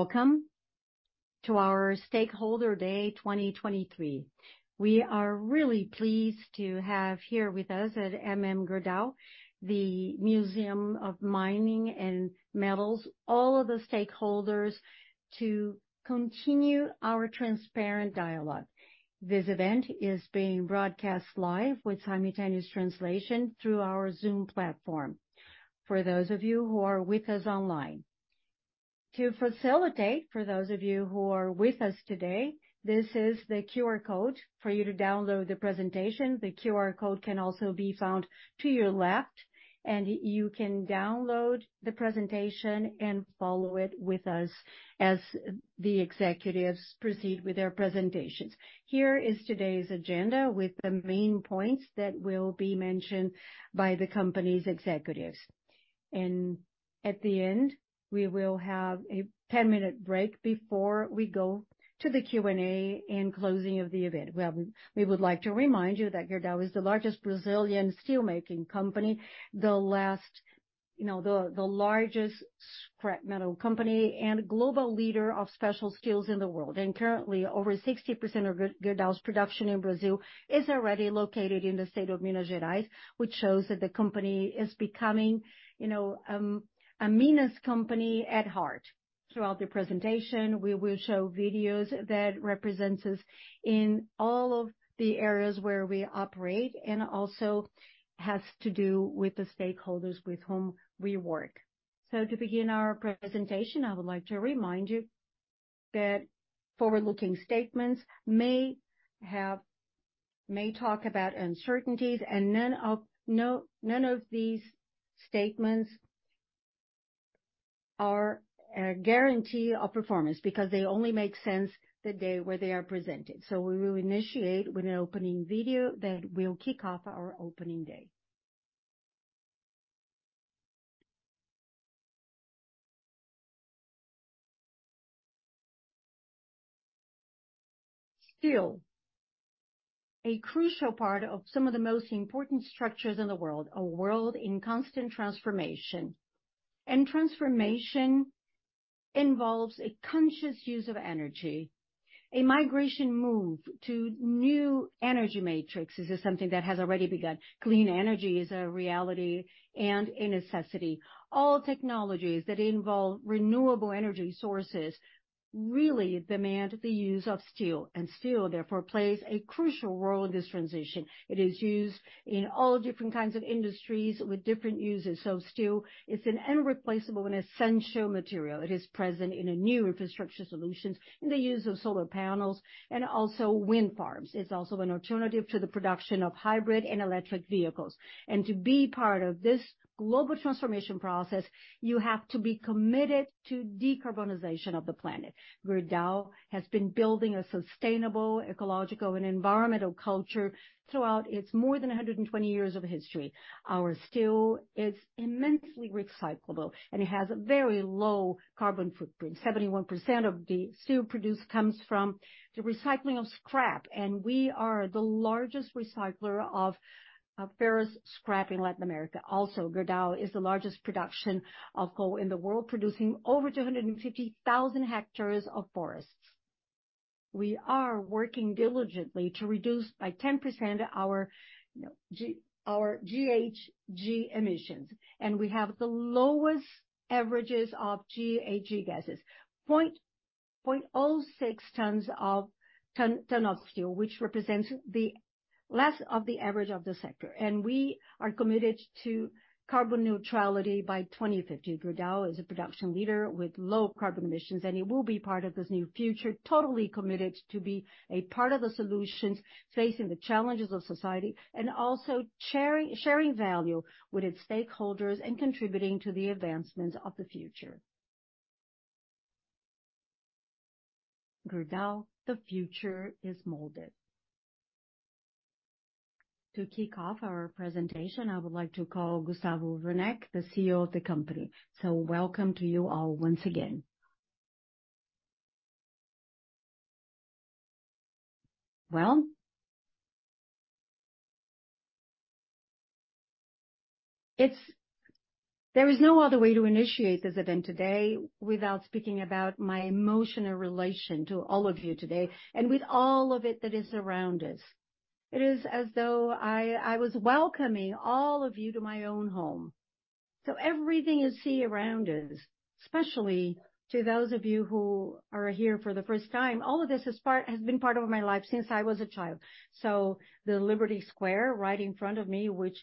Welcome to our Stakeholder Day 2023. We are really pleased to have here with us at MM Gerdau, the Museum of Mining and Metals, all of the stakeholders to continue our transparent dialogue. This event is being broadcast live with simultaneous translation through our Zoom platform, for those of you who are with us online. To facilitate, for those of you who are with us today, this is the QR code for you to download the presentation. The QR code can also be found to your left, and you can download the presentation and follow it with us as the executives proceed with their presentations. Here is today's agenda, with the main points that will be mentioned by the company's executives. At the end, we will have a 10-minute break before we go to the Q&A and closing of the event. Well, we would like to remind you that Gerdau is the largest Brazilian steelmaking company, the last, you know, the largest scrap metal company, and global leader of special steels in the world. Currently, over 60% of Gerdau's production in Brazil is already located in the state of Minas Gerais, which shows that the company is becoming, you know, a Minas company at heart. Throughout the presentation, we will show videos that represents us in all of the areas where we operate, and also has to do with the stakeholders with whom we work. To begin our presentation, I would like to remind you that forward-looking statements may talk about uncertainties, and none of these statements are a guarantee of performance, because they only make sense the day where they are presented. We will initiate with an opening video that will kick off our opening day. Steel, a crucial part of some of the most important structures in the world. A world in constant transformation. Transformation involves a conscious use of energy. A migration move to new energy matrix. This is something that has already begun. Clean energy is a reality and a necessity. All technologies that involve renewable energy sources really demand the use of steel, and steel, therefore, plays a crucial role in this transition. It is used in all different kinds of industries with different uses. Steel, it's an irreplaceable and essential material. It is present in the new infrastructure solutions, in the use of solar panels and also wind farms. It's also an alternative to the production of hybrid and electric vehicles. To be part of this global transformation process, you have to be committed to decarbonization of the planet. Gerdau has been building a sustainable, ecological, and environmental culture throughout its more than 120 years of history. Our steel is immensely recyclable, and it has a very low carbon footprint. 71% of the steel produced comes from the recycling of scrap, and we are the largest recycler of ferrous scrap in Latin America. Also, Gerdau is the largest producer of Charcoal in the world, producing over 250,000 hectares of forests. We are working diligently to reduce by 10% our, you know, our GHG emissions, and we have the lowest averages of GHG gases, 0.06 tons per ton of steel, which represents the less of the average of the sector. We are committed to carbon neutrality by 2050. Gerdau is a production leader with low carbon emissions, and it will be part of this new future, totally committed to be a part of the solutions facing the challenges of society, and also sharing, sharing value with its stakeholders and contributing to the advancement of the future. Gerdau, the future is molded. To kick off our presentation, I would like to call Gustavo Werneck, the CEO of the company. So welcome to you all once again. Well there is no other way to initiate this event today without speaking about my emotional relation to all of you today, and with all of it that is around us. It is as though I, I was welcoming all of you to my own home. So everything you see around us, especially to those of you who are here for the first time, all of this has been part of my life since I was a child. So the Liberty Square, right in front of me, which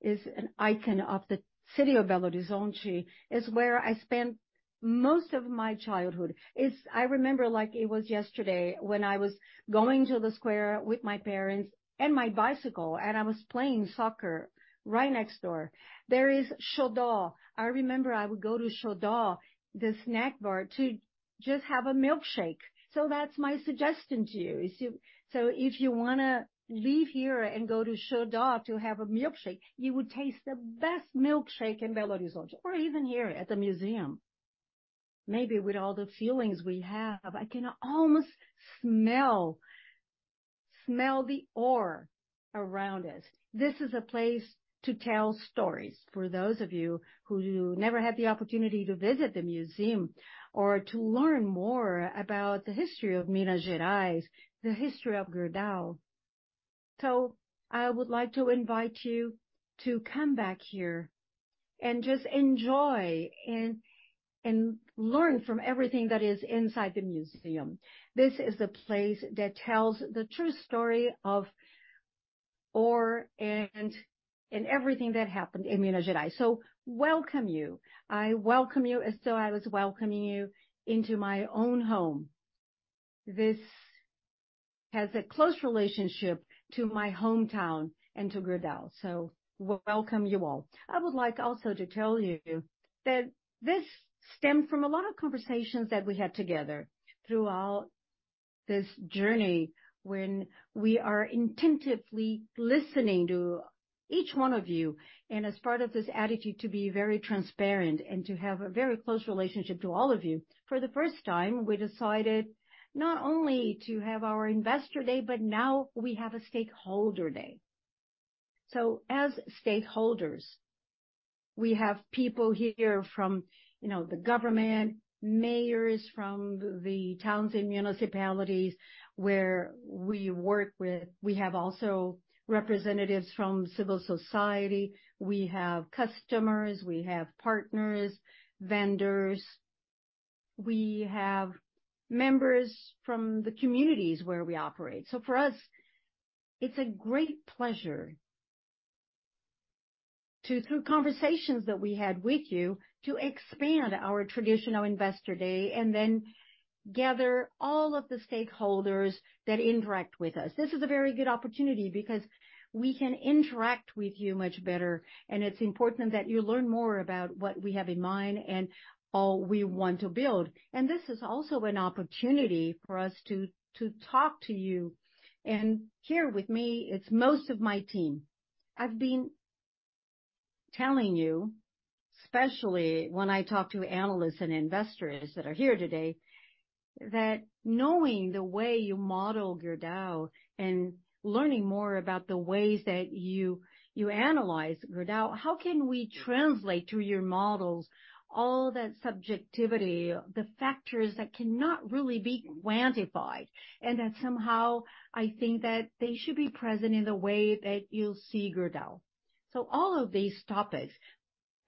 is an icon of the city of Belo Horizonte, is where I spent most of my childhood. It's I remember like it was yesterday when I was going to the square with my parents and my bicycle, and I was playing soccer right next door. There is Xodó. I remember I would go to Xodó, the snack bar, to just have a milkshake. So that's my suggestion to you. If you so if you wanna leave here and go to Xodó to have a milkshake, you would taste the best milkshake in Belo Horizonte or even here at the museum. Maybe with all the feelings we have, I can almost smell the ore around us. This is a place to tell stories for those of you who never had the opportunity to visit the museum or to learn more about the history of Minas Gerais, the history of Gerdau. So I would like to invite you to come back here and just enjoy and learn from everything that is inside the museum. This is a place that tells the true story of ore and everything that happened in Minas Gerais. So welcome you. I welcome you as though I was welcoming you into my own home. This has a close relationship to my hometown and to Gerdau, so welcome you all. I would like also to tell you that this stemmed from a lot of conversations that we had together throughout this journey, when we are intently listening to each one of you, and as part of this attitude, to be very transparent and to have a very close relationship to all of you. For the first time, we decided not only to have our Investor Day, but now we have a Stakeholder Day. So as stakeholders, we have people here from, you know, the government, mayors from the towns and municipalities where we work with. We have also representatives from civil society. We have customers, we have partners, vendors. We have members from the communities where we operate. So for us, it's a great pleasure to, through conversations that we had with you, to expand our traditional Investor Day and then gather all of the stakeholders that interact with us. This is a very good opportunity because we can interact with you much better, and it's important that you learn more about what we have in mind and all we want to build. This is also an opportunity for us to, to talk to you. Here with me, it's most of my team. I've been telling you, especially when I talk to analysts and investors that are here today, that knowing the way you model Gerdau and learning more about the ways that you, you analyze Gerdau, how can we translate through your models, all that subjectivity, the factors that cannot really be quantified, and that somehow I think that they should be present in the way that you'll see Gerdau? All of these topics,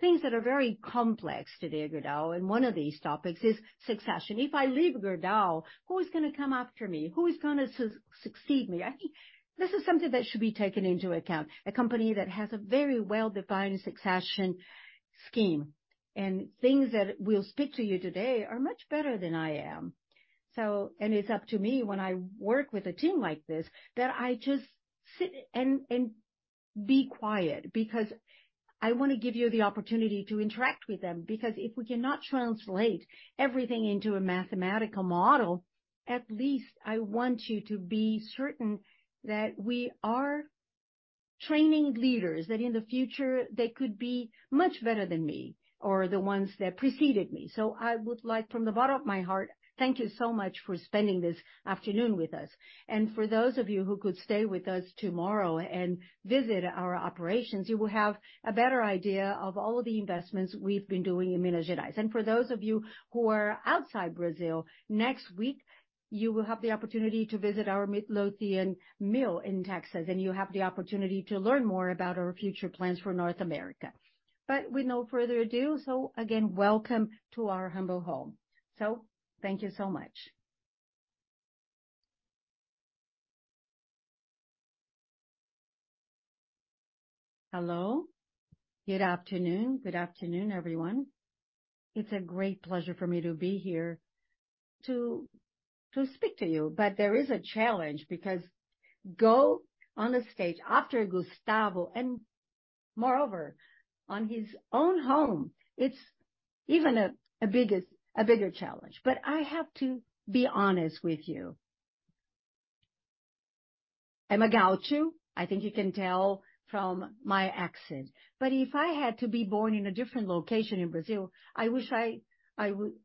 things that are very complex today at Gerdau, and one of these topics is succession. If I leave Gerdau, who is gonna come after me? Who is gonna succeed me? I think this is something that should be taken into account. A company that has a very well-defined succession scheme, and things that we'll speak to you today are much better than I am. So and it's up to me when I work with a team like this, that I just sit and, and be quiet, because I wanna give you the opportunity to interact with them, because if we cannot translate everything into a mathematical model, at least I want you to be certain that we are training leaders, that in the future they could be much better than me or the ones that preceded me. So I would like, from the bottom of my heart, thank you so much for spending this afternoon with us. For those of you who could stay with us tomorrow and visit our operations, you will have a better idea of all of the investments we've been doing in Minas Gerais. For those of you who are outside Brazil, next week, you will have the opportunity to visit our Midlothian mill in Texas, and you'll have the opportunity to learn more about our future plans for North America. But with no further ado, so again, welcome to our humble home. So thank you so much. Hello, good afternoon. Good afternoon, everyone. It's a great pleasure for me to be here to speak to you, but there is a challenge, because going on the stage after Gustavo and moreover, on his own home, it's even a bigger challenge. But I have to be honest with you, I'm a Gaucho. I think you can tell from my accent, but if I had to be born in a different location in Brazil, I wish I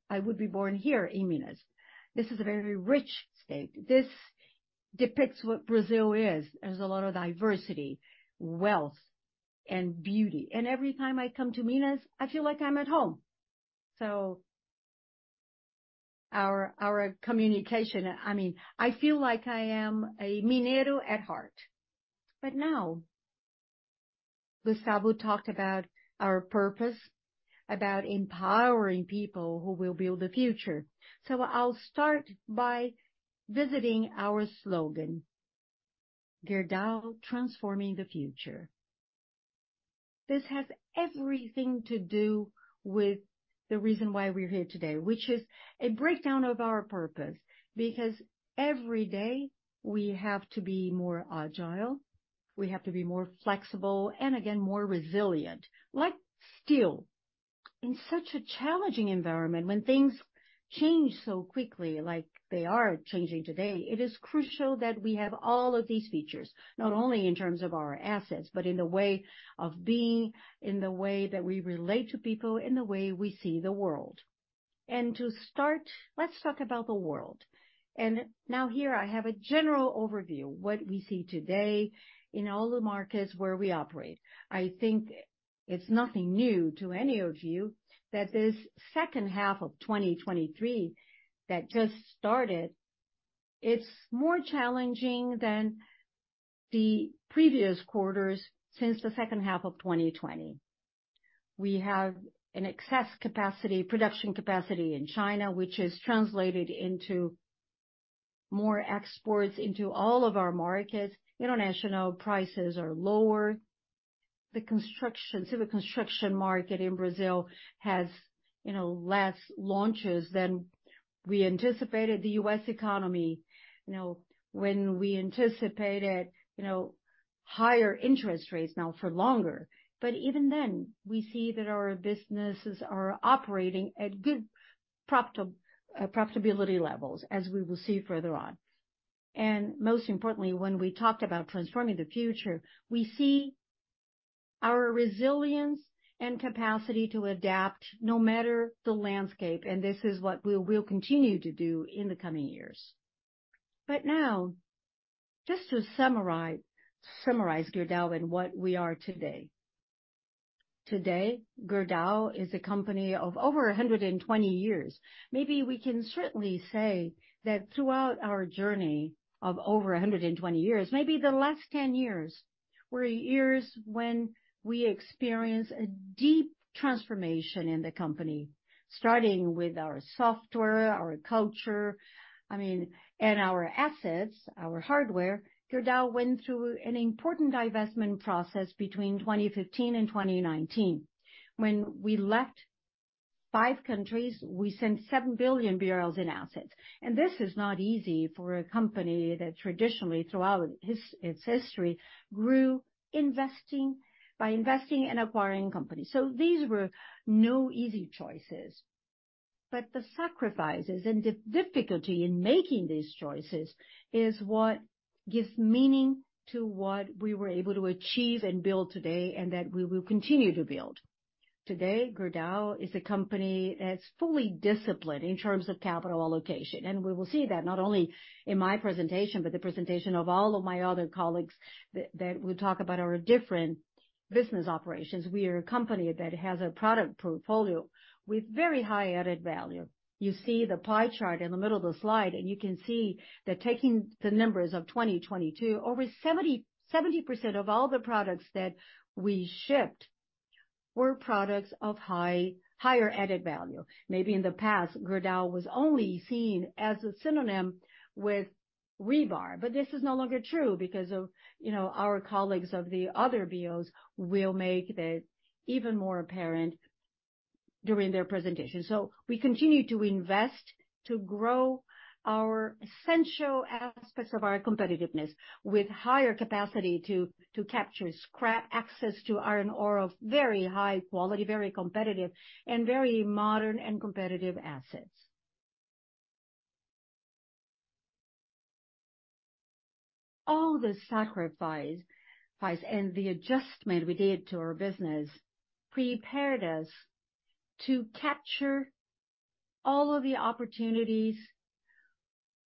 would be born here in Minas. This is a very rich state. This depicts what Brazil is. There's a lot of diversity, wealth and beauty, and every time I come to Minas, I feel like I'm at home. So our communication, I mean, I feel like I am a Mineiro at heart. But now, Gustavo talked about our purpose, about empowering people who will build the future. So I'll start by visiting our slogan, "Gerdau, transforming the future." This has everything to do with the reason why we're here today, which is a breakdown of our purpose, because every day we have to be more agile, we have to be more flexible and again, more resilient, like steel. In such a challenging environment, when things change so quickly, like they are changing today, it is crucial that we have all of these features, not only in terms of our assets, but in the way of being, in the way that we relate to people, in the way we see the world. And to start, let's talk about the world. And now here I have a general overview, what we see today in all the markets where we operate. I think it's nothing new to any of you that this second half of 2023, that just started, it's more challenging than the previous quarters since the second half of 2020. We have an excess capacity, production capacity in China, which is translated into more exports into all of our markets. International prices are lower. The civil construction market in Brazil has, you know, less launches than we anticipated. The U.S. economy, you know, when we anticipated, you know, higher interest rates now for longer. But even then, we see that our businesses are operating at good profitability levels, as we will see further on. Most importantly, when we talked about transforming the future, we see our resilience and capacity to adapt no matter the landscape, and this is what we will continue to do in the coming years. But now, just to summarize, summarize Gerdau and what we are today. Today, Gerdau is a company of over 120 years. Maybe we can certainly say that throughout our journey of over 120 years, maybe the last 10 years were years when we experienced a deep transformation in the company, starting with our software, our culture, I mean, and our assets, our hardware. Gerdau went through an important divestment process between 2015 and 2019. When we left five countries, we sold 7 billion BRL in assets. And this is not easy for a company that traditionally, throughout its history, grew investing, by investing and acquiring companies. So these were no easy choices. But the sacrifices and the difficulty in making these choices is what gives meaning to what we were able to achieve and build today, and that we will continue to build. Today, Gerdau is a company that's fully disciplined in terms of capital allocation, and we will see that not only in my presentation, but the presentation of all of my other colleagues, that, that will talk about our different business operations. We are a company that has a product portfolio with very high added value. You see the pie chart in the middle of the slide, and you can see that taking the numbers of 2022, over 70, 70% of all the products that we shipped were products of high- higher added value. Maybe in the past, Gerdau was only seen as a synonym with rebar, but this is no longer true because of, you know, our colleagues of the other BOs will make that even more apparent during their presentation. So we continue to invest to grow our essential aspects of our competitiveness with higher capacity to capture scrap, access to iron ore of very high quality, very competitive, and very modern and competitive assets. All the sacrifice and the adjustment we did to our business prepared us to capture all of the opportunities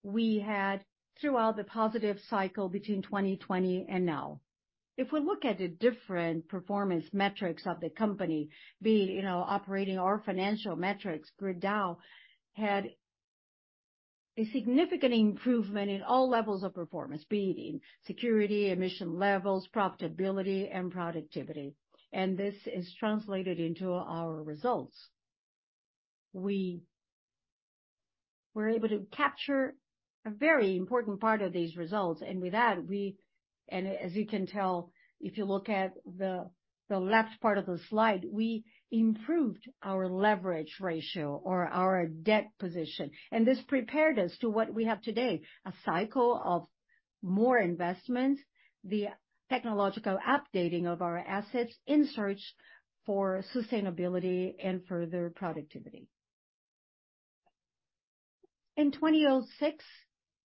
we had throughout the positive cycle between 2020 and now. If we look at the different performance metrics of the company, be it, you know, operating or financial metrics, Gerdau had a significant improvement in all levels of performance, be it in security, emission levels, profitability, and productivity, and this is translated into our results. We were able to capture a very important part of these results, and with that, we As you can tell, if you look at the left part of the slide, we improved our leverage ratio or our debt position, and this prepared us to what we have today, a cycle of more investments, the technological updating of our assets in search for sustainability and further productivity. In 2006,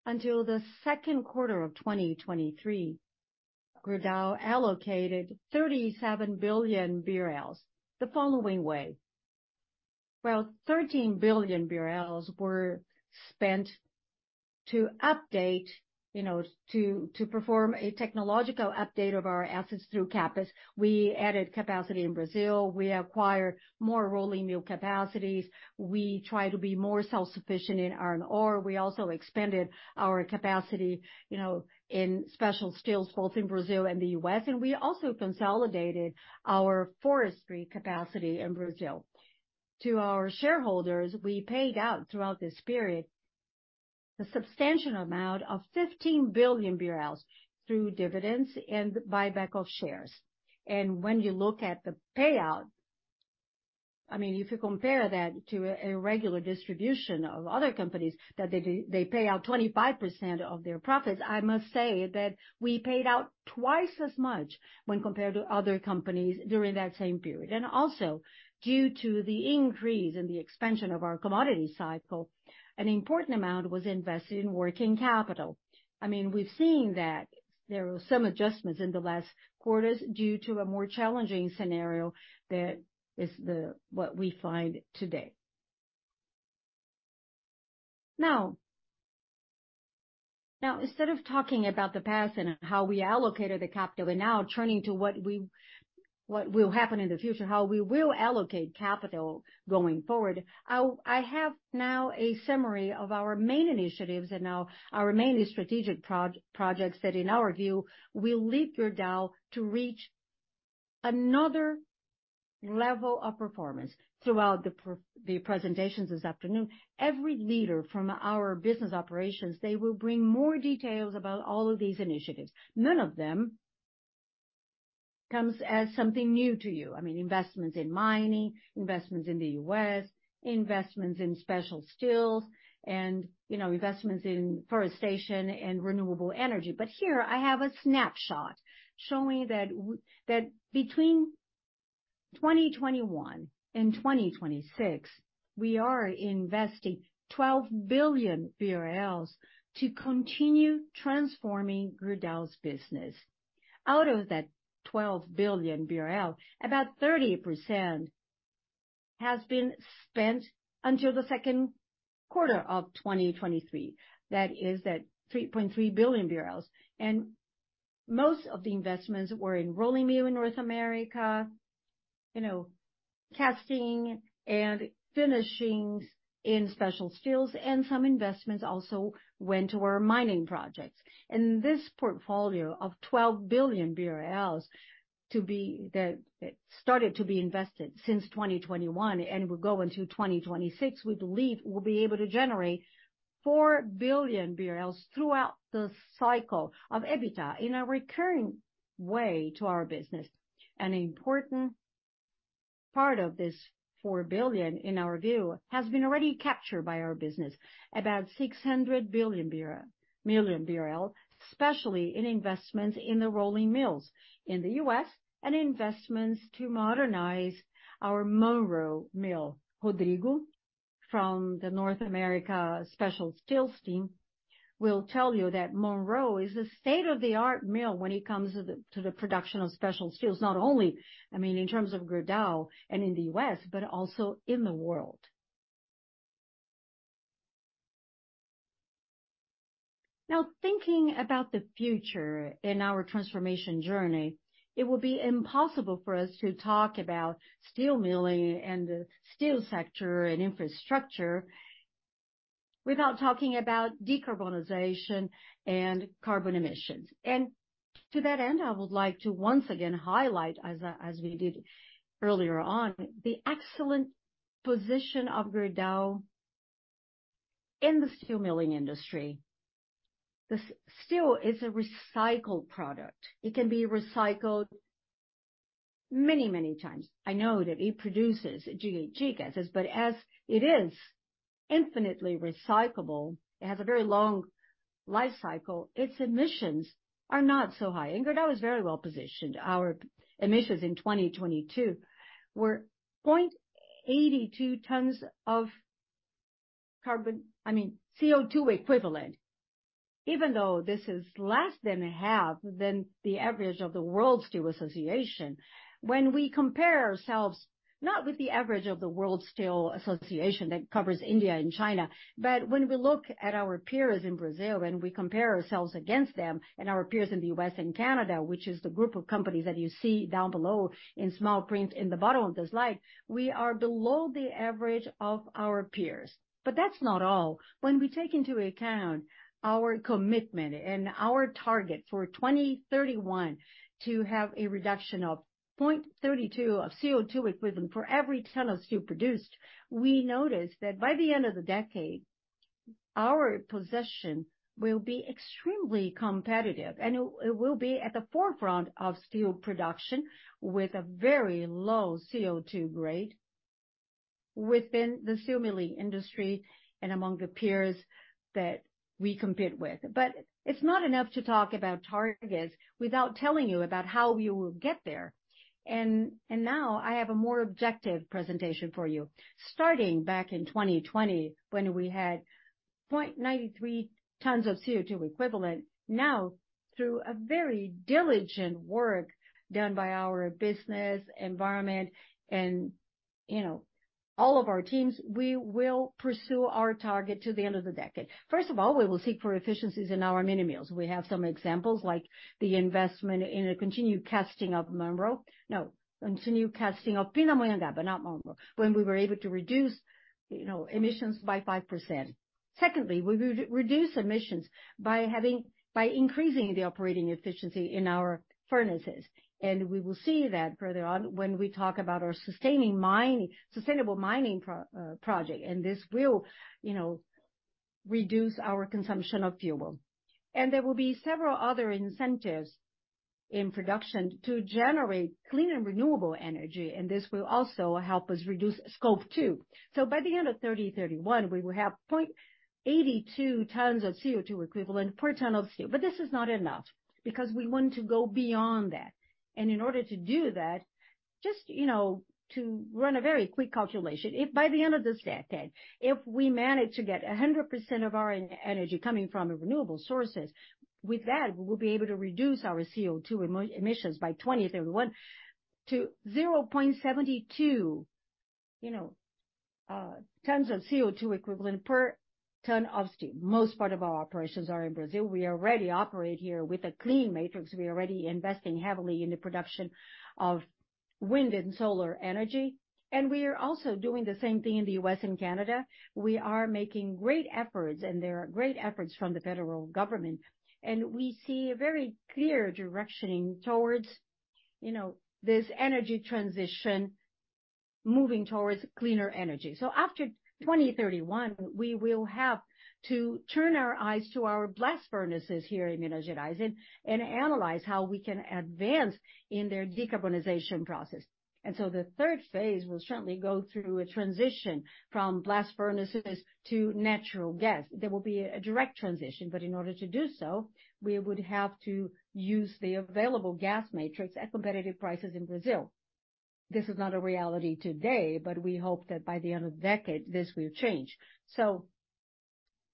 until the second quarter of 2023, Gerdau allocated 37 billion BRL the following way: Well, 13 billion BRL were spent to update, you know, to perform a technological update of our assets through CapEx. We added capacity in Brazil, we acquired more raw material capacities, we tried to be more self-sufficient in iron ore. We also expanded our capacity, you know, in special steels, both in Brazil and the U.S., and we also consolidated our forestry capacity in Brazil. To our shareholders, we paid out throughout this period a substantial amount of 15 billion BRL through dividends and buyback of shares. And when you look at the payout, I mean, if you compare that to a regular distribution of other companies, that they pay out 25% of their profits, I must say that we paid out twice as much when compared to other companies during that same period. And also, due to the increase in the expansion of our commodity cycle, an important amount was invested in working capital. I mean, we've seen that there were some adjustments in the last quarters due to a more challenging scenario that is the, what we find today. Now, instead of talking about the past and how we allocated the capital, we're now turning to what will happen in the future, how we will allocate capital going forward. I have now a summary of our main initiatives and now our main strategic projects that, in our view, will lead Gerdau to reach another level of performance. Throughout the presentations this afternoon, every leader from our business operations, they will bring more details about all of these initiatives. None of them comes as something new to you. I mean, investments in mining, investments in the U.S., investments in special steels, and, you know, investments in forestation and renewable energy. But here I have a snapshot showing that between 2021 and 2026, we are investing 12 billion BRL to continue transforming Gerdau's business. Out of that 12 billion BRL, about 30% has been spent until the second quarter of 2023. That is 3.3 billion BRL. Most of the investments were in rolling mill in North America, you know, casting and finishings in special steels, and some investments also went to our mining projects. This portfolio of 12 billion BRL, to be, that started to be invested since 2021 and will go into 2026, we believe will be able to generate 4 billion BRL throughout the cycle of EBITDA in a recurring way to our business. An important part of this 4 billion, in our view, has been already captured by our business, about 600 million BRL, especially in investments in the rolling mills in the US and investments to modernize our Monroe Mill. Rodrigo, from the North America Special Steels team, will tell you that Monroe is a state-of-the-art mill when it comes to the, to the production of special steels, not only, I mean, in terms of Gerdau and in the U.S., but also in the world. Now, thinking about the future in our transformation journey, it will be impossible for us to talk about steel milling and the steel sector and infrastructure without talking about decarbonization and carbon emissions. And to that end, I would like to once again highlight, as, as we did earlier on, the excellent position of Gerdau in the steel milling industry. The steel is a recycled product. It can be recycled many, many times. I know that it produces GHG gases, but as it is infinitely recyclable, it has a very long life cycle, its emissions are not so high, and Gerdau is very well-positioned. Our emissions in 2022 were 0.82 tons of carbon.. I mean, CO2 equivalent. Even though this is less than half than the average of the World Steel Association, when we compare ourselves, not with the average of the World Steel Association that covers India and China, but when we look at our peers in Brazil, and we compare ourselves against them and our peers in the U.S. and Canada, which is the group of companies that you see down below in small print in the bottom of the slide, we are below the average of our peers. But that's not all. When we take into account our commitment and our target for 2031 to have a reduction of 0.32 of CO2 equivalent for every ton of steel produced, we notice that by the end of the decade, our position will be extremely competitive, and it will be at the forefront of steel production with a very low CO2 rate within the steel milling industry and among the peers that we compete with. But it's not enough to talk about targets without telling you about how we will get there. And now I have a more objective presentation for you. Starting back in 2020, when we had 0.93 tons of CO2 equivalent, now, through a very diligent work done by our business, environment, and, you know, all of our teams, we will pursue our target to the end of the decade. First of all, we will seek for efficiencies in our mini mills. We have some examples, like the investment in a continuous casting of Monroe. No, continuous casting of Pindamonhangaba, but not Monroe, when we were able to reduce, you know, emissions by 5%. Secondly, we reduce emissions by having, by increasing the operating efficiency in our furnaces, and we will see that further on when we talk about our sustainable mining project, and this will, you know, reduce our consumption of fuel. And there will be several other incentives in production to generate clean and renewable energy, and this will also help us reduce scope two. So by the end of 2031, we will have 0.82 tons of CO2 equivalent per ton of steel. But this is not enough, because we want to go beyond that. In order to do that, just, you know, to run a very quick calculation, if by the end of this decade, if we manage to get 100% of our energy coming from renewable sources, with that, we will be able to reduce our CO2 emissions by 2031 to 0.72, you know, tons of CO2 equivalent per ton of steel. Most part of our operations are in Brazil. We already operate here with a clean matrix. We are already investing heavily in the production of wind and solar energy, and we are also doing the same thing in the U.S. and Canada. We are making great efforts, and there are great efforts from the federal government, and we see a very clear directioning towards, you know, this energy transition, moving towards cleaner energy. So after 2031, we will have to turn our eyes to our blast furnaces here in Mineração and analyze how we can advance in their decarbonization process. And so the third phase will certainly go through a transition from blast furnaces to natural gas. There will be a direct transition, but in order to do so, we would have to use the available gas matrix at competitive prices in Brazil. This is not a reality today, but we hope that by the end of the decade, this will change. So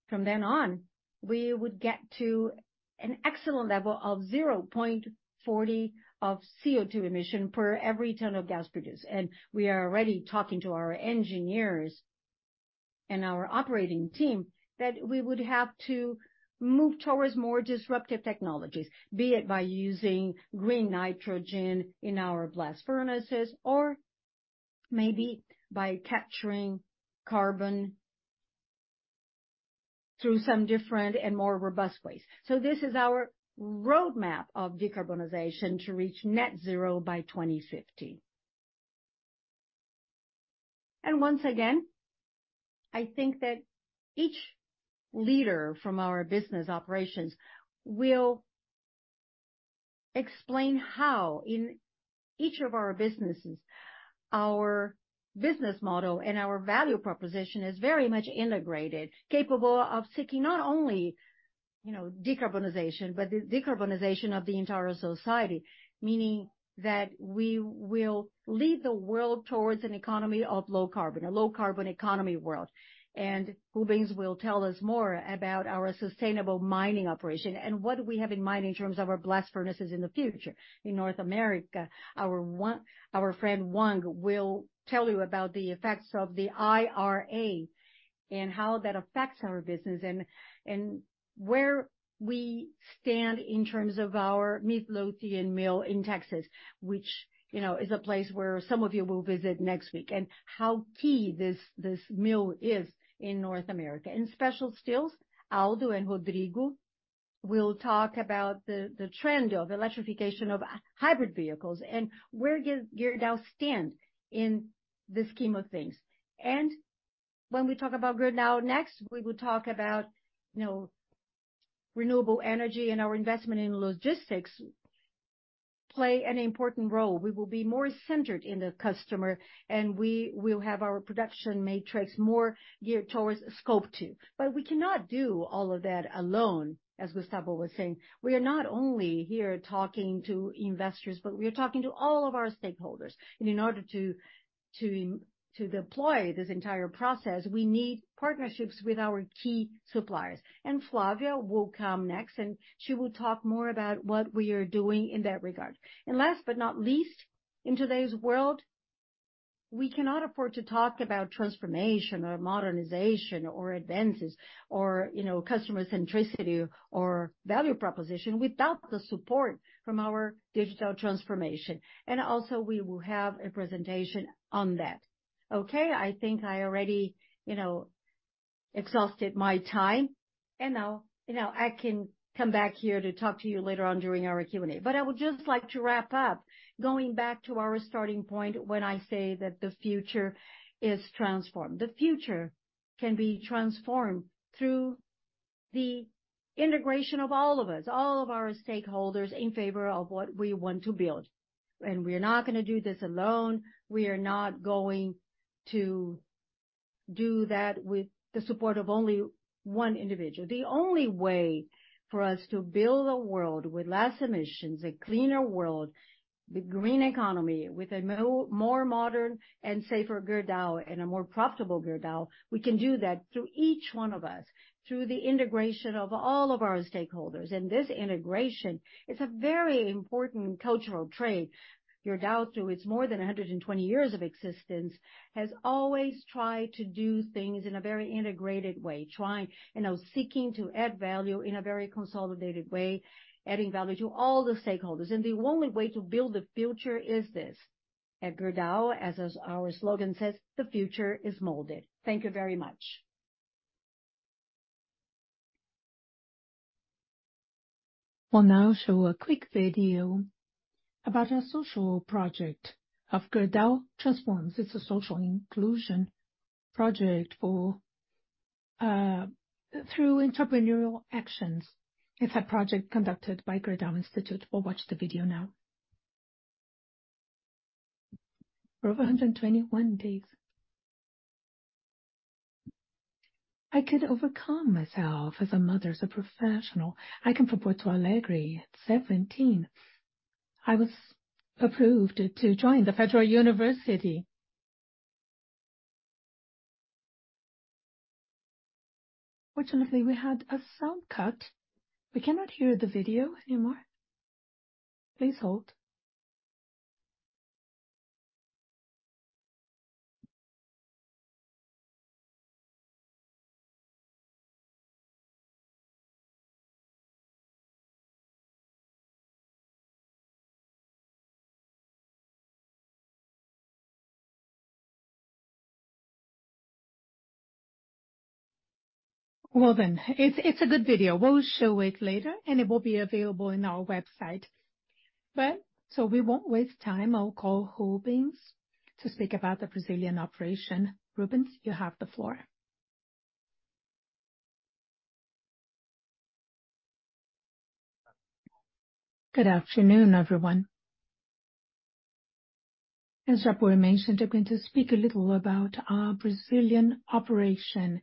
from then on, we would get to an excellent level of 0.40 of CO2 emission per every ton of gas produced. We are already talking to our engineers and our operating team that we would have to move towards more disruptive technologies, be it by using green nitrogen in our blast furnaces or maybe by capturing carbon through some different and more robust ways. This is our roadmap of decarbonization to reach Net Zero by 2050. Once again, I think that each leader from our business operations will explain how, in each of our businesses, our business model and our value proposition is very much integrated, capable of seeking not only, you know, decarbonization, but the decarbonization of the entire society. Meaning that we will lead the world towards an economy of low carbon, a low-carbon economy world. Rubens will tell us more about our sustainable mining operation and what we have in mind in terms of our blast furnaces in the future. In North America, our friend, Wang, will tell you about the effects of the IRA and how that affects our business, and where we stand in terms of our Midlothian mill in Texas, which, you know, is a place where some of you will visit next week, and how key this, this mill is in North America. In Special Steels, Aldo and Rodrigo will talk about the, the trend of electrification of hybrid vehicles and where does Gerdau stand in the scheme of things. When we talk about Gerdau Next, we will talk about, you know, renewable energy and our investment in logistics play an important role. We will be more centered in the customer, and we will have our production matrix more geared towards Scope Two. But we cannot do all of that alone, as Gustavo was saying. We are not only here talking to investors, but we are talking to all of our stakeholders. In order to, to, to deploy this entire process, we need partnerships with our key suppliers. Flavia will come next, and she will talk more about what we are doing in that regard. Last but not least, in today's world, we cannot afford to talk about transformation or modernization or advances or, you know, customer centricity or value proposition without the support from our digital transformation. Also, we will have a presentation on that. Okay? I think I already, you know, exhausted my time, and now, you know, I can come back here to talk to you later on during our Q&A. I would just like to wrap up, going back to our starting point when I say that the future is transformed. The future can be transformed through the integration of all of us, all of our stakeholders, in favor of what we want to build. We are not gonna do this alone. We are not going to do that with the support of only one individual. The only way for us to build a world with less emissions, a cleaner world, the green economy, with a more modern and safer Gerdau and a more profitable Gerdau, we can do that through each one of us, through the integration of all of our stakeholders. This integration is a very important cultural trait. Gerdau, through its more than 120 years of existence, has always tried to do things in a very integrated way, trying, you know, seeking to add value in a very consolidated way, adding value to all the stakeholders. The only way to build the future is this. At Gerdau, as our slogan says, "The future is molded." Thank you very much. We'll now show a quick video about our social project of Gerdau Transforms. It's a social inclusion project for. Through entrepreneurial actions. It's a project conducted by Gerdau Institute. We'll watch the video now. Over 121 days, I could overcome myself as a mother, as a professional. I came from Porto Alegre at 17. I was approved to join the Federal University. Unfortunately, we had a sound cut. We cannot hear the video anymore. Please hold. Well then, it's, it's a good video. We'll show it later, and it will be available in our website. But so we won't waste time. I'll call Rubens to speak about the Brazilian operation. Rubens, you have the floor. Good afternoon, everyone. As Japur mentioned, I'm going to speak a little about our Brazilian operation.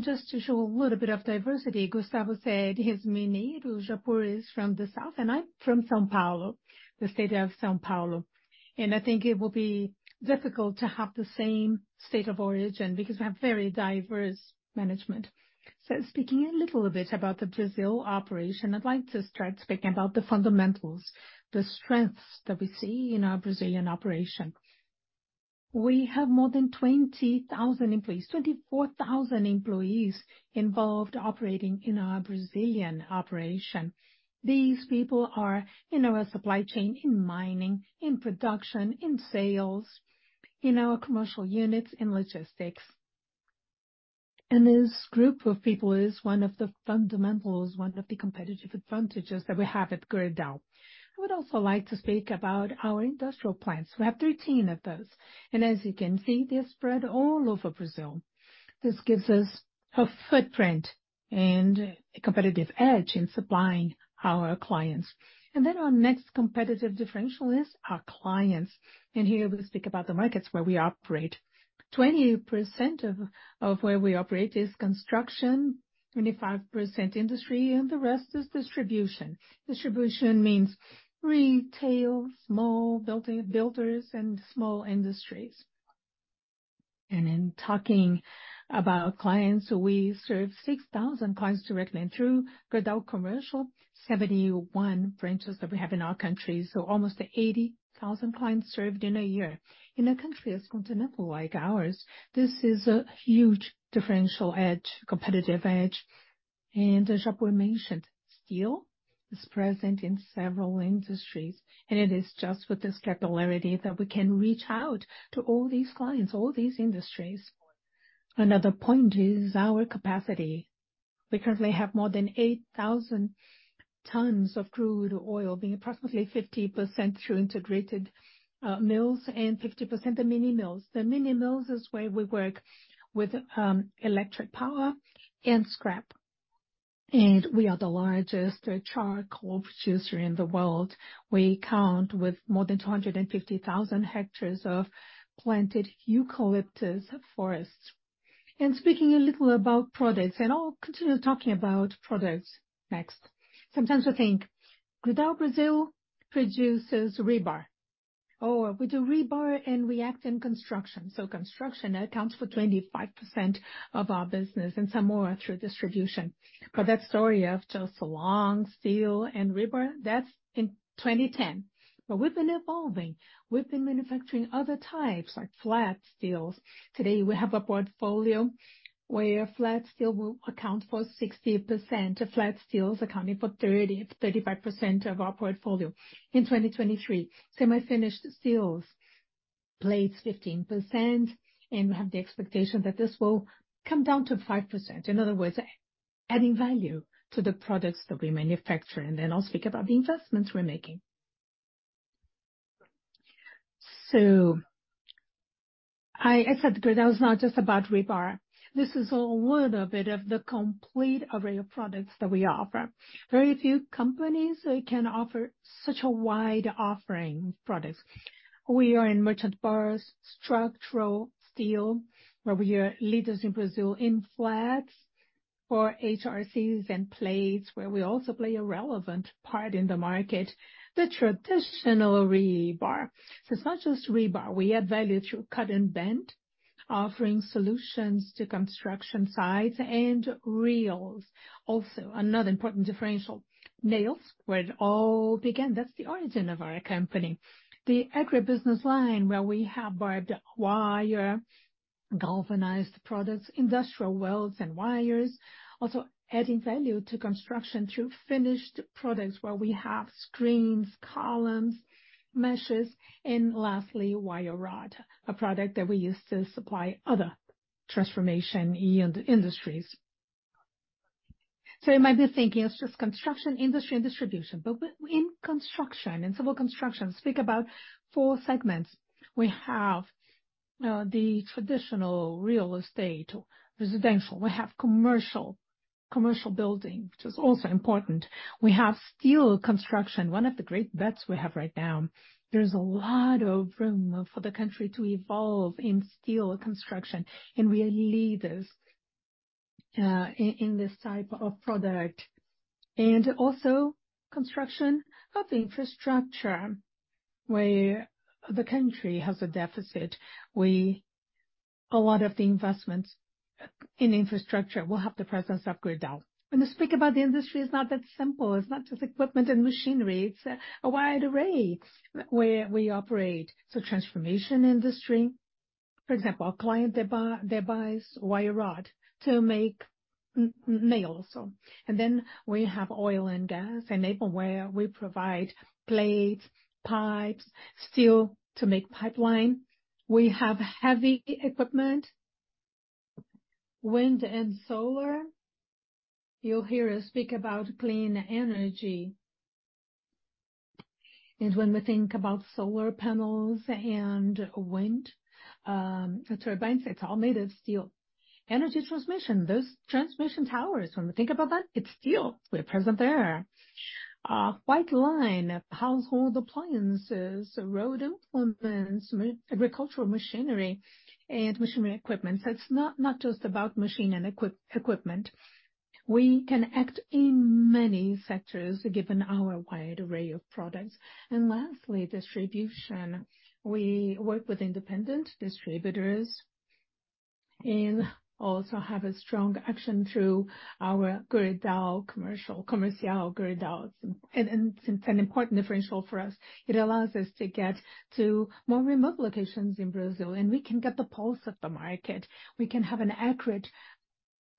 Just to show a little bit of diversity, Gustavo said his mini Japur is from the south, and I'm from São Paulo, the state of São Paulo. I think it will be difficult to have the same state of origin, because we have very diverse management. Speaking a little bit about the Brazil operation, I'd like to start speaking about the fundamentals, the strengths that we see in our Brazilian operation. We have more than 20,000 employees, 24,000 employees involved operating in our Brazilian operation. These people are in our supply chain, in mining, in production, in sales, in our commercial units, in logistics. This group of people is one of the fundamentals, one of the competitive advantages that we have at Gerdau. I would also like to speak about our industrial plants. We have 13 of those, and as you can see, they're spread all over Brazil. This gives us a footprint and a competitive edge in supplying our clients. Then our next competitive differential is our clients, and here we speak about the markets where we operate. 20% of where we operate is construction, 25% industry, and the rest is distribution. Distribution means retail, small builders and small industries. In talking about clients, we serve 6,000 clients directly and through Comercial Gerdau, 71 branches that we have in our country, so almost 80,000 clients served in a year. In a country as continental like ours, this is a huge differential edge, competitive edge, and as Japur mentioned, steel is present in several industries, and it is just with this popularity that we can reach out to all these clients, all these industries. Another point is our capacity. We currently have more than 8,000 tons of crude oil, being approximately 50% through integrated mills and 50% the mini mills. The mini mills is where we work with electric power and scrap. And we are the largest charcoal producer in the world. We count with more than 250,000 hectares of planted eucalyptus forests. And speaking a little about products, and I'll continue talking about products next. Sometimes we think Gerdau Brazil produces rebar, or we do rebar and we act in construction. So construction accounts for 25% of our business and some more through distribution. But that story of just long steel and rebar, that's in 2010. But we've been evolving. We've been manufacturing other types, like flat steels. Today, we have a portfolio where flat steel will account for 60% of flat steels, accounting for 30%-35% of our portfolio. In 2023, semi-finished steels plates 15%, and we have the expectation that this will come down to 5%. In other words, adding value to the products that we manufacture. And then I'll speak about the investments we're making. So I, I said Gerdau is not just about rebar. This is a little bit of the complete array of products that we offer. Very few companies can offer such a wide offering of products. We are in merchant bars, structural steel, where we are leaders in Brazil, in flats or HRCs and plates, where we also play a relevant part in the market, the traditional rebar. So it's not just rebar. We add value through cut and bent, offering solutions to construction sites and reels. Also, another important differential, nails, where it all began. That's the origin of our company. The agribusiness line, where we have barbed wire, galvanized products, industrial welds and wires, also adding value to construction through finished products, where we have screens, columns, meshes, and lastly, wire rod, a product that we use to supply other transformation in the industries. So you might be thinking it's just construction, industry, and distribution, but in construction, in civil construction, speak about four segments. We have the traditional real estate, residential. We have commercial, commercial building, which is also important. We have steel construction, one of the great bets we have right now. There's a lot of room for the country to evolve in steel construction, and we are leaders in this type of product. And also construction of infrastructure, where the country has a deficit. A lot of the investments in infrastructure will have the presence of Gerdau. When we speak about the industry, it's not that simple. It's not just equipment and machinery, it's a wide array where we operate. So transformation industry, for example, a client, they buy, they buys wire rod to make nails. And then we have oil and gas, enable where we provide plates, pipes, steel to make pipeline. We have heavy equipment, wind and solar. You'll hear us speak about clean energy. And when we think about solar panels and wind turbines, it's all made of steel. Energy transmission, those transmission towers, when we think about that, it's steel. We're present there. White line, household appliances, road implements, agricultural machinery and machinery equipment. So it's not, not just about machine and equipment. We can act in many sectors, given our wide array of products. And lastly, distribution. We work with independent distributors and also have a strong action through our Gerdau commercial, Comercial Gerdau, and it's an important differential for us. It allows us to get to more remote locations in Brazil, and we can get the pulse of the market. We can have an accurate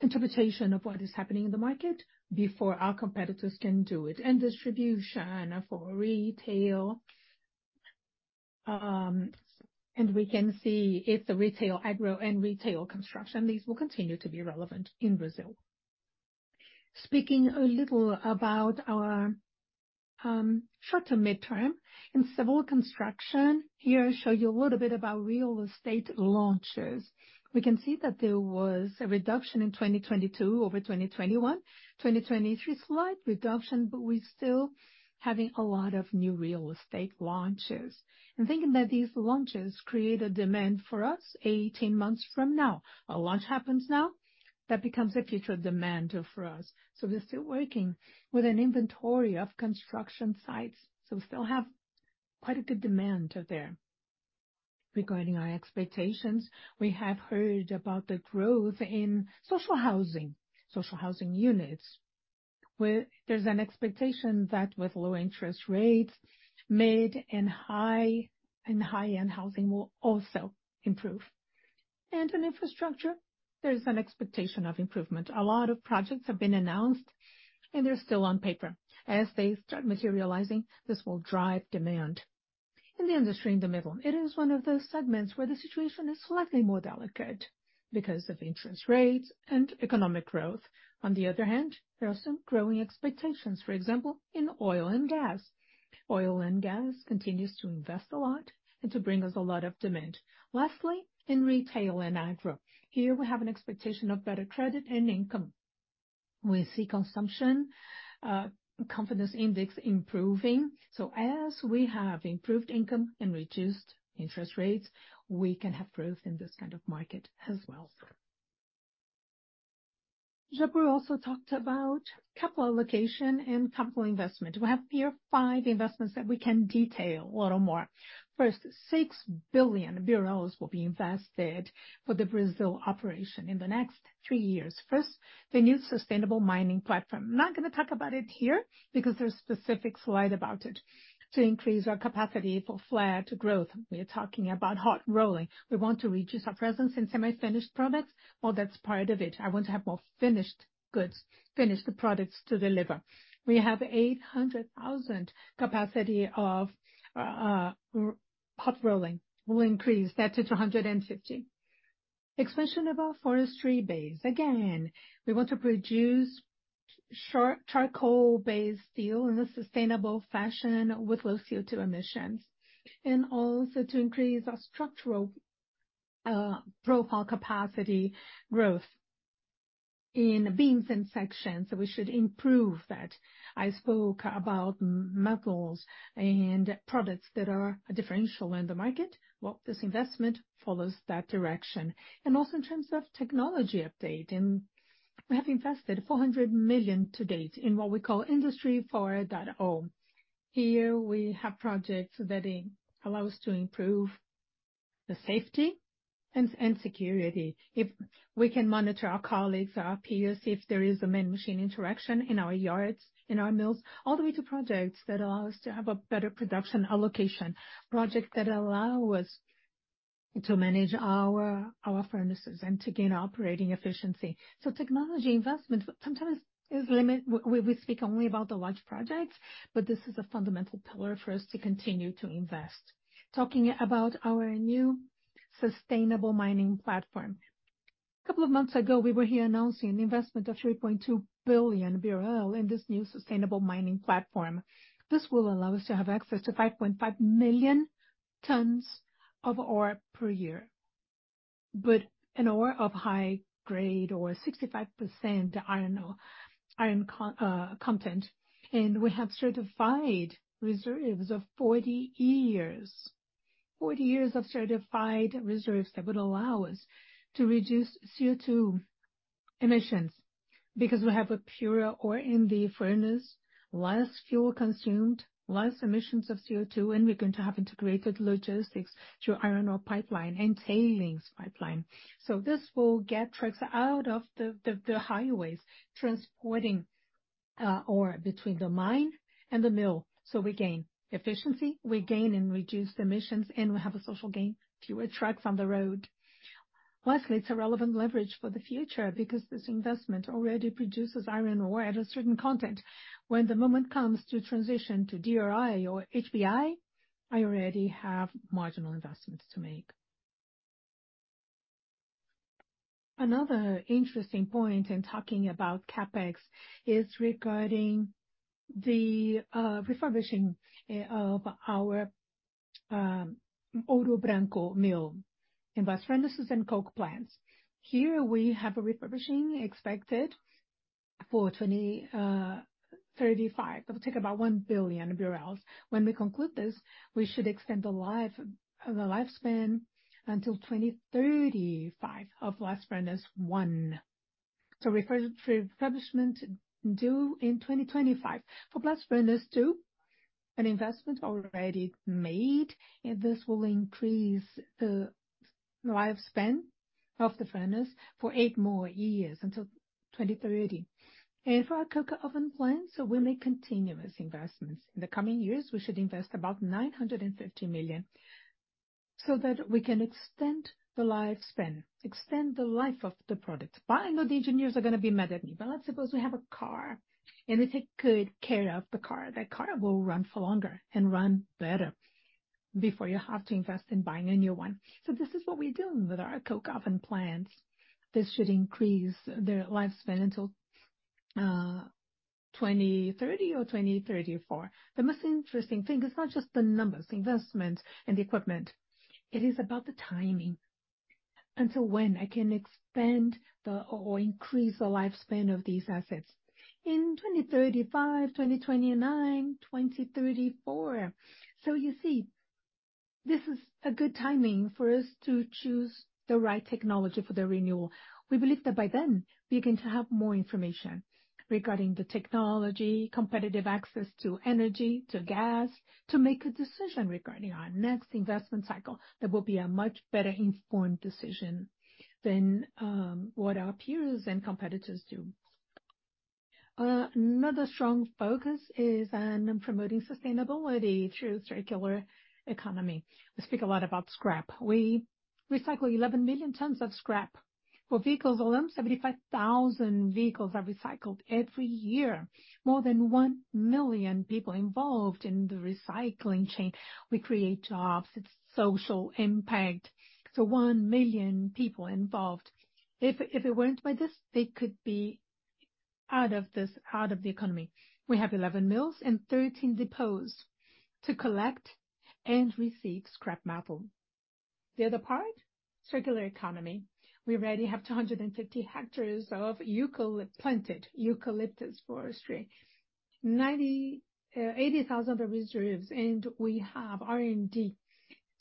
interpretation of what is happening in the market before our competitors can do it. And distribution for retail, and we can see if the retail, agro and retail construction, these will continue to be relevant in Brazil. Speaking a little about our short to midterm in civil construction, here, I show you a little bit about real estate launches. We can see that there was a reduction in 2022 over 2021. 2023, slight reduction, but we're still having a lot of new real estate launches. And thinking that these launches create a demand for us 18 months from now. A launch happens now, that becomes a future demand, for us. So we're still working with an inventory of construction sites, so we still have quite a good demand there. Regarding our expectations, we have heard about the growth in social housing, social housing units, where there's an expectation that with low interest rates, mid and high, and high-end housing will also improve. And in infrastructure, there's an expectation of improvement. A lot of projects have been announced, and they're still on paper. As they start materializing, this will drive demand. In the industry, in the middle, it is one of those segments where the situation is slightly more delicate because of interest rates and economic growth. On the other hand, there are some growing expectations, for example, in oil and gas. Oil and gas continues to invest a lot and to bring us a lot of demand. Lastly, in retail and agro, here we have an expectation of better credit and income. We see consumption, confidence index improving. So as we have improved income and reduced interest rates, we can have growth in this kind of market as well. Japur also talked about capital allocation and capital investment. We have here five investments that we can detail a little more. First, BRL 6 billion will be invested for the Brazil operation in the next three years. First, the new sustainable mining platform. I'm not gonna talk about it here because there's a specific slide about it. To increase our capacity for flat growth, we are talking about hot rolling. We want to reduce our presence in semi-finished products, well, that's part of it. I want to have more finished goods, finished products to deliver. We have 800,000 capacity of hot rolling. We'll increase that to 250. Expansion of our forestry base. Again, we want to produce charcoal-based steel in a sustainable fashion with low CO2 emissions, and also to increase our structural profile capacity growth in beams and sections. So we should improve that. I spoke about metals and products that are a differential in the market. Well, this investment follows that direction. Also in terms of technology update, we have invested 400 million to date in what we call Industry 4.0. Here we have projects that allow us to improve the safety and security. If we can monitor our colleagues or our peers, if there is a man-machine interaction in our yards, in our mills, all the way to projects that allow us to have a better production allocation, projects that allow us to manage our furnaces and to gain operating efficiency. So technology investment sometimes is limited. We speak only about the large projects, but this is a fundamental pillar for us to continue to invest. Talking about our new sustainable mining platform. A couple of months ago, we were here announcing an investment of 3.2 billion BRL in this new sustainable mining platform. This will allow us to have access to 5.5 million tons of ore per year, but an ore of high grade or 65% iron ore, iron content, and we have certified reserves of 40 years. 40 years of certified reserves that would allow us to reduce CO₂ emissions, because we have a purer ore in the furnace, less fuel consumed, less emissions of CO₂, and we're going to have integrated logistics through Iron Ore Pipeline and Tailings Pipeline. So this will get trucks out of the highways transporting ore between the mine and the mill. So we gain efficiency, we gain and reduce emissions, and we have a social gain, fewer trucks on the road. Lastly, it's a relevant leverage for the future because this investment already produces iron ore at a certain content. When the moment comes to transition to DRI or HBI, I already have marginal investments to make. Another interesting point in talking about CapEx is regarding the refurbishing of our Ouro Branco mill in blast furnaces and coke plants. Here, we have a refurbishing expected for 2035. It will take about 1 billion BRL. When we conclude this, we should extend the lifespan until 2035 of blast furnace one. So refurbishment due in 2025. For blast furnace two, an investment already made, and this will increase the lifespan of the furnace for 8 more years until 2030. For our coke oven plant, we make continuous investments. In the coming years, we should invest about 950 million so that we can extend the lifespan of the product. But I know the engineers are gonna be mad at me, but let's suppose we have a car, and we take good care of the car. That car will run for longer and run better before you have to invest in buying a new one. So this is what we're doing with our coke oven plants. This should increase their lifespan until 2030 or 2034. The most interesting thing is not just the numbers, the investment, and the equipment; it is about the timing. Until when I can extend the or increase the lifespan of these assets? In 2035, 2029, 2034. So you see, this is a good timing for us to choose the right technology for the renewal. We believe that by then, we're going to have more information regarding the technology, competitive access to energy, to gas, to make a decision regarding our next investment cycle. That will be a much better informed decision than what our peers and competitors do. Another strong focus is on promoting sustainability through circular economy. We speak a lot about scrap. We recycle 11 million tons of scrap. For vehicles alone, 75,000 vehicles are recycled every year. More than 1 million people involved in the recycling chain. We create jobs. It's social impact, so 1 million people involved. If it weren't by this, they could be out of this, out of the economy. We have 11 mills and 13 depots to collect and receive scrap metal. The other part, circular economy. We already have 250 hectares of planted eucalyptus forestry. 90, 80,000 of reserves, and we have R&D.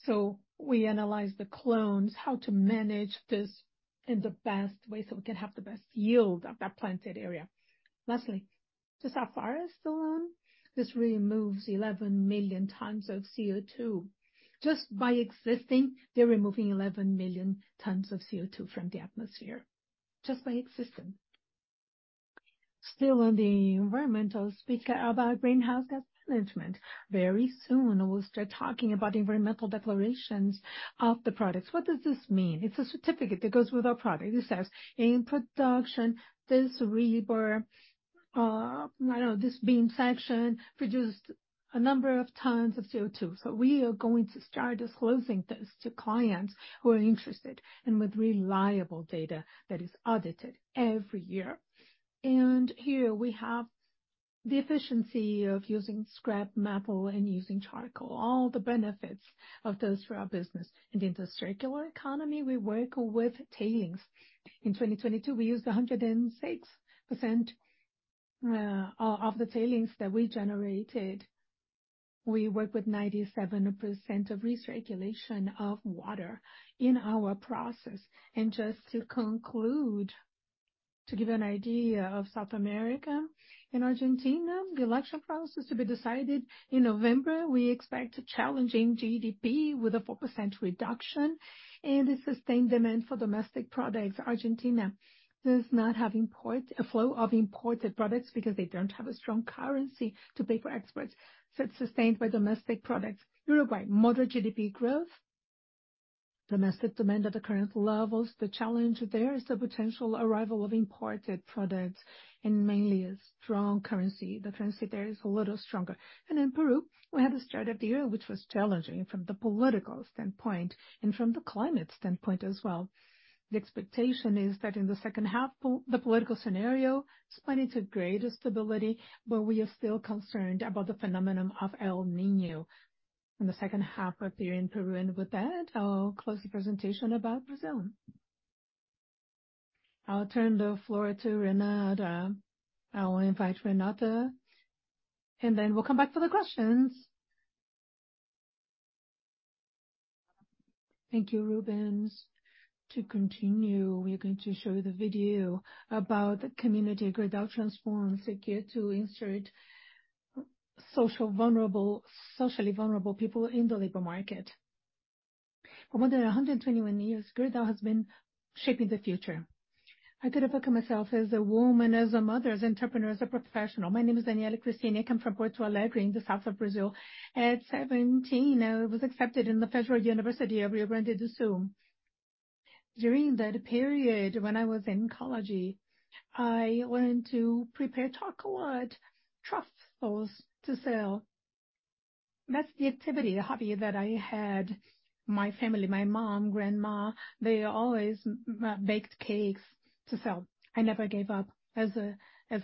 So we analyze the clones, how to manage this in the best way, so we can have the best yield of that planted area. Lastly, just how far is the loan? This removes 11 million tons of CO₂. Just by existing, they're removing 11 million tons of CO₂ from the atmosphere, just by existing. Still on the environmental, speak about greenhouse gas management. Very soon, we'll start talking about environmental declarations of the products. What does this mean? It's a certificate that goes with our product. It says, "In production, this rebar, I don't know, this beam section produced a number of tons of CO₂." So we are going to start disclosing this to clients who are interested and with reliable data that is audited every year. Here we have the efficiency of using scrap metal and using charcoal, all the benefits of those for our business. In the circular economy, we work with tailings. In 2022, we used 106%, of the tailings that we generated. We work with 97% of recirculation of water in our process. Just to conclude, to give you an idea of South America and Argentina, the election process is to be decided in November. We expect a challenging GDP with a 4% reduction and a sustained demand for domestic products. Argentina does not have import-- a flow of imported products because they don't have a strong currency to pay for exports, so it's sustained by domestic products. Uruguay, moderate GDP growth, domestic demand at the current levels. The challenge there is the potential arrival of imported products and mainly a strong currency. The currency there is a little stronger. And in Peru, we had the start of the year, which was challenging from the political standpoint and from the climate standpoint as well. The expectation is that in the second half, the political scenario is planning to greater stability, but we are still concerned about the phenomenon of El Niño in the second half of the year in Peru. And with that, I'll close the presentation about Brazil. I'll turn the floor to Renata. I will invite Renata, and then we'll come back for the questions. Thank you, Rubens. To continue, we are going to show you the video about community Gerdau Transforms, seek to insert socially vulnerable people in the labor market. For more than 121 years, Gerdau has been shaping the future. I could have looked at myself as a woman, as a mother, as entrepreneur, as a professional. My name is Daniela Cristine. I come from Porto Alegre, in the south of Brazil. At 17, I was accepted in the Federal University of Rio Grande do Sul. During that period, when I was in college, I learned to prepare tacoid truffles to sell. That's the activity, the hobby that I had. My family, my mom, grandma, they always baked cakes to sell. I never gave up. As a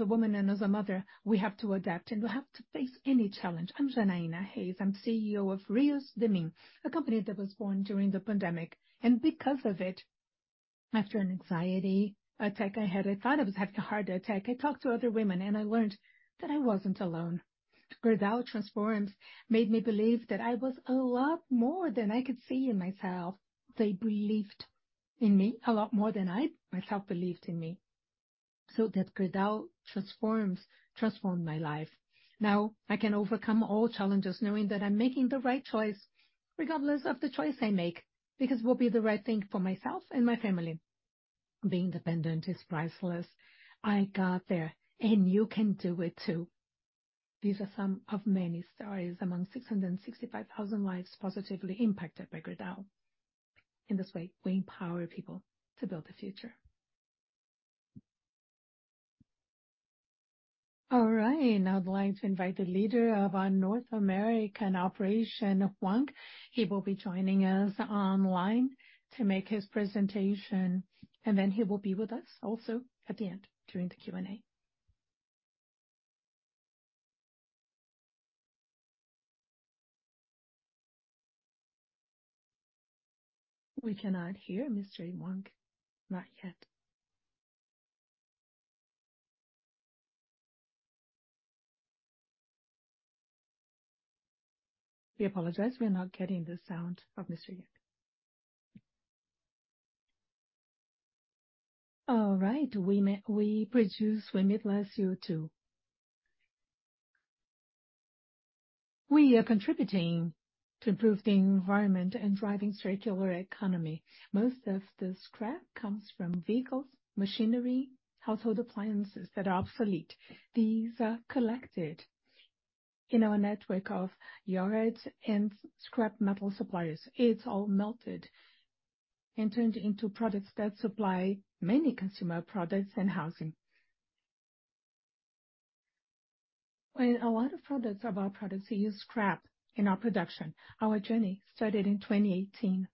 woman and as a mother, we have to adapt, and we have to face any challenge. I'm Janaína Reis. I'm CEO of Reis Denim, a company that was born during the pandemic. Because of it, after an anxiety attack I had, I thought I was having a heart attack. I talked to other women, and I learned that I wasn't alone. Gerdau Transforms made me believe that I was a lot more than I could see in myself. They believed in me a lot more than I, myself, believed in me. So that Gerdau Transforms transformed my life. Now, I can overcome all challenges, knowing that I'm making the right choice, regardless of the choice I make, because it will be the right thing for myself and my family. Being dependent is priceless. I got there, and you can do it, too. These are some of many stories among 665,000 lives positively impacted by Gerdau. In this way, we empower people to build the future. All right, I'd like to invite the leader of our North American operation, Wang. He will be joining us online to make his presentation, and then he will be with us also at the end, during the Q&A. We cannot hear Mr. Wang. Not yet. We apol ogize. We are not getting the sound of Mr. Wang yet. All right, we produce, we emit less CO2. We are contributing to improve the environment and driving circular economy. Most of the scrap comes from vehicles, machinery, household appliances that are obsolete. These are collected in our network of yards and scrap metal suppliers. It's all melted and turned into products that supply many consumer products and housing. When a lot of products of our products use scrap in our production, our journey started in 2018,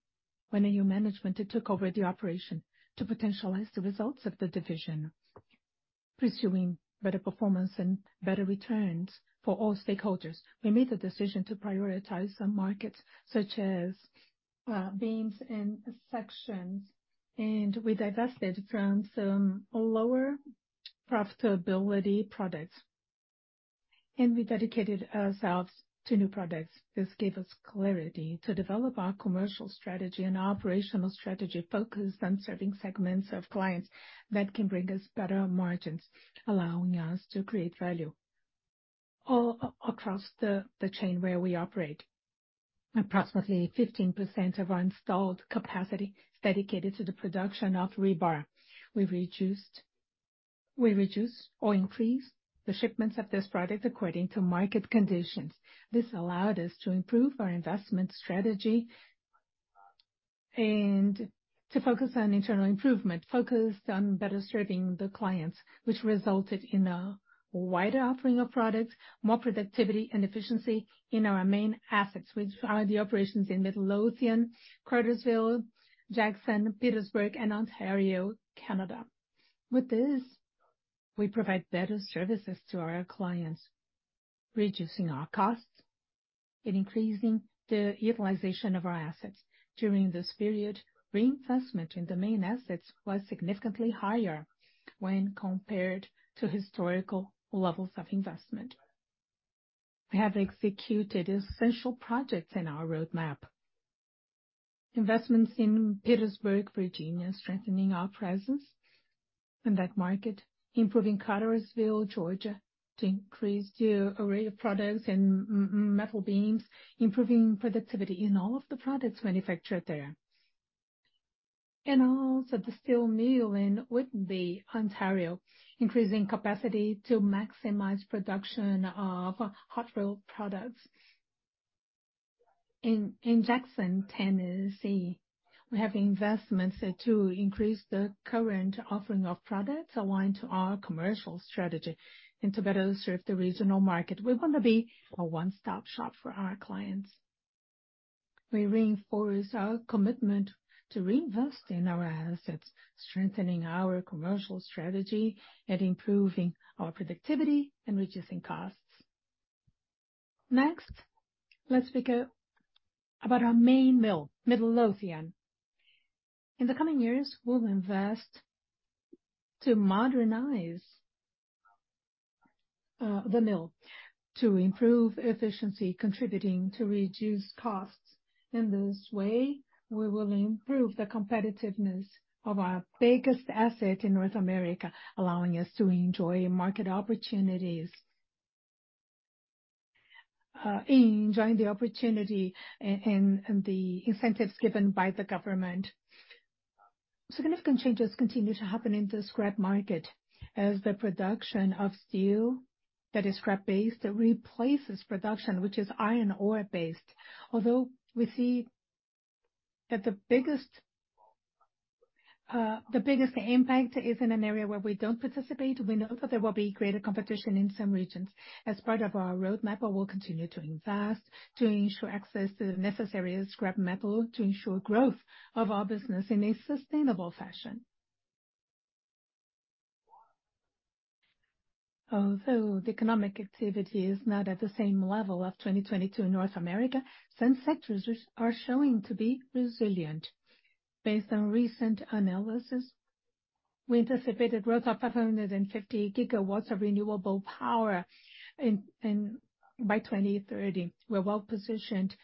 when a new management took over the operation to potentialize the results of the division, pursuing better performance and better returns for all stakeholders. We made the decision to prioritize some markets, such as, beams and sections, and we divested from some lower profitability products, and we dedicated ourselves to new products. This gave us clarity to develop our commercial strategy and operational strategy focused on serving segments of clients that can bring us better margins, allowing us to create value all across the chain where we operate. Approximately 15% of our installed capacity is dedicated to the production of rebar. We reduced or increased the shipments of this product according to market conditions. This allowed us to improve our investment strategy and to focus on internal improvement, focused on better serving the clients, which resulted in a wider offering of products, more productivity and efficiency in our main assets, which are the operations in Midlothian, Cartersville, Jackson, Petersburg, and Ontario, Canada. With this, we provide better services to our clients, reducing our costs and increasing the utilization of our assets. During this period, reinvestment in the main assets was significantly higher when compared to historical levels of investment. We have executed essential projects in our roadmap. Investments in Petersburg, Virginia, strengthening our presence in that market, improving Cartersville, Georgia, to increase the array of products and metal beams, improving productivity in all of the products manufactured there. The steel mill in Whitby, Ontario, increasing capacity to maximize production of hot-rolled products. In Jackson, Tennessee, we have investments to increase the current offering of products aligned to our commercial strategy and to better serve the regional market. We want to be a one-stop shop for our clients. We reinforce our commitment to reinvest in our assets, strengthening our commercial strategy and improving our productivity and reducing costs. Next, let's speak about our main mill, Midlothian. In the coming years, we'll invest to modernize the mill, to improve efficiency, contributing to reduce costs. In this way, we will improve the competitiveness of our biggest asset in North America, allowing us to enjoy market opportunities in enjoying the opportunity and the incentives given by the government. Significant changes continue to happen in the scrap market, as the production of steel that is scrap-based, it replaces production, which is iron ore-based. Although we see that the biggest impact is in an area where we don't participate, we know that there will be greater competition in some regions. As part of our roadmap, we will continue to invest to ensure access to the necessary scrap metal to ensure growth of our business in a sustainable fashion. Although the economic activity is not at the same level of 2022 North America, some sectors are showing to be resilient. Based on recent analysis, we anticipate a growth of 550 gigawatts of renewable power in by 2030. We're well-positioned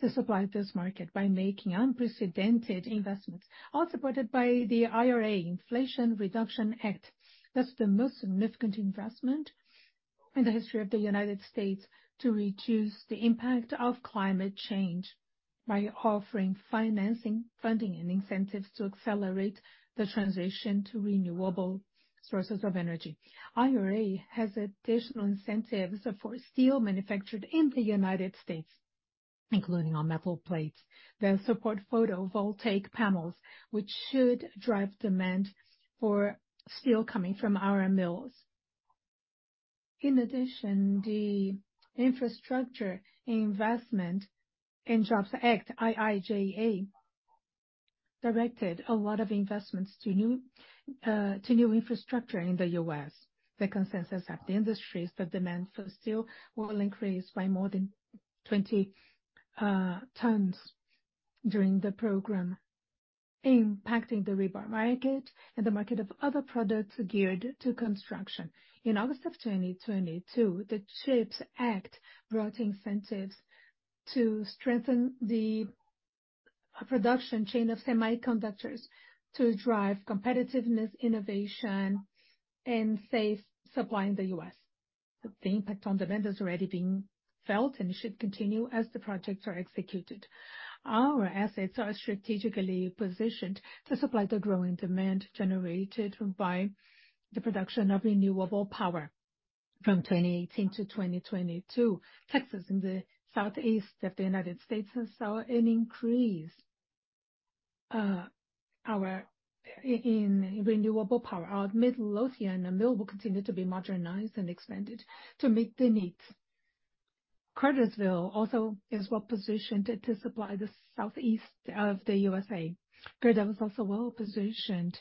to supply this market by making unprecedented investments, all supported by the IRA, Inflation Reduction Act. That's the most significant investment in the history of the United States to reduce the impact of climate change by offering financing, funding, and incentives to accelerate the transition to renewable sources of energy. IRA has additional incentives for steel manufactured in the United States, including on metal plates, that support photovoltaic panels, which should drive demand for steel coming from our mills. In addition, the Infrastructure Investment and Jobs Act, IIJA, directed a lot of investments to new infrastructure in the U.S. The consensus of the industry is that demand for steel will increase by more than 20 tons during the program, impacting the rebar market and the market of other products geared to construction. In August of 2022, the CHIPS Act brought incentives to strengthen the production chain of semiconductors to drive competitiveness, innovation, and safe supply in the U.S. The impact on demand is already being felt and should continue as the projects are executed. Our assets are strategically positioned to supply the growing demand generated by the production of renewable power. From 2018 to 2022, Texas, in the southeast of the United States, has saw an increase in renewable power. Our Midlothian mill will continue to be modernized and expanded to meet the needs. Cartersville also is well-positioned to supply the southeast of the USA. Cartersville is also well-positioned,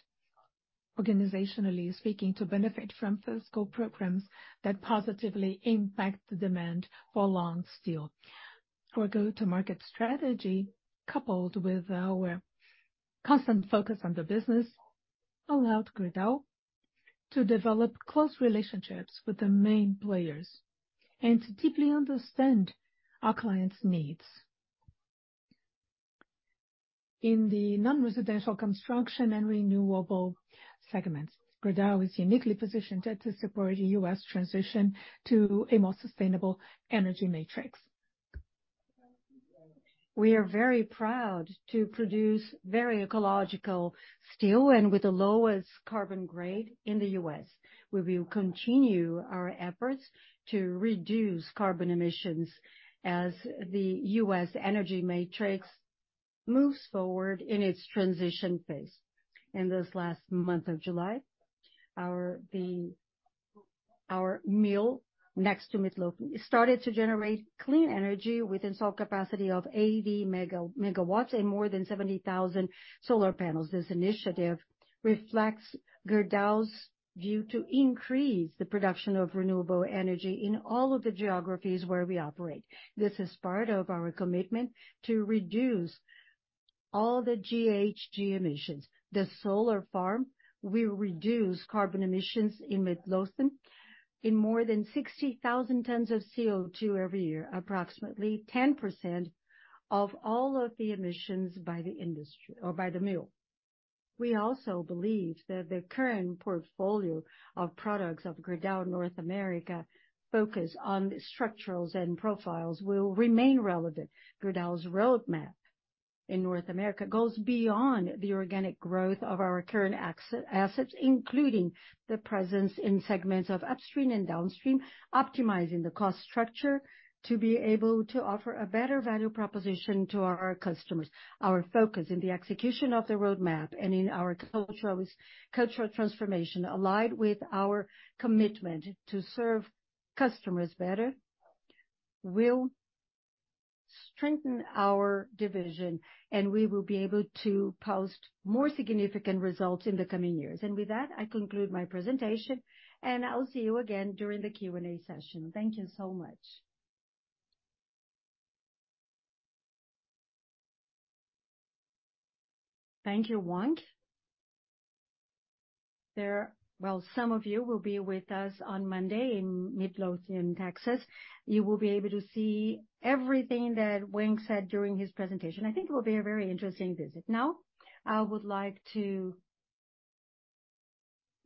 organizationally speaking, to benefit from fiscal programs that positively impact the demand for long steel. Our go-to-market strategy, coupled with our constant focus on the business, allowed Gerdau to develop close relationships with the main players and to deeply understand our clients' needs. In the non-residential construction and renewable segments, Gerdau is uniquely positioned to support the U.S. transition to a more sustainable energy matrix. We are very proud to produce very ecological steel and with the lowest carbon grade in the U.S. We will continue our efforts to reduce carbon emissions as the U.S. energy matrix moves forward in its transition phase. In this last month of July, our mill next to Midlothian started to generate clean energy with installed capacity of 80 MW and more than 70,000 solar panels. This initiative reflects Gerdau's view to increase the production of renewable energy in all of the geographies where we operate. This is part of our commitment to reduce all the GHG emissions. The solar farm will reduce carbon emissions in Midlothian in more than 60,000 tons of CO2 every year, approximately 10% of all of the emissions by the industry or by the mill. We also believe that the current portfolio of products of Gerdau North America, focused on structurals and profiles, will remain relevant. Gerdau's roadmap in North America goes beyond the organic growth of our current assets, including the presence in segments of upstream and downstream, optimizing the cost structure to be able to offer a better value proposition to our customers. Our focus in the execution of the roadmap and in our cultural transformation, allied with our commitment to serve customers better, will strengthen our division, and we will be able to post more significant results in the coming years. With that, I conclude my presentation, and I'll see you again during the Q&A session. Thank you so much. Thank you, Wang. Well, some of you will be with us on Monday in Midlothian, Texas. You will be able to see everything that Wang said during his presentation. I think it will be a very interesting visit. Now, I would like to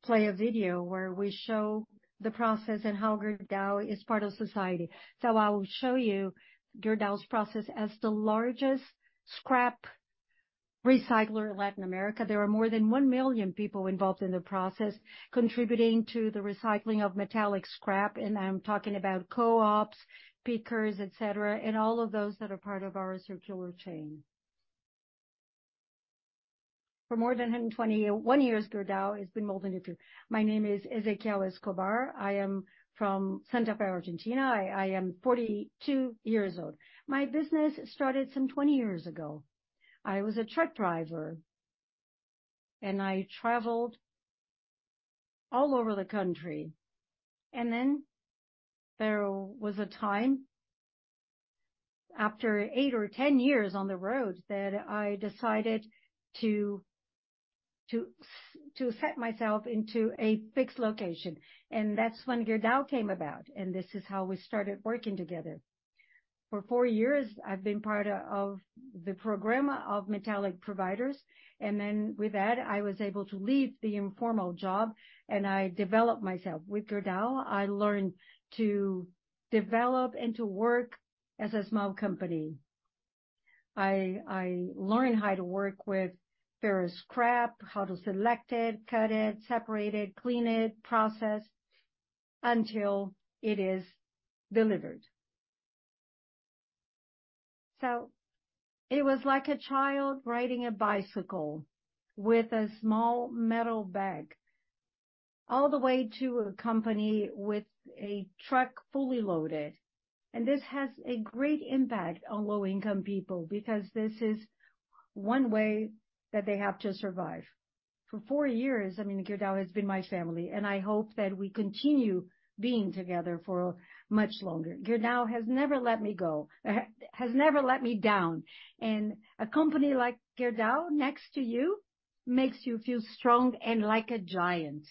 play a video where we show the process and how Gerdau is part of society. I will show you Gerdau's process. As the largest scrap recycler in Latin America, there are more than one million people involved in the process, contributing to the recycling of metallic scrap, and I'm talking about co-ops, pickers, et cetera, and all of those that are part of our circular chain. For more than 121 years, Gerdau has been molding the future. My name is Ezekiel Escobar. I am from Santa Fe, Argentina. I am 42 years old. My business started some 20 years ago. I was a truck driver, and I traveled all over the country. And then there was a time, after eight or 10 years on the road, that I decided to set myself into a fixed location, and that's when Gerdau came about, and this is how we started working together. For four years, I've been part of the program of metallic providers, and then with that, I was able to leave the informal job and I developed myself. With Gerdau, I learned to develop and to work as a small company. I learned how to work with various scrap, how to select it, cut it, separate it, clean it, process until it is delivered. So it was like a child riding a bicycle with a small metal bag all the way to a company with a truck fully loaded. And this has a great impact on low-income people because this is one way that they have to survive. For four years, I mean, Gerdau has been my family, and I hope that we continue being together for much longer. Gerdau has never let me go has never let me down, and a company like Gerdau next to you, makes you feel strong and like a giant.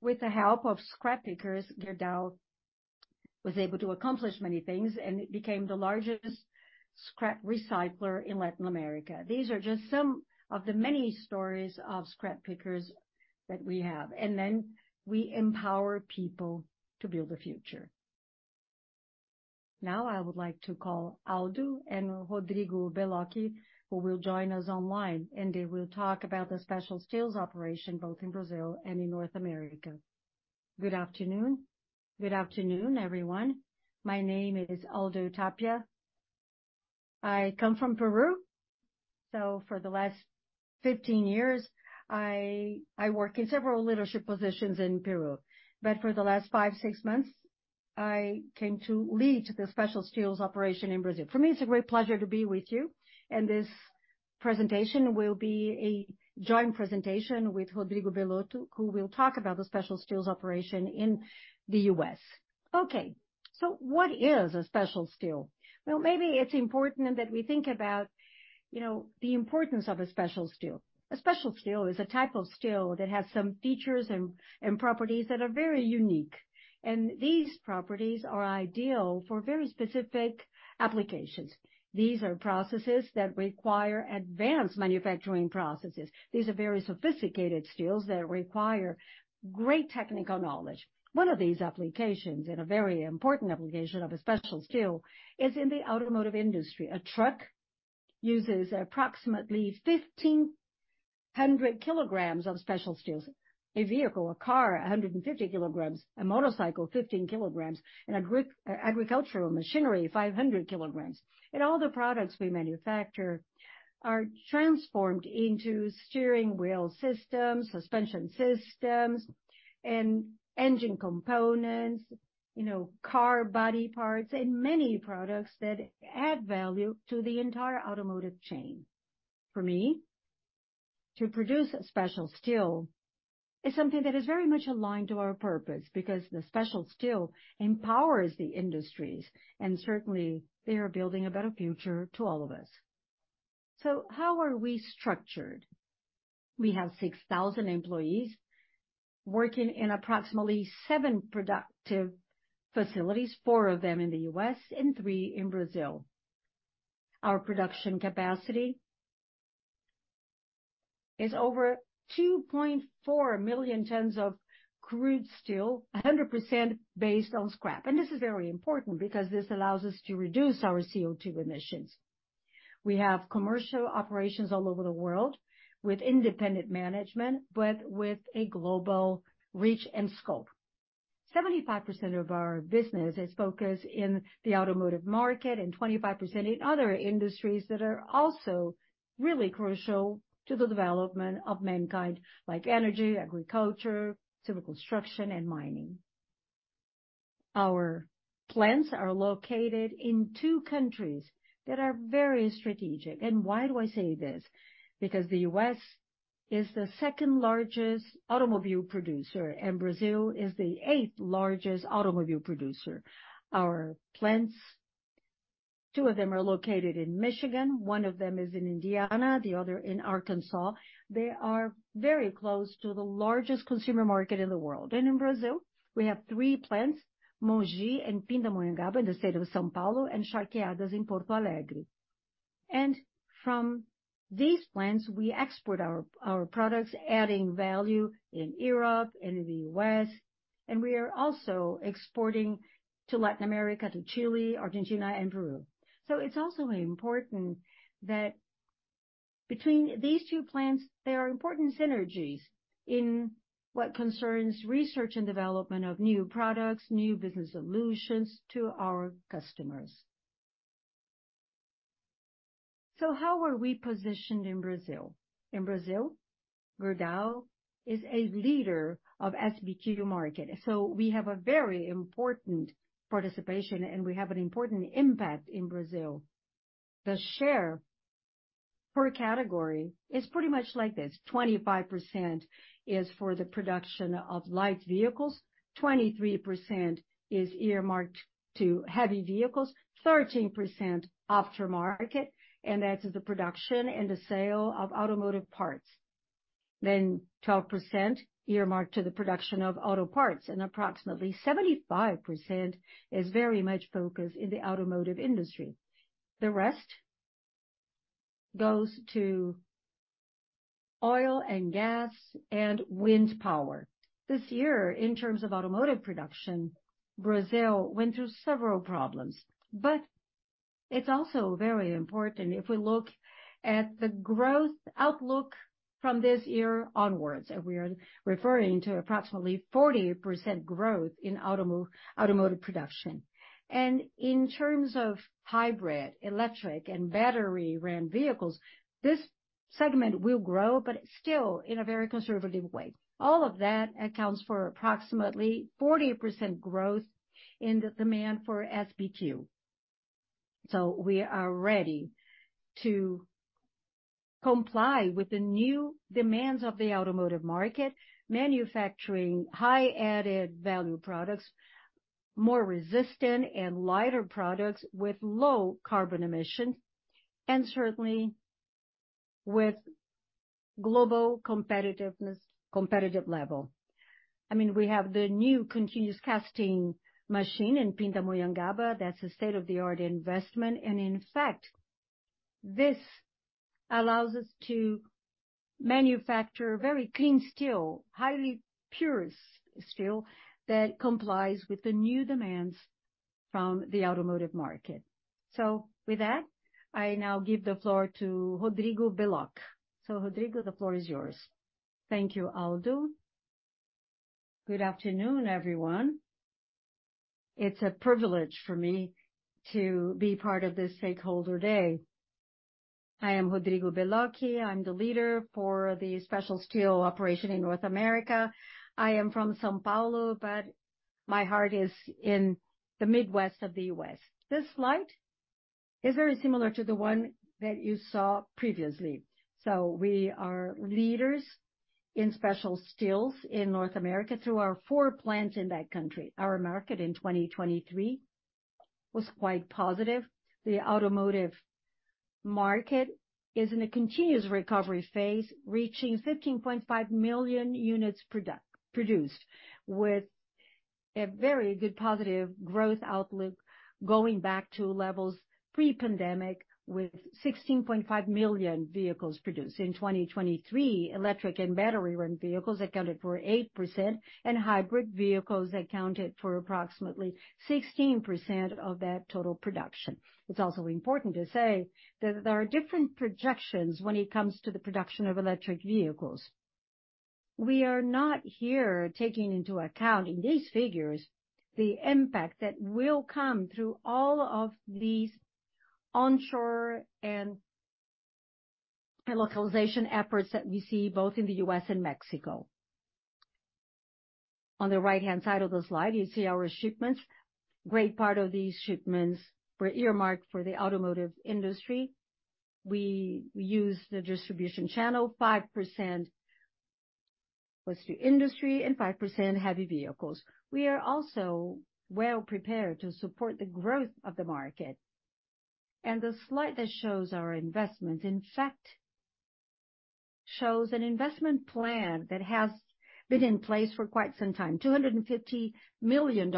With the help of scrap pickers, Gerdau was able to accomplish many things, and it became the largest scrap recycler in Latin America. These are just some of the many stories of scrap pickers that we have, and then we empower people to build a future. Now, I would like to call Aldo Tapia and Rodrigo Belloc, who will join us online, and they will talk about the special steels operation, both in Brazil and in North America. Good afternoon. Good afternoon, everyone. My name is Aldo Tapia. I come from Peru, so for the last 15 years, I work in several leadership positions in Peru, but for the last five to six months, I came to lead the special steels operation in Brazil. For me, it's a great pleasure to be with you, and this presentation will be a joint presentation with Rodrigo Belloc, who will talk about the special steels operation in the U.S. Okay, so what is a special steel? Well, maybe it's important that we think about, you know, the importance of a special steel. A special steel is a type of steel that has some features and properties that are very unique, and these properties are ideal for very specific applications. These are processes that require advanced manufacturing processes. These are very sophisticated steels that require great technical knowledge. One of these applications, and a very important application of a special steel, is in the automotive industry. A truck uses approximately 1,500 kilograms of special steels. A vehicle, a car, 150 kilograms, a motorcycle, 15 kilograms, and agricultural machinery, 500 kilograms. And all the products we manufacture are transformed into steering wheel systems, suspension systems, and engine components, you know, car body parts, and many products that add value to the entire automotive chain. For me, to produce a special steel is something that is very much aligned to our purpose, because the special steel empowers the industries, and certainly, they are building a better future to all of us. So how are we structured? We have 6,000 employees working in approximately seven productive facilities, four of them in the U.S. and three in Brazil. Our production capacity is over 2.4 million tons of crude steel, 100% based on scrap. And this is very important because this allows us to reduce our CO2 emissions. We have commercial operations all over the world with independent management, but with a global reach and scope. 75% of our business is focused in the automotive market and 25% in other industries that are also really crucial to the development of mankind, like energy, agriculture, civil construction, and mining. Our plants are located in two countries that are very strategic. And why do I say this? Because the U.S. is the second-largest automobile producer, and Brazil is the eighth-largest automobile producer. Our plants, two of them are located in Michigan, one of them is in Indiana, the other in Arkansas. They are very close to the largest consumer market in the world. And in Brazil, we have three plants, Mogi and Pindamonhangaba, in the state of São Paulo, and Charqueadas in Porto Alegre. And from these plants, we export our, our products, adding value in Europe and in the U.S., and we are also exporting to Latin America, to Chile, Argentina, and Peru. So it's also important that between these two plants, there are important synergies in what concerns research and development of new products, new business solutions to our customers. So how are we positioned in Brazil? In Brazil, Gerdau is a leader of SBQ market, so we have a very important participation, and we have an important impact in Brazil. The share per category is pretty much like this: 25% is for the production of light vehicles, 23% is earmarked to heavy vehicles, 13% aftermarket, and that is the production and the sale of automotive parts. Then 12% earmarked to the production of auto parts, and approximately 75% is very much focused in the automotive industry. The rest goes to oil and gas and wind power. This year, in terms of automotive production, Brazil went through several problems, but it's also very important if we look at the growth outlook from this year onwards, and we are referring to approximately 40% growth in automotive production. In terms of hybrid, electric, and battery-run vehicles, this segment will grow, but still in a very conservative way. All of that accounts for approximately 40% growth in the demand for SBQ. So we are ready to comply with the new demands of the automotive market, manufacturing high added-value products, more resistant and lighter products with low carbon emission, and certainly with global competitiveness, competitive level. I mean, we have the new continuous casting machine in Pindamonhangaba. That's a state-of-the-art investment. In fact, this allows us to manufacture very clean steel, highly pure steel that complies with the new demands from the automotive market. So with that, I now give the floor to Rodrigo Belloc. So, Rodrigo, the floor is yours. Thank you, Aldo. Good afternoon, everyone. It's a privilege for me to be part of this stakeholder day. I am Rodrigo Belloc. I'm the leader for the special steel operation in North America. I am from São Paulo, but my heart is in the Midwest of the U.S. This slide is very similar to the one that you saw previously. So we are leaders in special steels in North America through our four plants in that country. Our market in 2023 was quite positive. The automotive market is in a continuous recovery phase, reaching 15.5 million units produced, with a very good positive growth outlook, going back to levels pre-pandemic, with 16.5 million vehicles produced. In 2023, electric and battery-run vehicles accounted for 8%, and hybrid vehicles accounted for approximately 16% of that total production. It's also important to say that there are different projections when it comes to the production of electric vehicles. We are not here taking into account, in these figures, the impact that will come through all of these onshore and localization efforts that we see both in the U.S. and Mexico. On the right-hand side of the slide, you see our shipments. Great part of these shipments were earmarked for the automotive industry. We use the distribution channel, 5% goes to industry and 5% heavy vehicles. We are also well prepared to support the growth of the market. The slide that shows our investment, in fact, shows an investment plan that has been in place for quite some time. $250 million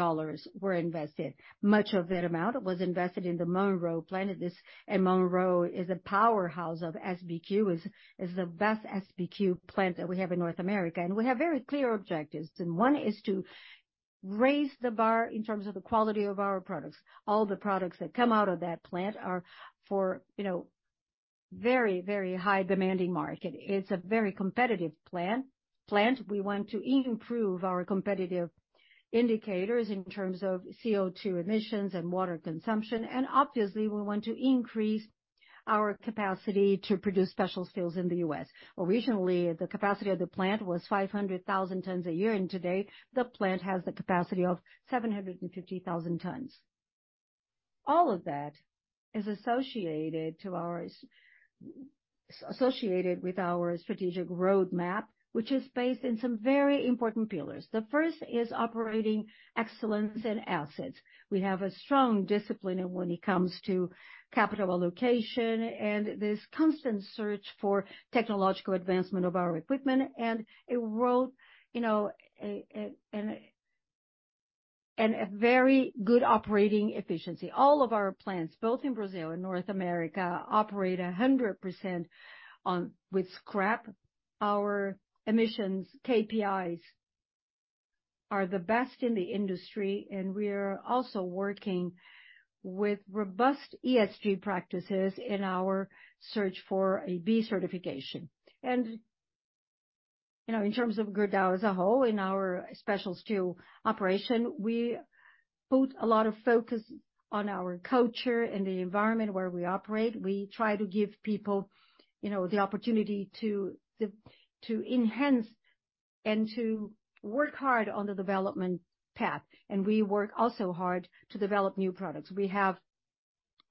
were invested. Much of that amount was invested in the Monroe plant, and Monroe is a powerhouse of SBQ. It is the best SBQ plant that we have in North America, and we have very clear objectives, and one is to raise the bar in terms of the quality of our products. All the products that come out of that plant are for, you know, very, very high demanding market. It's a very competitive plant. We want to improve our competitive indicators in terms of CO2 emissions and water consumption, and obviously, we want to increase our capacity to produce special steels in the U.S. Originally, the capacity of the plant was 500,000 tons a year, and today, the plant has the capacity of 750,000 tons. All of that is associated to our, associated with our strategic roadmap, which is based in some very important pillars. The first is operating excellence and assets. We have a strong discipline when it comes to capital allocation, and this constant search for technological advancement of our equipment, you know, and a very good operating efficiency. All of our plants, both in Brazil and North America, operate 100% on, with scrap. Our emissions KPIs are the best in the industry, and we are also working with robust ESG practices in our search for a B certification. You know, in terms of Gerdau as a whole, in our special steel operation, we put a lot of focus on our culture and the environment where we operate. We try to give people, you know, the opportunity to, to enhance and to work hard on the development path, and we work also hard to develop new products. We have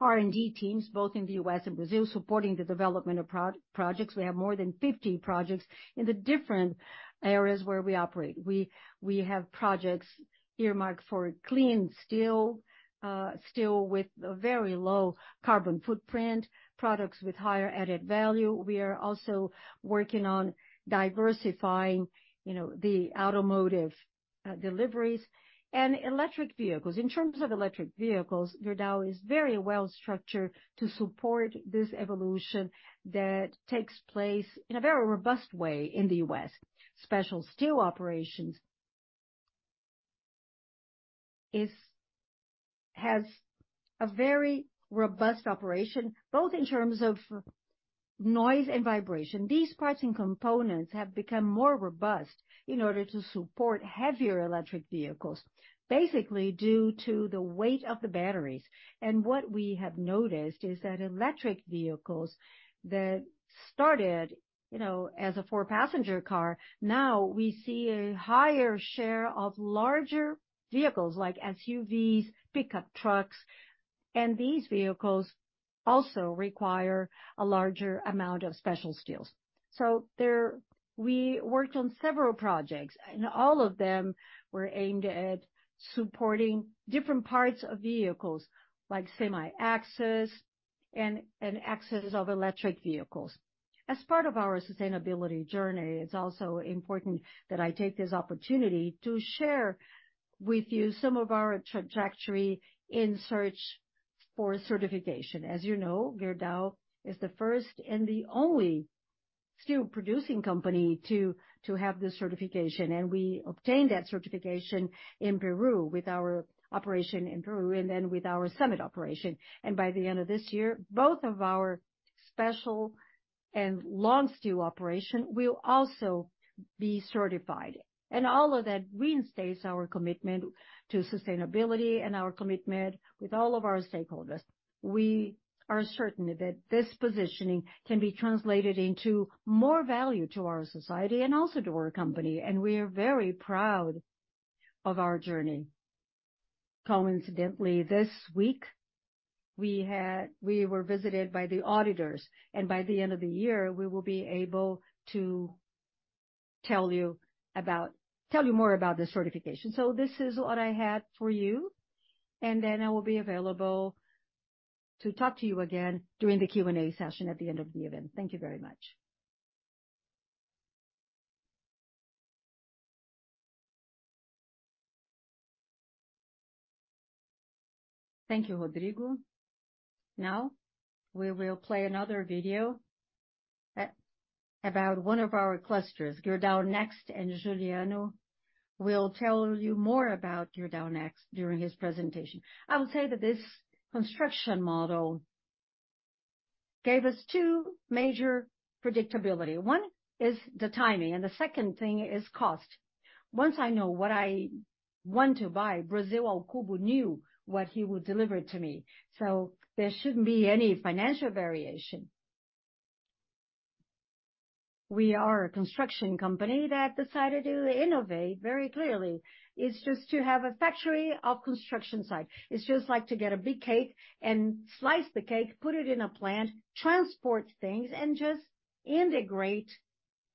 R&D teams, both in the U.S. and Brazil, supporting the development of pro- projects. We have more than 50 projects in the different areas where we operate. We have projects earmarked for clean steel, steel with a very low carbon footprint, products with higher added value. We are also working on diversifying, you know, the automotive deliveries and electric vehicles. In terms of electric vehicles, Gerdau is very well structured to support this evolution that takes place in a very robust way in the U.S. Special steel operations has a very robust operation, both in terms of noise and vibration. These parts and components have become more robust in order to support heavier electric vehicles, basically due to the weight of the batteries. What we have noticed is that electric vehicles that started, you know, as a four-passenger car, now we see a higher share of larger vehicles, like SUVs, pickup trucks, and these vehicles also require a larger amount of special steels. So we worked on several projects, and all of them were aimed at supporting different parts of vehicles, like semi-axis and axis of electric vehicles. As part of our sustainability journey, it's also important that I take this opportunity to share with you some of our trajectory in search for certification. As you know, Gerdau is the first and the only steel-producing company to have this certification, and we obtained that certification in Peru, with our operation in Peru, and then with our Summit operation. By the end of this year, both of our special and long steel operation will also be certified. All of that reinstates our commitment to sustainability and our commitment with all of our stakeholders. We are certain that this positioning can be translated into more value to our society and also to our company, and we are very proud of our journey. Coincidentally, this week, we were visited by the auditors, and by the end of the year, we will be able to tell you more about this certification. So this is what I had for you, and then I will be available to talk to you again during the Q&A session at the end of the event. Thank you very much. Thank you, Rodrigo. Now, we will play another video about one of our clusters, Gerdau Next, and Juliano will tell you more about Gerdau Next during his presentation. I will say that this construction model gave us two major predictability. One is the timing, and the second thing is cost. Once I know what I want to buy, Brasil ao Cubo knew what he would deliver to me, so there shouldn't be any financial variation. We are a construction company that decided to innovate very clearly. It's just to have a factory of construction site. It's just like to get a big cake and slice the cake, put it in a plant, transport things, and just integrate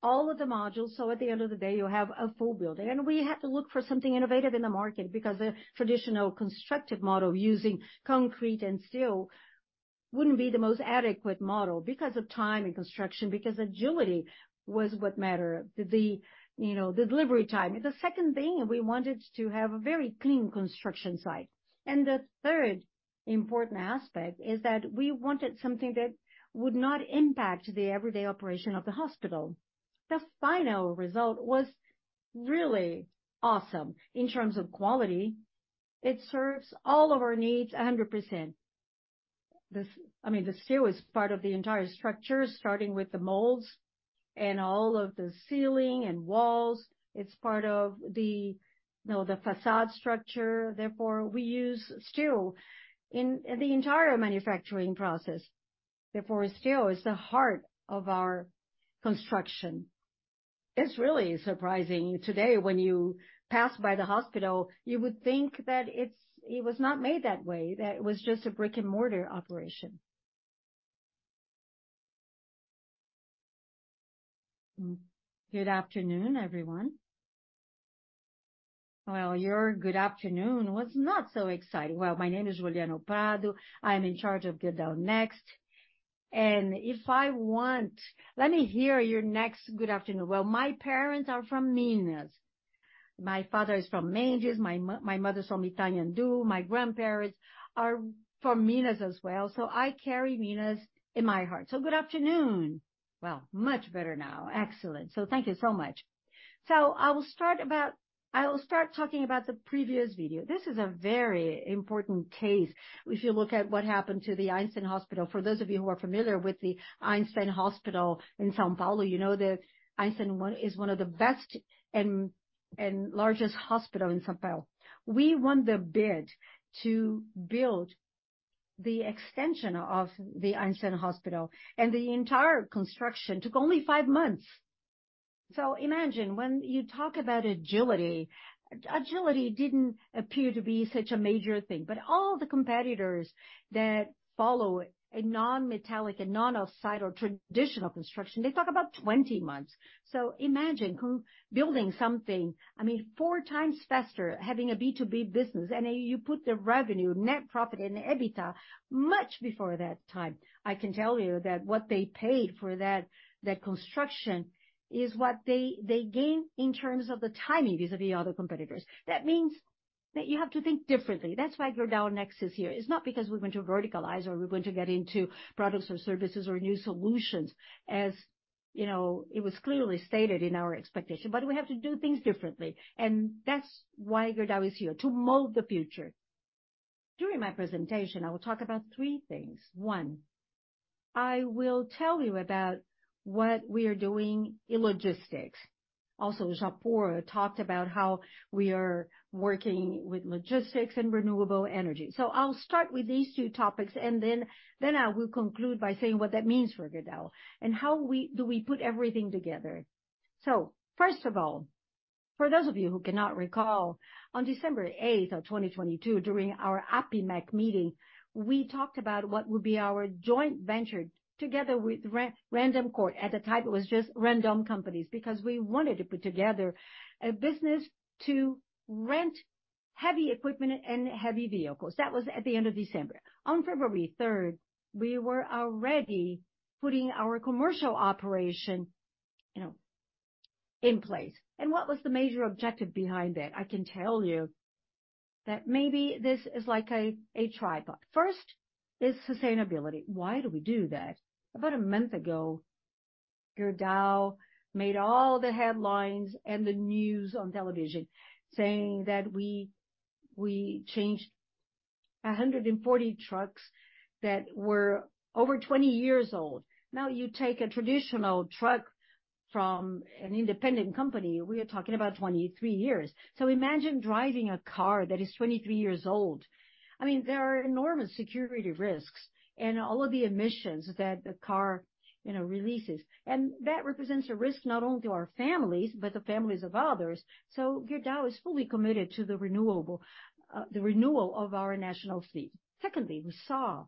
all of the modules, so at the end of the day, you have a full building. We had to look for something innovative in the market, because the traditional constructive model using concrete and steel wouldn't be the most adequate model because of time and construction, because agility was what mattered, you know, delivery time. The second thing, we wanted to have a very clean construction site. The third important aspect is that we wanted something that would not impact the everyday operation of the hospital. 0%. The The final result was really awesome in terms of quality. It serves all of our needs 10 I mean, the steel is part of the entire structure, starting with the molds and all of the ceiling and walls. It's part of the, you know, the facade structure. Therefore, we use steel in the entire manufacturing process. Therefore, steel is the heart of our construction. It's really surprising. Today, when you pass by the hospital, you would think that it's it was not made that way, that it was just a brick-and-mortar operation. Good afternoon, everyone. Well, your good afternoon was not so exciting. Well, my name is Juliano Prado. I am in charge of Gerdau Next, and if I want Let me hear your next good afternoon. Well, my parents are from Minas. My father is from Mangias, my mother is from Itaúna, my grandparents are from Minas as well, so I carry Minas in my heart. So good afternoon. Well, much better now. Excellent. Thank you so much. I will start talking about the previous video. This is a very important cas e. If you look at what happened to the Einstein Hospital, for those of you who are familiar with the Einstein Hospital in São Paulo, you know that the Einstein Hospital is one of the best and largest hospital in São Paulo. We won the bid to build the extension of the Einstein Hospital, and the entire construction took only five months. Imagine, when you talk about agility, agility didn't appear to be such a major thing, but all the competitors that follow a non-metallic and non-off-site or traditional construction, they talk about 20 months. Imagine building something, I mean, four times faster, having a B2B business, and you put the revenue, net profit and the EBITDA much before that time. I can tell you that what they paid for that, that construction is what they, they gained in terms of the timing, vis-a-vis other competitors. That means that you have to think differently. That's why Gerdau Next is here. It's not because we're going to verticalize or we're going to get into products or services or new solutions, as, you know, it was clearly stated in our expectation, but we have to do things differently. And that's why Gerdau is here, to mold the future. During my presentation, I will talk about three things. One, I will tell you about what we are doing in logistics. Also, Japur talked about how we are working with logistics and renewable energy. So I'll start with these two topics, and then, then I will conclude by saying what that means for Gerdau and how we do we put everything together. So first of all, for those of you who cannot recall, on 8 December 2022, during our APIMEC meeting, we talked about what would be our joint venture together with Randoncorp. At the time, it was just Randon Companies, because we wanted to put together a business to rent heavy equipment and heavy vehicles. That was at the end of December. On 3 February, we were already putting our commercial operation, you know, in place. And what was the major objective behind that? I can tell you that maybe this is like a tripod. First is sustainability. Why do we do that? About a month ago, Gerdau made all the headlines and the news on television, saying that we changed 140 trucks that were over 20 years old. Now, you take a traditional truck from an independent company, we are talking about 23 years. So imagine driving a car that is 23 years old. I mean, there are enormous security risks and all of the emissions that the car, you know, releases. And that represents a risk not only to our families, but the families of others. So Gerdau is fully committed to the renewable, the renewal of our national fleet. Secondly, we saw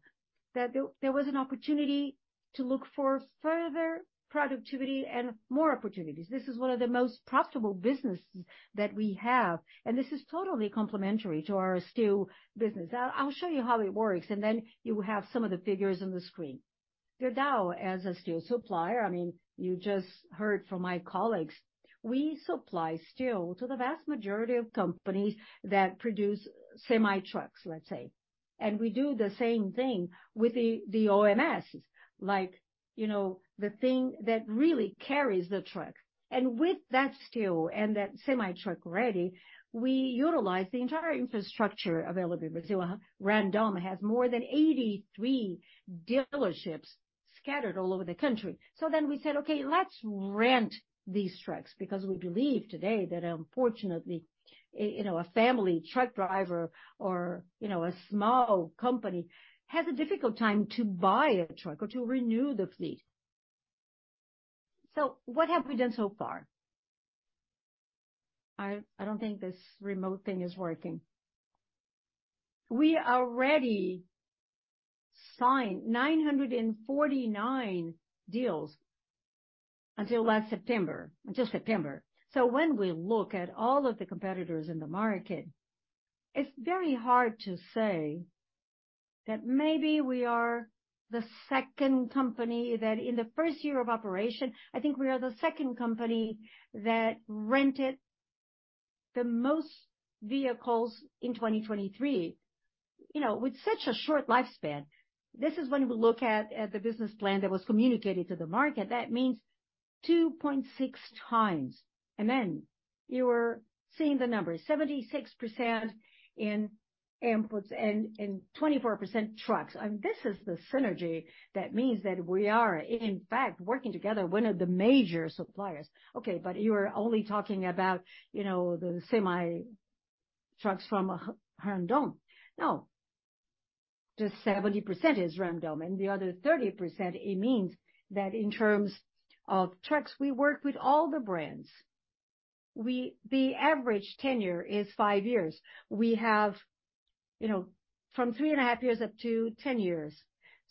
that there was an opportunity to look for further productivity and more opportunities. This is one of the most profitable businesses that we have, and this is totally complementary to our steel business. I'll show you how it works, and then you will have some of the figures on the screen. Gerdau, as a steel supplier, I mean, you just heard from my colleagues, we supply steel to the vast majority of companies that produce semi-trucks, let's say. And we do the same thing with the, the OMS. Like, you know, the thing that really carries the truck. And with that steel and that semi-truck ready, we utilize the entire infrastructure available. Randon has more than 83 dealerships scattered all over the country. So then we said: Okay, let's rent these trucks, because we believe today that, unfortunately, a, you know, a family truck driver or, you know, a small company has a difficult time to buy a truck or to renew the fleet. So what have we done so far? I don't think this remote thing is working. We already signed 949 deals until last September, until September. So when we look at all of the competitors in the market, it's very hard to say that maybe we are the second company, that in the first year of operation, I think we are the second company that rented the most vehicles in 2023. You know, with such a short lifespan, this is when we look at, at the business plan that was communicated to the market. That means 2.6 times. And then you are seeing the numbers, 76% in inputs and, and 24% trucks. And this is the synergy that means that we are, in fact, working together, one of the major suppliers. Okay, but you are only talking about, you know, the semi-trucks from Randon. No. Just 70% is Randon, and the other 30%, it means that in terms of trucks, we work with all the brands. The average tenure is five years. We have, you know, from three and a half years up to ten years.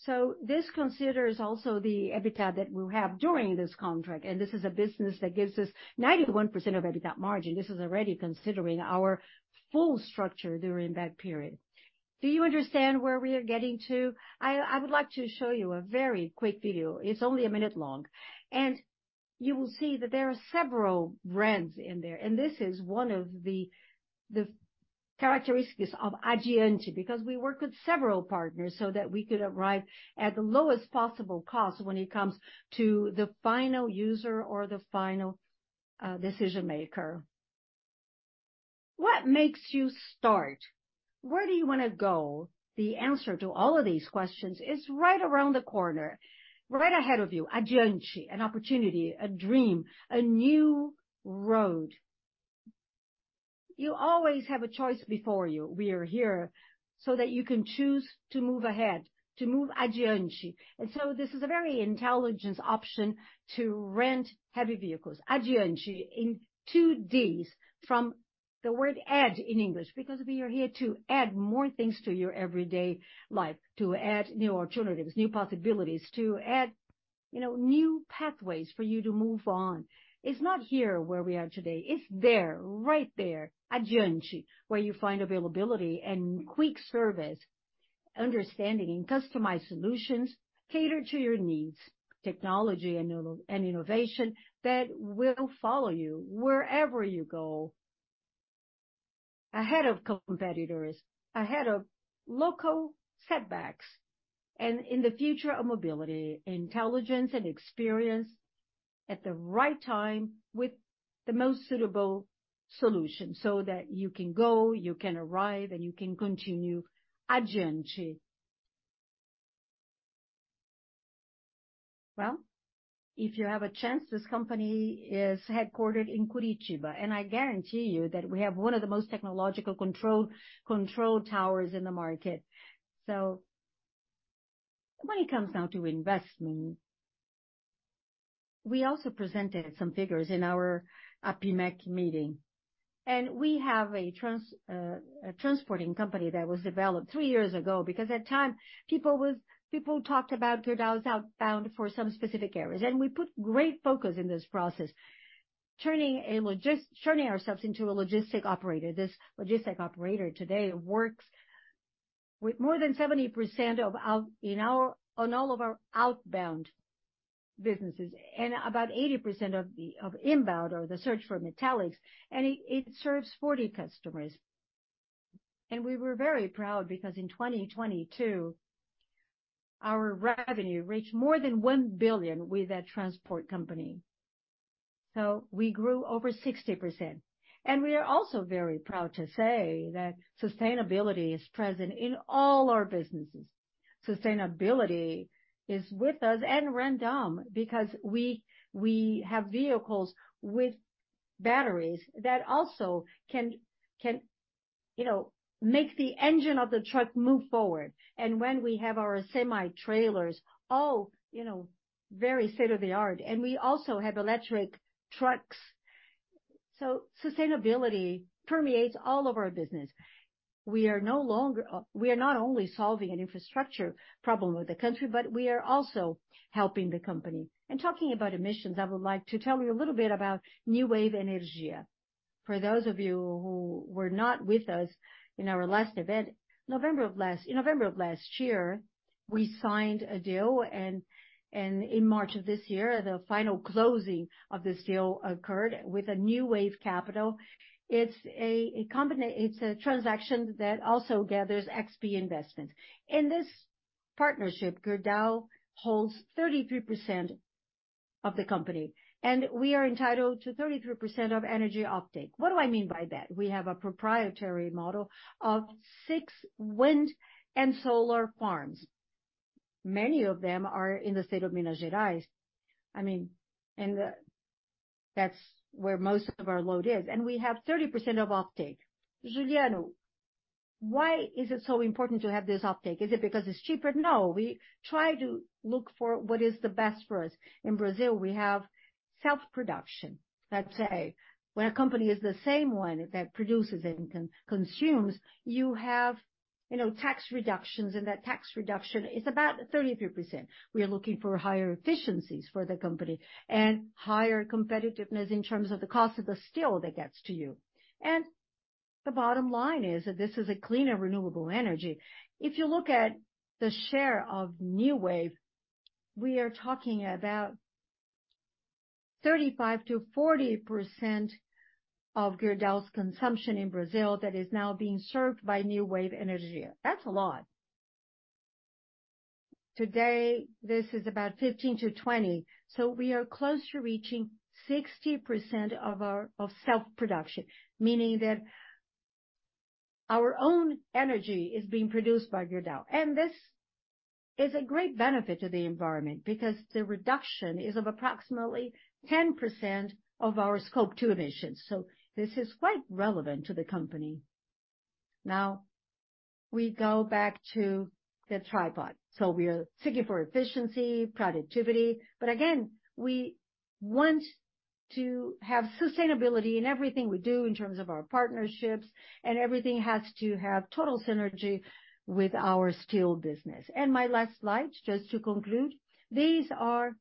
So this considers also the EBITDA that we'll have during this contract, and this is a business that gives us 91% EBITDA margin. This is already considering our full structure during that period. Do you understand where we are getting to? I would like to show you a very quick video. It's only a minute long, and you will see that there are several brands in there, and this is one of the characteristics of Addiante, because we work with several partners so that we could arrive at the lowest possible cost when it comes to the final user or the final decision maker. What makes you start? Where do you wanna go? The answer to all of these questions is right around the corner, right ahead of you, Addiante, an opportunity, a dream, a new road. You always have a choice before you. We are here so that you can choose to move ahead, to move Addiante. And so this is a very intelligent option to rent heavy vehicles. Addiante, in two Ds from the word add in English, because we are here to add more things to your everyday life, to add new alternatives, new possibilities, to add, you know, new pathways for you to move on. It's not here where we are today, it's there, right there, Addiante, where you find availability and quick service, understanding and customized solutions catered to your needs. Technology and innovation that will follow you wherever you go. Ahead of competitors, ahead of local setbacks, and in the future of mobility, intelligence and experience at the right time, with the most suitable solution, so that you can go, you can arrive, and you can continue, Addiante. Well, if you have a chance, this company is headquartered in Curitiba, and I guarantee you that we have one of the most technological control towers in the market. So when it comes now to investment, we also presented some figures in our APIMEC meeting, and we have a transporting company that was developed three years ago, because at the time, people talked about Gerdau's outbound for some specific areas, and we put great focus in this process, turning ourselves into a logistic operator. This logistics operator today works with more than 70% of our outbound businesses, and about 80% of the inbound or the search for metallics, and it serves 40 customers. We were very proud, because in 2022, our revenue reached more than 1 billion with that transport company, so we grew over 60%. We are also very proud to say that sustainability is present in all our businesses. Sustainability is with us and Randon, because we have vehicles with batteries that also can, you know, make the engine of the truck move forward. When we have our semi-trailers, all, you know, very state-of-the-art, and we also have electric trucks. So sustainability permeates all of our business. We are no longer We are not only solving an infrastructure problem with the country, but we are also helping the company. Talking about emissions, I would like to tell you a little bit about New Wave Energia. For those of you who were not with us in our last event, in November of last year, we signed a deal, and in March of this year, the final closing of this deal occurred with New Wave Energia. It's a company. It's a transaction that also gathers XP Investimentos. In this partnership, Gerdau holds 33% of the company, and we are entitled to 33% of energy offtake. What do I mean by that? We have a proprietary model of six wind and solar farms. Many of them are in the state of Minas Gerais. I mean, that's where most of our load is, and we have 30% offtake. Juliano, why is it so important to have this offtake? Is it because it's cheaper? No. We try to look for what is the best for us. In Brazil, we have self-production. Let's say, when a company is the same one that produces and consumes, you have, you know, tax reductions, and that tax reduction is about 33%. We are looking for higher efficiencies for the company and higher competitiveness in terms of the cost of the steel that gets to you. And the bottom line is that this is a cleaner, renewable energy. If you look at the share of New Wave, we are talking about 35%-40% of Gerdau's consumption in Brazil that is now being served by New Wave Energia. That's a lot. Today, this is about 15-20, so we are close to reaching 60% of our, of self-production, meaning that our own energy is being produced by Gerdau, and this. It's a great benefit to the environment, because the reduction is of approximately 10% of our Scope Two emissions, so this is quite relevant to the company. Now, we go back to the tripod. So we are seeking for efficiency, productivity, but again, we want to have sustainability in everything we do in terms of our partnerships, and everything has to have total synergy with our steel business. And my last slide, just to conclude, these are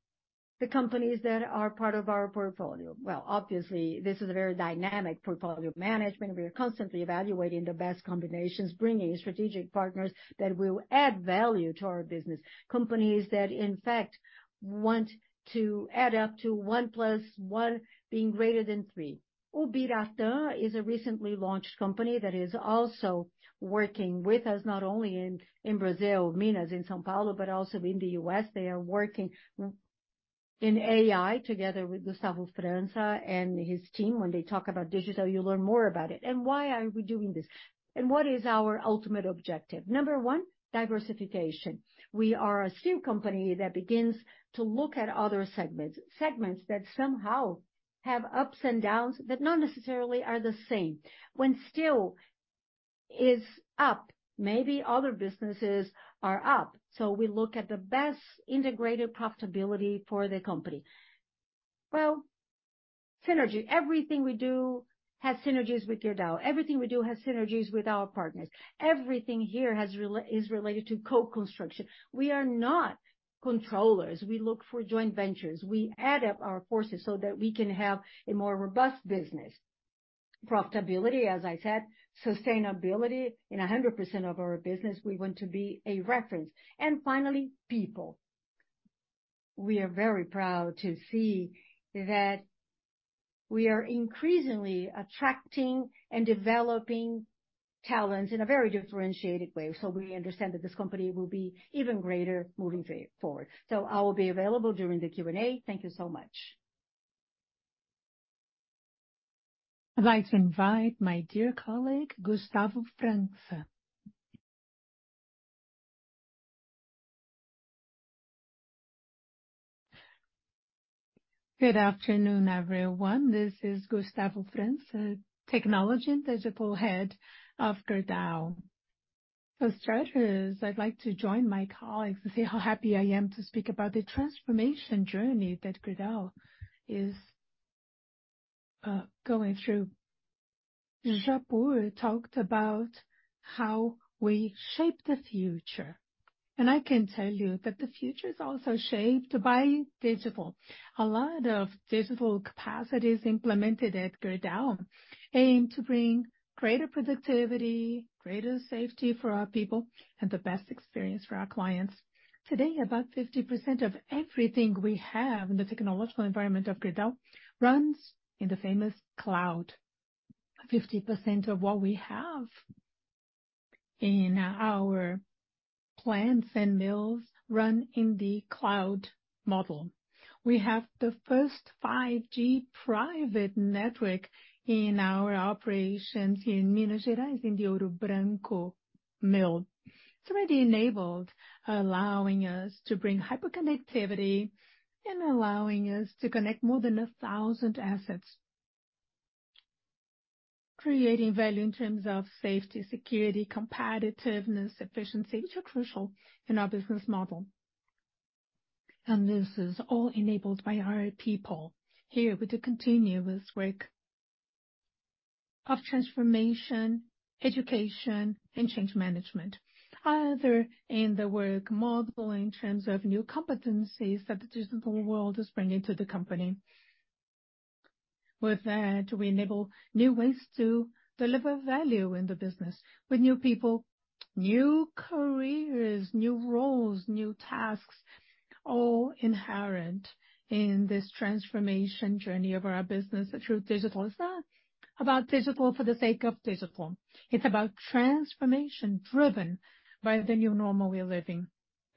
the companies that are part of our portfolio. Well, obviously, this is a very dynamic portfolio management. We are constantly evaluating the best combinations, bringing strategic partners that will add value to our business. Companies that, in fact, want to add up to one plus one being greater than three. Ubiratan is a recently launched company that is also working with us, not only in Brazil, Minas, in São Paulo, but also in the U.S. They are working in AI together with Gustavo França and his team. When they talk about digital, you'll learn more about it. And why are we doing this? And what is our ultimate objective? Number one, diversification. We are a steel company that begins to look at other segments. Segments that somehow have ups and downs, but not necessarily are the same. When steel is up, maybe other businesses are up, so we look at the best integrated profitability for the company. Well, synergy. Everything we do has synergies with Gerdau. Everything we do has synergies with our partners. Everything here is related to co-construction. We are not controllers. We look for joint ventures. We add up our forces so that we can have a more robust business. Profitability, as I said, sustainability in 100% of our business, we want to be a reference. And finally, people. We are very proud to see that we are increasingly attracting and developing talent in a very differentiated way, so we understand that this company will be even greater moving forward. So I will be available during the Q&A. Thank you so much. I'd like to invite my dear colleague, Gustavo França. Good afternoon, everyone. This is Gustavo França, Technology and Digital Head of Gerdau. For starters, I'd like to join my colleagues and say how happy I am to speak about the transformation journey that Gerdau is going through. Japur talked about how we shape the future, and I can tell you that the future is also shaped by digital. A lot of digital capacities implemented at Gerdau aim to bring greater productivity, greater safety for our people, and the best experience for our clients. Today, about 50% of everything we have in the technological environment of Gerdau runs in the famous cloud. 50% of what we have in our plants and mills run in the cloud model. We have the first 5G private network in our operations in Minas Gerais, in the Ouro Branco mill. It's already enabled, allowing us to bring hyperconnectivity and allowing us to connect more than 1,000 assets, creating value in terms of safety, security, competitiveness, efficiency, which are crucial in our business model. This is all enabled by our people. Here, with the continuous work of transformation, education, and change management, either in the work model, in terms of new competencies that the digital world is bringing to the company. With that, we enable new ways to deliver value in the business. With new people, new careers, new roles, new tasks, all inherent in this transformation journey of our business through digital. It's not about digital for the sake of digital. It's about transformation driven by the new normal we're living.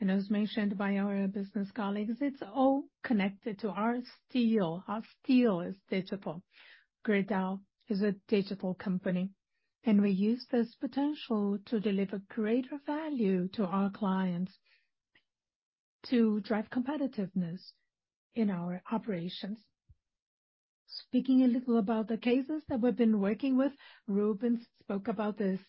As mentioned by our business colleagues, it's all connected to our steel. Our steel is digital. Gerdau is a digital company, and we use this potential to deliver greater value to our clients, to drive competitiveness in our operations. Speaking a little about the cases that we've been working with, Rubens spoke about this.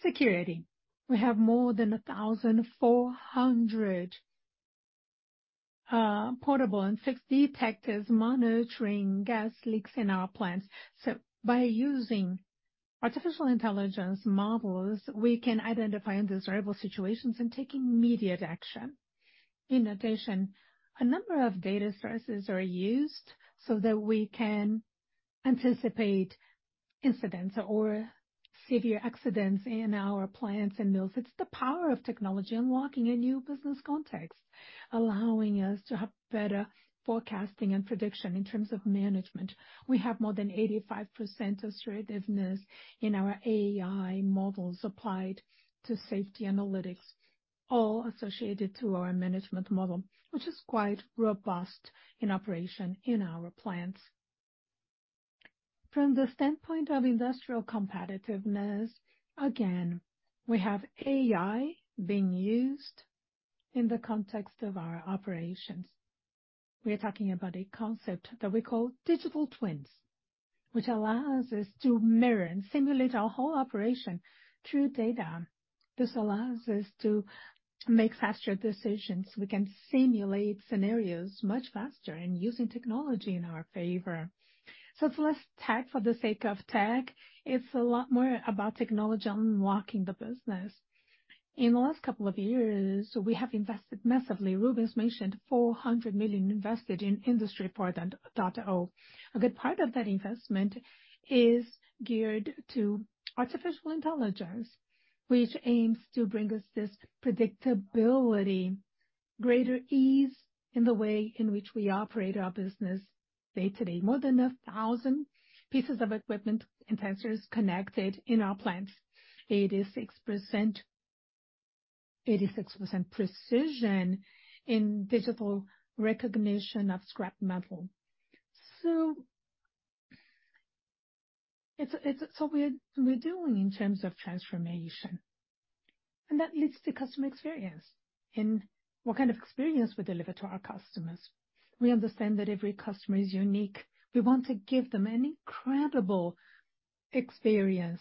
Security. We have more than 1,400 portable and fixed detectors monitoring gas leaks in our plants. So by using artificial intelligence models, we can identify undesirable situations and take immediate action. In addition, a number of data sources are used so that we can anticipate incidents or severe accidents in our plants and mills. It's the power of technology unlocking a new business context, allowing us to have better forecasting and prediction in terms of management. We have more than 85% assertiveness in our AI models applied to safety analytics, all associated to our management model, which is quite robust in operation in our plants. From the standpoint of industrial competitiveness, again, we have AI being used in the context of our operations. We are talking about a concept that we call digital twins, which allows us to mirror and simulate our whole operation through data. This allows us to make faster decisions. We can simulate scenarios much faster and using technology in our favor. So it's less tech for the sake of tech. It's a lot more about technology unlocking the business. In the last couple of years, we have invested massively. Rubens mentioned 400 million invested in Industry 4.0. A good part of that investment is geared to artificial intelligence, which aims to bring us this predictability, greater ease in the way in which we operate our business day-to-day. More than 1,000 pieces of equipment and sensors connected in our plants. 86%, 86% precision in digital recognition of scrap metal. So it's, it's what we're, we're doing in terms of transformation, and that leads to customer experience and what kind of experience we deliver to our customers. We understand that every customer is unique. We want to give them an incredible experience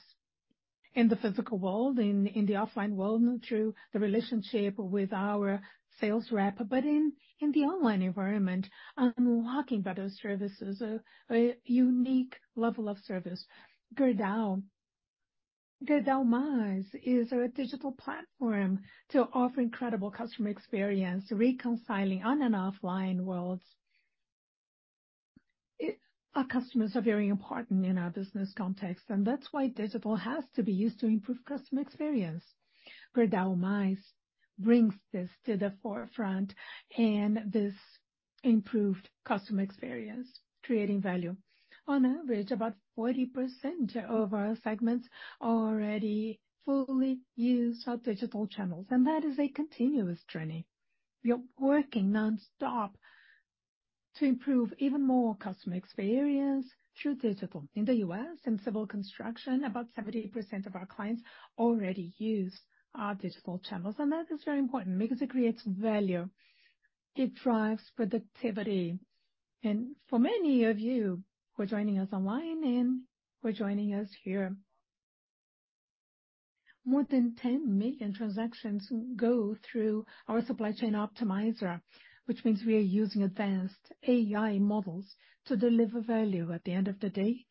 in the physical world, in, in the offline world, through the relationship with our sales rep, but in, in the online environment, unlocking better services, a, a unique level of service. Gerdau. Gerdau Mais is a digital platform to offer incredible customer experience, reconciling on and offline worlds. Our customers are very important in our business context, and that's why digital has to be used to improve customer experience. Gerdau Mais brings this to the forefront and this improved customer experience, creating value. On average, about 40% of our segments already fully use our digital channels, and that is a continuous journey. We are working nonstop to improve even more customer experience through digital. In the U.S., in civil construction, about 70% of our clients already use our digital channels, and that is very important because it creates value, it drives productivity. For many of you who are joining us online and who are joining us here, more than 10 million transactions go through our supply chain optimizer, which means we are using advanced AI models to deliver value at the end of the day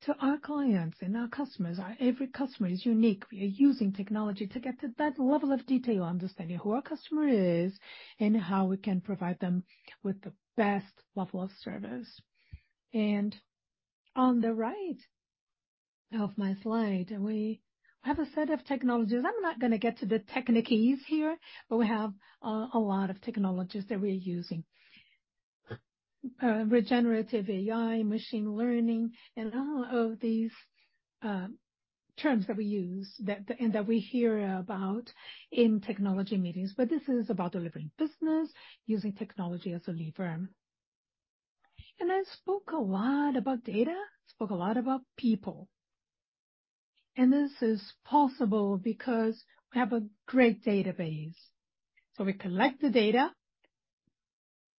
to our clients and our customers. Our every customer is unique. We are using technology to get to that level of detail, understanding who our customer is and how we can provide them with the best level of service. On the right of my slide, we have a set of technologies. I'm not gonna get to the techniques here, but we have a lot of technologies that we are using. Regenerative AI, machine learning, and all of these terms that we use that, and that we hear about in technology meetings. But this is about delivering business, using technology as a lever. I spoke a lot about data, spoke a lot about people, and this is possible because we have a great database. We collect the data,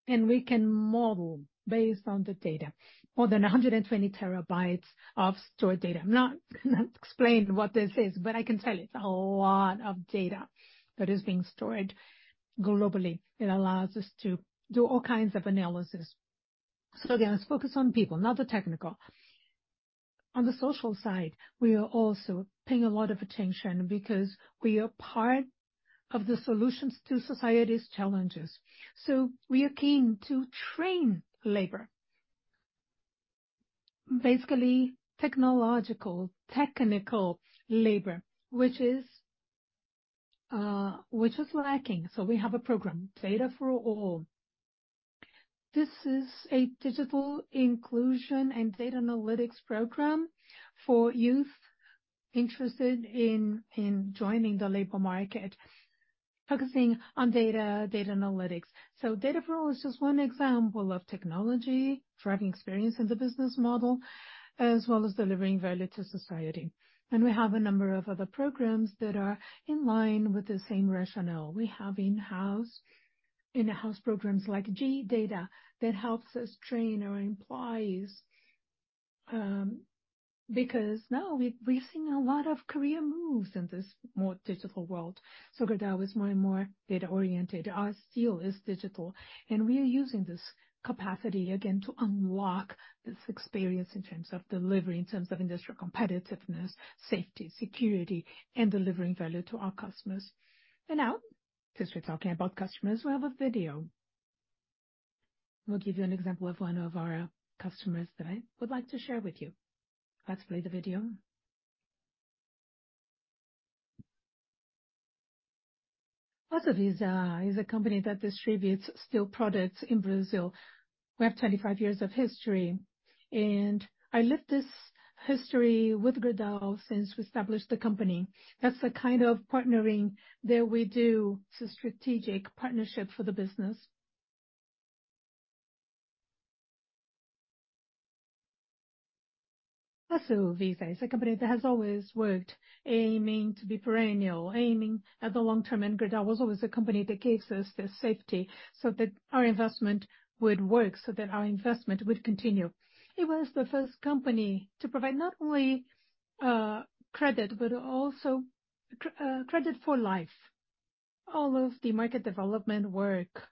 and we can model based on the data. More than 120 TB of stored data. I'm not gonna explain what this is, but I can tell you it's a lot of data that is being stored globally. It allows us to do all kinds of analysis. So again, let's focus on people, not the technical. On the social side, we are also paying a lot of attention because we are part of the solutions to society's challenges. So we are keen to train labor, basically technological, technical labor, which is, which is lacking. So we have a program, Data for All. This is a digital inclusion and data analytics program for youth interested in, in joining the labor market, focusing on data, data analytics. So Data for All is just one example of technology, driving experience in the business model, as well as delivering value to society. And we have a number of other programs that are in line with the same rationale. We have in-house, in-house programs like GData that helps us train our employees, because now we're seeing a lot of career moves in this more digital world. So Gerdau is more and more data-oriented. Our steel is digital, and we are using this capacity again to unlock this experience in terms of delivery, in terms of industrial competitiveness, safety, security, and delivering value to our customers. And now, since we're talking about customers, we have a video. We'll give you an example of one of our customers that I would like to share with you. Let's play the video. Açovisa is a company that distributes steel products in Brazil. We have 25 years of history, and I lived this history with Gerdau since we established the company. That's the kind of partnering that we do. It's a strategic partnership for the business. Also Visa is a company that has always worked, aiming to be perennial, aiming at the long term, and Gerdau was always a company that gives us the safety, so that our investment would work, so that our investment would continue. It was the first company to provide not only credit, but also credit for life. All of the market development work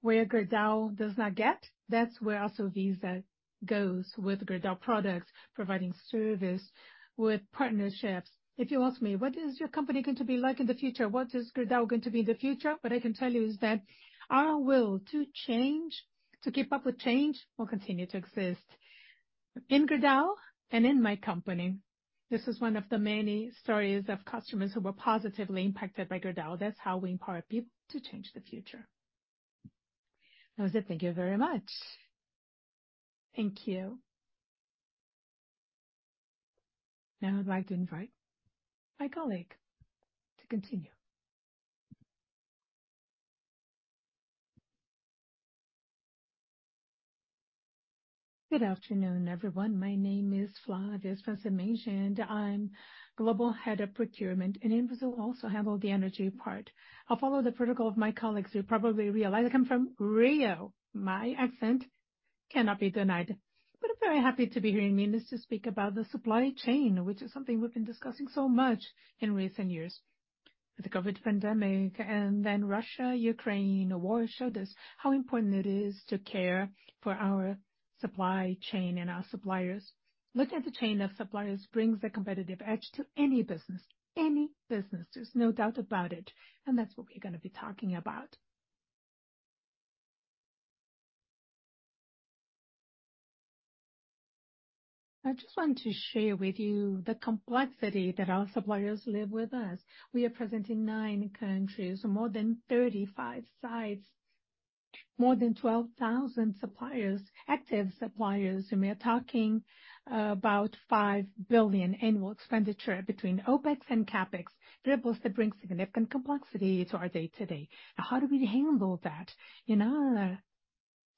where Gerdau does not get, that's where also Visa goes with Gerdau products, providing service with partnerships. If you ask me, "What is your company going to be like in the future? What is Gerdau going to be in the future?" What I can tell you is that our will to change, to keep up with change, will continue to exist in Gerdau and in my company. This is one of the many stories of customers who were positively impacted by Gerdau. That's how we empower people to change the future. That was it. Thank you very much. Thank you. Now, I'd like to invite my colleague to continue. Good afternoon, everyone. My name is Flavia Francimede, and I'm Global Head of Procurement, and in Brazil, also handle the energy part. I'll follow the protocol of my colleagues. You probably realize I come from Rio. My accent cannot be denied, but I'm very happy to be here in Minas to speak about the supply chain, which is something we've been discussing so much in recent years. The COVID pandemic and then Russia-Ukraine war showed us how important it is to care for our supply chain and our suppliers. Looking at the chain of suppliers brings a competitive edge to any business, any business, there's no doubt about it, and that's what we're gonna be talking about. I just want to share with you the complexity that our suppliers live with us. We are present in nine countries, more than 35 sites, more than 12,000 suppliers, active suppliers, and we are talking about 5 billion annual expenditure between OpEx and CapEx. Variables that bring significant complexity to our day-to-day. Now, how do we handle that? In our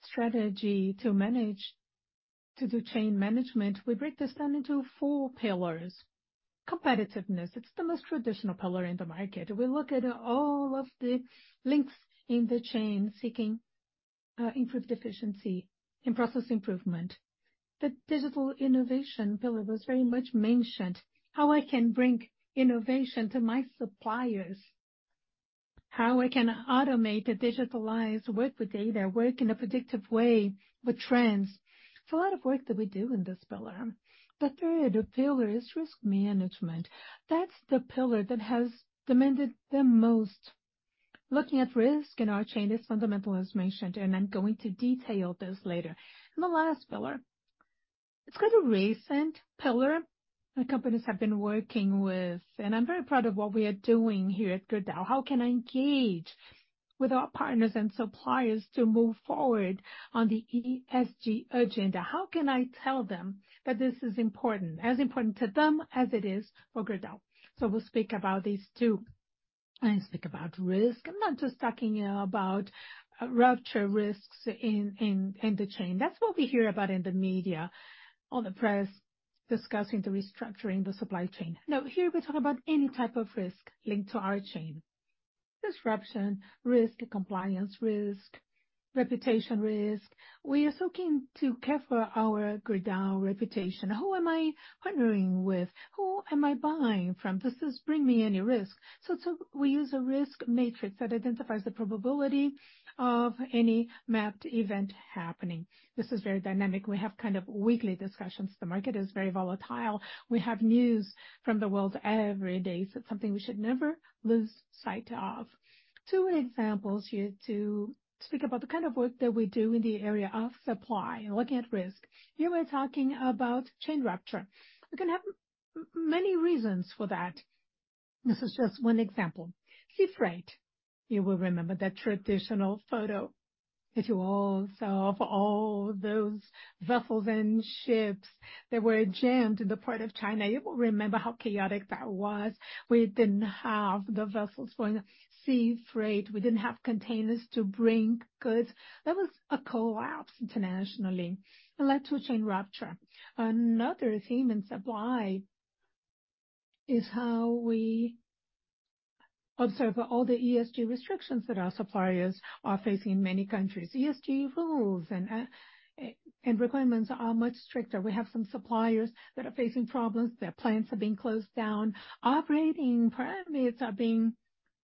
strategy to manage, to do chain management, we break this down into 4 pillars. Competitiveness, it's the most traditional pillar in the market. We look at all of the links in the chain, seeking improved efficiency and process improvement. The digital innovation pillar was very much mentioned, how I can bring innovation to my suppliers, how I can automate the digitalized work with data, work in a predictive way with trends. It's a lot of work that we do in this pillar. The third pillar is risk management. That's the pillar that has demanded the most. Looking at risk in our chain is fundamental, as mentioned, and I'm going to detail this later. The last pillar, it's kind of a recent pillar my companies have been working with, and I'm very proud of what we are doing here at Gerdau. How can I engage with our partners and suppliers to move forward on the ESG agenda? How can I tell them that this is important, as important to them as it is for Gerdau? We'll speak about these two. I speak about risk. I'm not just talking about rupture risks in the chain. That's what we hear about in the media or the press, discussing the restructuring the supply chain. No, here we talk about any type of risk linked to our chain. Disruption risk, compliance risk, reputation risk. We are so keen to care for our Gerdau reputation. Who am I partnering with? Who am I buying from? Does this bring me any risk? So, so we use a risk matrix that identifies the probability of any mapped event happening. This is very dynamic. We have kind of weekly discussions. The market is very volatile. We have news from the world every day, so it's something we should never lose sight of. Two examples here to speak about the kind of work that we do in the area of supply, looking at risk. Here we're talking about chain rupture. We can have many reasons for that. This is just one example. Sea freight. You will remember that traditional photo that you all saw of all those vessels and ships that were jammed in the port of China. You will remember how chaotic that was. We didn't have the vessels for sea freight. We didn't have containers to bring goods. There was a collapse internationally. It led to a chain rupture. Another theme in supply is how we observe all the ESG restrictions that our suppliers are facing in many countries. ESG rules and, and requirements are much stricter. We have some suppliers that are facing problems. Their plants are being closed down. Operating permits are being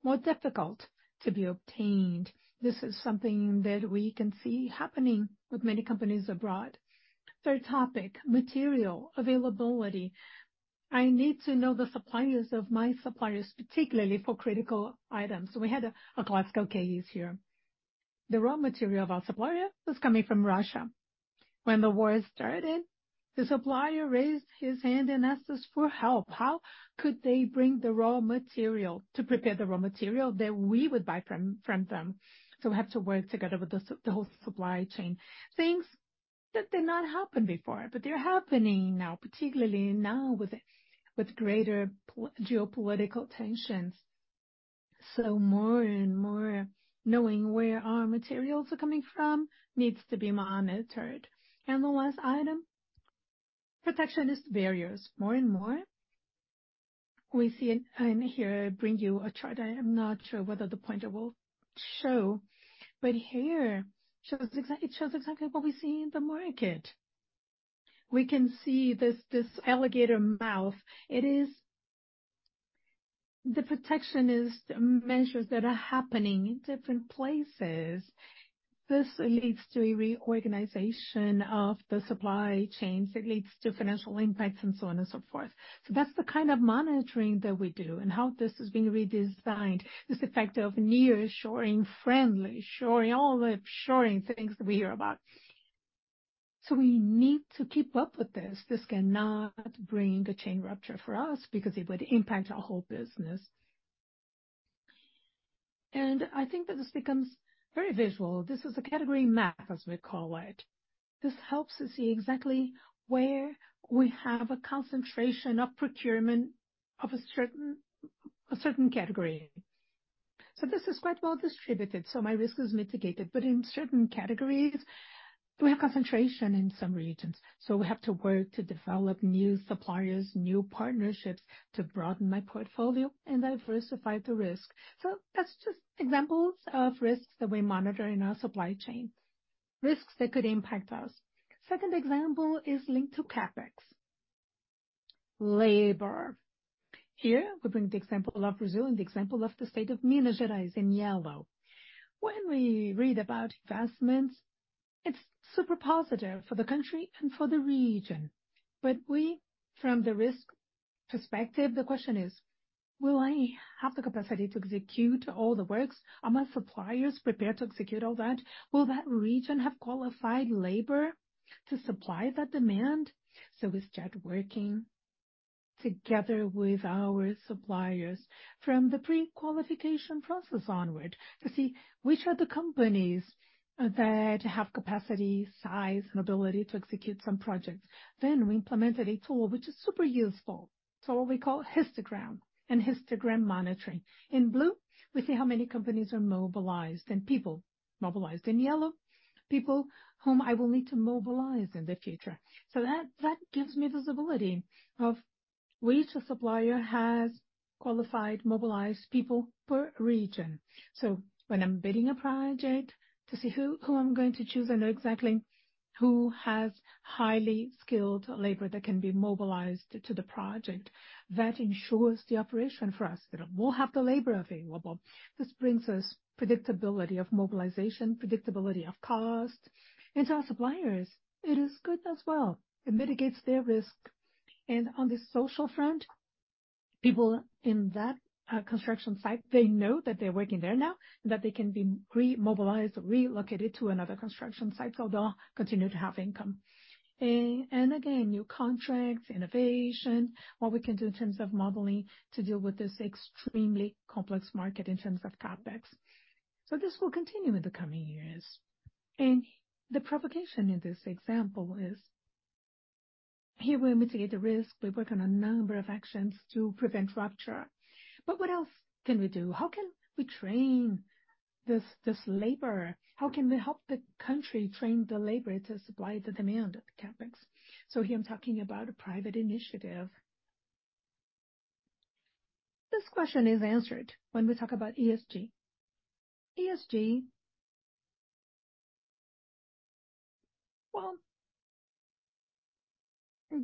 more difficult to be obtained. This is something that we can see happening with many companies abroad. Third topic, material availability. I need to know the suppliers of my suppliers, particularly for critical items. So we had a classical case here. The raw material of our supplier was coming from Russia. When the war started, the supplier raised his hand and asked us for help. How could they bring the raw material to prepare the raw material that we would buy from, from them? So we have to work together with the whole supply chain. Things that did not happen before, but they're happening now, particularly now with greater geopolitical tensions. So more and more, knowing where our materials are coming from needs to be more monitored. And the last item, protectionist barriers. More and more, we see it, and here I bring you a chart. I am not sure whether the pointer will show, but here it shows exactly what we see in the market. We can see this, this alligator mouth. It is the protectionist measures that are happening in different places. This leads to a reorganization of the supply chains, it leads to financial impacts and so on and so forth. So that's the kind of monitoring that we do and how this is being redesigned. This effect of Nearshoring, Friendly Shoring, all the shoring things that we hear about. So we need to keep up with this. This cannot bring a chain rupture for us because it would impact our whole business. And I think that this becomes very visual. This is a category map, as we call it. This helps us see exactly where we have a concentration of procurement of a certain, a certain category. So this is quite well distributed, so my risk is mitigated. But in certain categories, we have concentration in some regions, so we have to work to develop new suppliers, new partnerships, to broaden my portfolio and diversify the risk. So that's just examples of risks that we monitor in our supply chain, risks that could impact us. Second example is linked to CapEx. Labor. Here, we bring the example of Brazil and the example of the state of Minas Gerais in yellow. When we read about investments, it's super positive for the country and for the region. But we, from the risk perspective, the question is: Will I have the capacity to execute all the works? Are my suppliers prepared to execute all that? Will that region have qualified labor to supply that demand? So we start working together with our suppliers from the pre-qualification process onward, to see which are the companies that have capacity, size, and ability to execute some projects. Then we implemented a tool which is super useful, it's what we call histogram and histogram monitoring. In blue, we see how many companies are mobilized and people mobilized. In yellow, people whom I will need to mobilize in the future. So that, that gives me visibility of which supplier has qualified, mobilized people per region. So when I'm bidding a project to see who, who I'm going to choose, I know exactly who has highly skilled labor that can be mobilized to the project. That ensures the operation for us, that we'll have the labor available. This brings us predictability of mobilization, predictability of cost, and to our suppliers, it is good as well. It mitigates their risk. And on the social front, people in that construction site, they know that they're working there now, and that they can be re-mobilized or relocated to another construction site, so they'll continue to have income. And again, new contracts, innovation, what we can do in terms of modeling to deal with this extremely complex market in terms of CapEx. So this will continue in the coming years. The provocation in this example is, here we mitigate the risk, we work on a number of actions to prevent rupture. But what else can we do? How can we train this, this labor? How can we help the country train the labor to supply the demand of the CapEx? So here I'm talking about a private initiative. This question is answered when we talk about ESG. ESG. Well,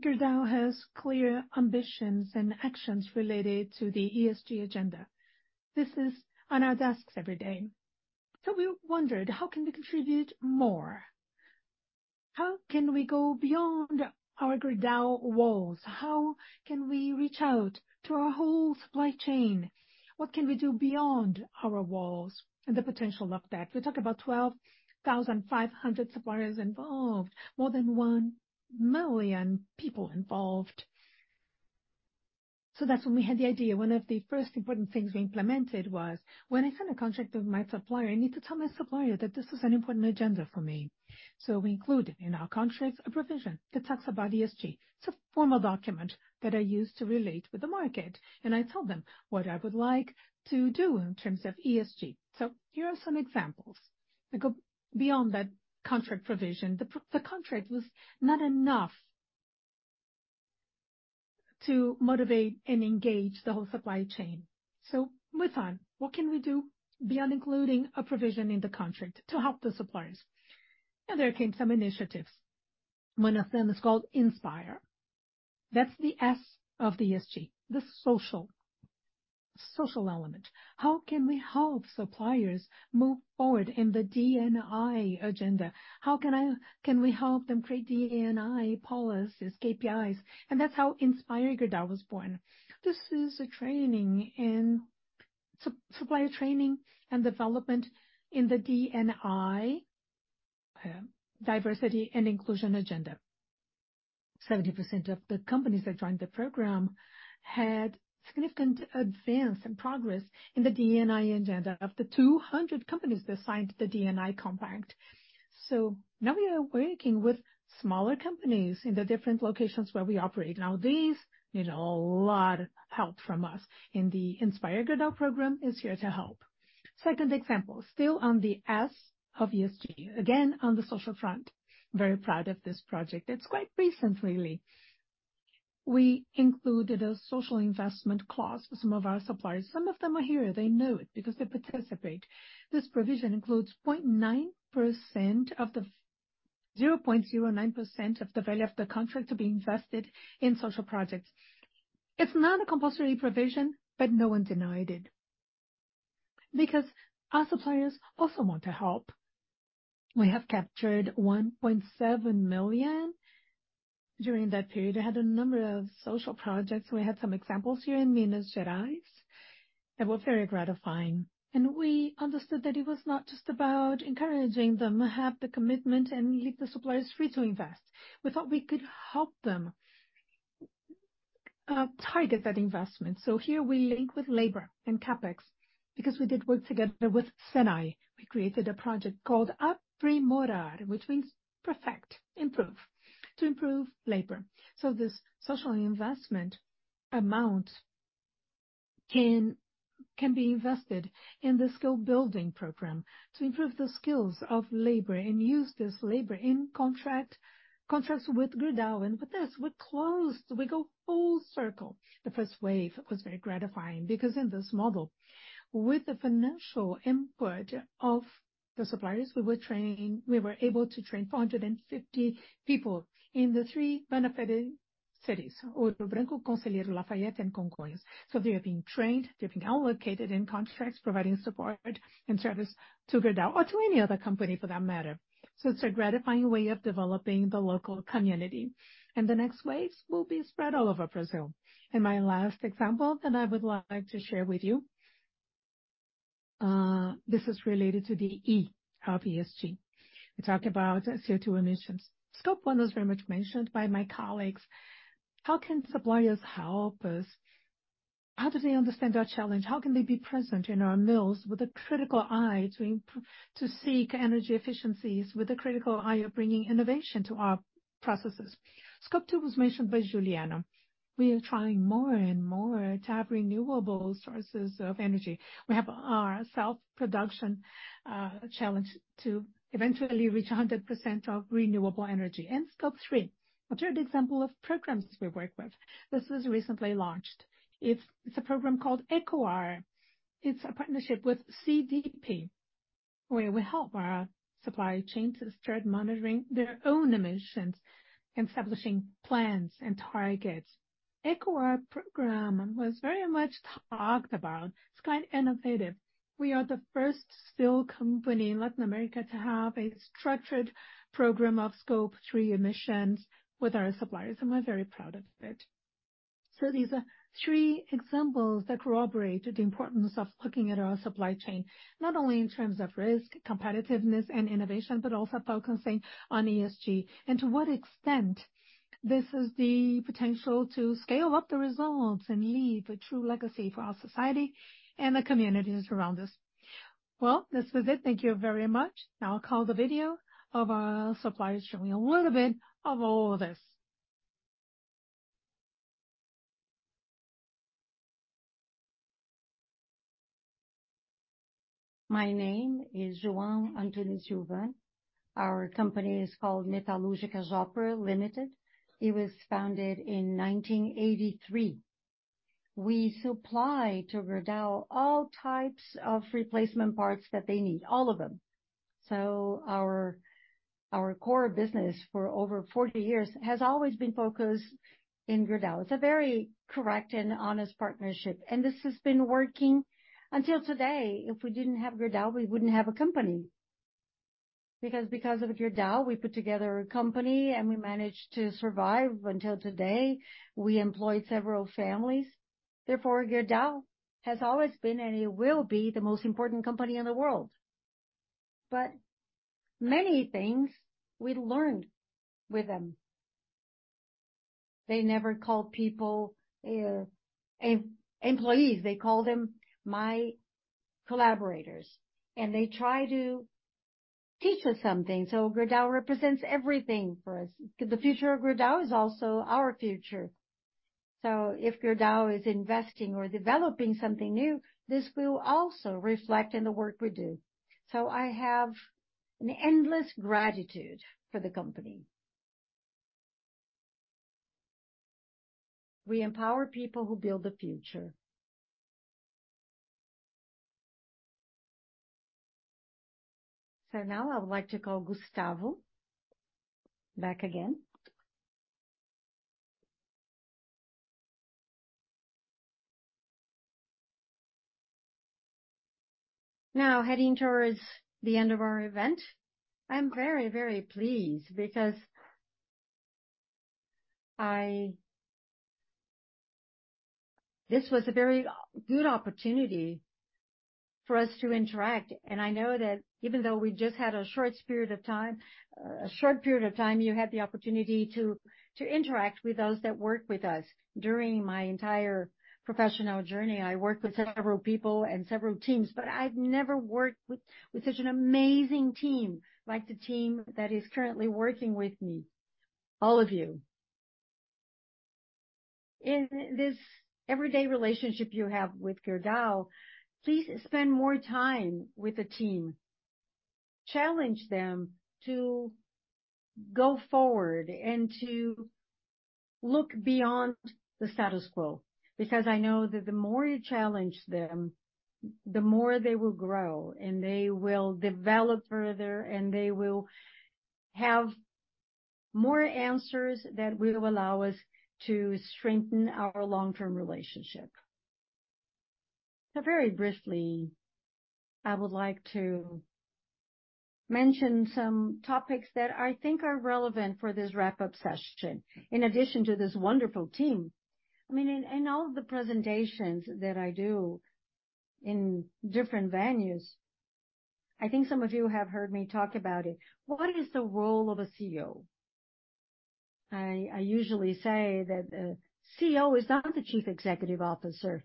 Gerdau has clear ambitions and actions related to the ESG agenda. This is on our desks every day. So we wondered: How can we contribute more? How can we go beyond our Gerdau walls? How can we reach out to our whole supply chain? What can we do beyond our walls and the potential of that? We talked about 12,500 suppliers involved, more than 1 million people involved. So that's when we had the idea. One of the first important things we implemented was, when I sign a contract with my supplier, I need to tell my supplier that this is an important agenda for me. So we included in our contracts a provision that talks about ESG. It's a formal document that I use to relate with the market, and I tell them what I would like to do in terms of ESG. So here are some examples. We go beyond that contract provision. The contract was not enough to motivate and engage the whole supply chain. So with time, what can we do beyond including a provision in the contract to help the suppliers? And there came some initiatives. One of them is called Inspire. That's the S of the ESG, the social, social element. How can we help suppliers move forward in the D&I agenda? How can we help them create DE&I policies, KPIs? And that's how Inspire Gerdau was born. This is a training in supplier training and development in the DE&I, diversity and inclusion agenda. 70% of the companies that joined the program had significant advance and progress in the DE&I agenda of the 200 companies that signed the DE&I compact. So now we are working with smaller companies in the different locations where we operate. Now, these need a lot of help from us, and the Inspire Gerdau program is here to help. Second example, still on the S of ESG, again, on the social front. Very proud of this project. It's quite recent, really. We included a social investment clause for some of our suppliers. Some of them are here. They know it because they participate. This provision includes 0.9% of the 0.09% of the value of the contract to be invested in social projects. It's not a compulsory provision, but no one denied it, because our suppliers also want to help. We have captured 1.7 million during that period. I had a number of social projects. We had some examples here in Minas Gerais that were very gratifying, and we understood that it was not just about encouraging them to have the commitment and leave the suppliers free to invest. We thought we could help them target that investment. So here we link with labor and CapEx, because we did work together with SENAI. We created a project called Aprimorar, which means perfect, improve, to improve labor. So this social investment amount can be invested in the skill building program to improve the skills of labor and use this labor in contracts with Gerdau. With this, we closed, we go full circle. The first wave was very gratifying because in this model, with the financial input of the suppliers we were training, we were able to train 450 people in the three benefited cities, Ouro Branco, Conselheiro Lafaiete, and Congonhas. So they are being trained, they're being allocated in contracts, providing support and service to Gerdau or to any other company, for that matter. So it's a gratifying way of developing the local community, and the next waves will be spread all over Brazil. My last example that I would like to share with you, this is related to the E of ESG. We talk about CO2 emissions. Scope One was very much mentioned by my colleagues. How can suppliers help us? How do they understand our challenge? How can they be present in our mills with a critical eye to seek energy efficiencies with a critical eye of bringing innovation to our processes? Scope Two was mentioned by Juliano. We are trying more and more to have renewable sources of energy. We have our self-production challenge to eventually reach 100% of renewable energy. And Scope Three, I'll show you an example of programs we work with. This was recently launched. It's a program called Ecoar. It's a partnership with CDP, where we help our supply chains to start monitoring their own emissions, establishing plans and targets. Ecoar program was very much talked about. It's quite innovative. We are the first steel company in Latin America to have a structured program of Scope Three Emissions with our suppliers, and we're very proud of it. So these are three examples that corroborate the importance of looking at our supply chain, not only in terms of risk, competitiveness, and innovation, but also focusing on ESG, and to what extent this is the potential to scale up the results and leave a true legacy for our society and the communities around us. Well, this was it. Thank you very much. Now I'll call the video of our suppliers, showing a little bit of all this. My name is João Antônio Gilvan. Our company is called Metalúrgica Jopa Limited. It was founded in 1983. We supply to Gerdau all types of replacement parts that they need, all of them. So our core business for over 40 years has always been focused in Gerdau. It's a very correct and honest partnership, and this has been working until today. If we didn't have Gerdau, we wouldn't have a company. Because of Gerdau, we put together a company, and we managed to survive until today. We employed several families. Therefore, Gerdau has always been, and it will be, the most important company in the world. But many things we learned with them. They never called people employees, they call them my collaborators, and they try to teach us something. So Gerdau represents everything for us. The future of Gerdau is also our future. So if Gerdau is investing or developing something new, this will also reflect in the work we do. So I have an endless gratitude for the company. We empower people who build the future. Now I would like to call Gustavo back again. Now, heading towards the end of our event, I'm very, very pleased because I this was a very good opportunity for us to interact, and I know that even though we just had a short spirit of time, a short period of time, you had the opportunity to, to interact with those that work with us. During my entire professional journey, I worked with several people and several teams, but I've never worked with, with such an amazing team, like the team that is currently working with me, all of you. In this everyday relationship you have with Gerdau, please spend more time with the team. Challenge them to go forward and to look beyond the status quo, because I know that the more you challenge them, the more they will grow, and they will develop further, and they will have more answers that will allow us to strengthen our long-term relationship. So very briefly, I would like to mention some topics that I think are relevant for this wrap-up session. In addition to this wonderful team, I mean, in, in all the presentations that I do in different venues, I think some of you have heard me talk about it. What is the role of a CEO? I, I usually say that a CEO is not the Chief Executive Officer.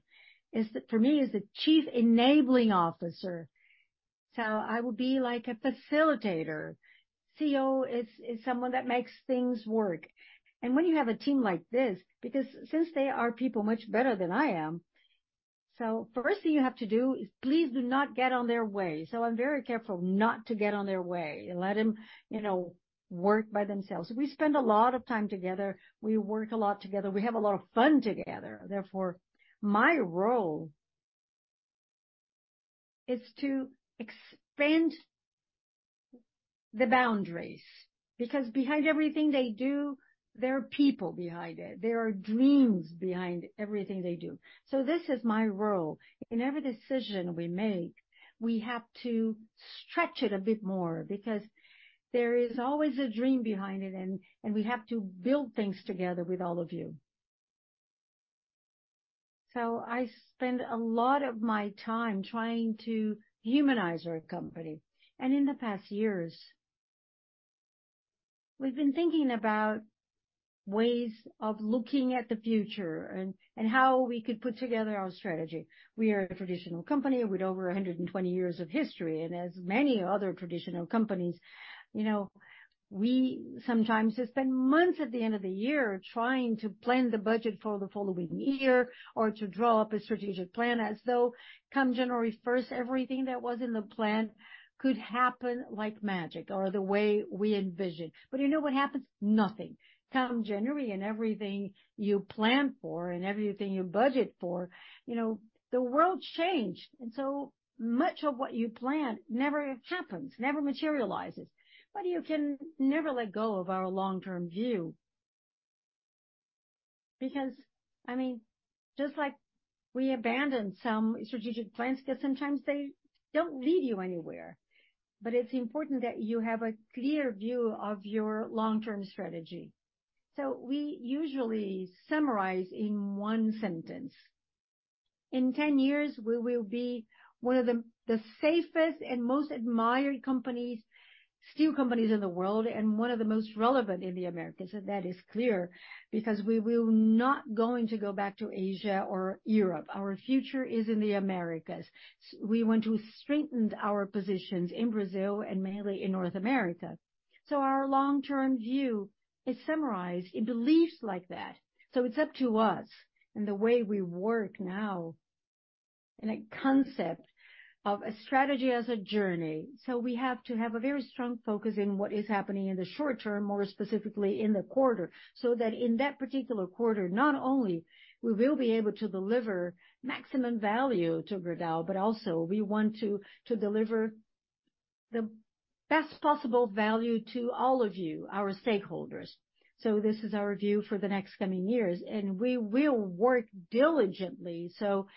Is the for me, is the Chief Enabling Officer. So I will be like a facilitator. CEO is, is someone that makes things work. And when you have a team like this, because since they are people much better than I am, so first thing you have to do is please do not get on their way. So I'm very careful not to get on their way and let them, you know, work by themselves. We spend a lot of time together, we work a lot together, we have a lot of fun together. Therefore, my role is to expand the boundaries, because behind everything they do, there are people behind it. There are dreams behind everything they do. So this is my role. In every decision we make, we have to stretch it a bit more because there is always a dream behind it, and, and we have to build things together with all of you. So I spend a lot of my time trying to humanize our company, and in the past years, we've been thinking about ways of looking at the future and, and how we could put together our strategy. We are a traditional company with over 120 years of history, and as many other traditional companies, you know, we sometimes spend months at the end of the year trying to plan the budget for the following year or to draw up a strategic plan, as though, come January first, everything that was in the plan could happen like magic or the way we envisioned. But you know what happens? Nothing. Come January, and everything you planned for and everything you budget for, you know, the world changed, and so much of what you planned never happens, never materializes. But you can never let go of our long-term view. Because, I mean, just like we abandoned some strategic plans, because sometimes they don't lead you anywhere. But it's important that you have a clear view of your long-term strategy. So we usually summarize in one sentence: In 10 years, we will be one of the safest and most admired steel companies in the world, and one of the most relevant in the Americas. That is clear, because we will not going to go back to Asia or EURpe. Our future is in the Americas. We want to strengthen our positions in Brazil and mainly in North America. So our long-term view is summarized in beliefs like that. So it's up to us and the way we work now in a concept of a strategy as a journey. So we have to have a very strong focus in what is happening in the short term, more specifically in the quarter, so that in that particular quarter, not only we will be able to deliver maximum value to Gerdau, but also we want to, to deliver the best possible value to all of you, our stakeholders. So this is our view for the next coming years, and we will work diligently so,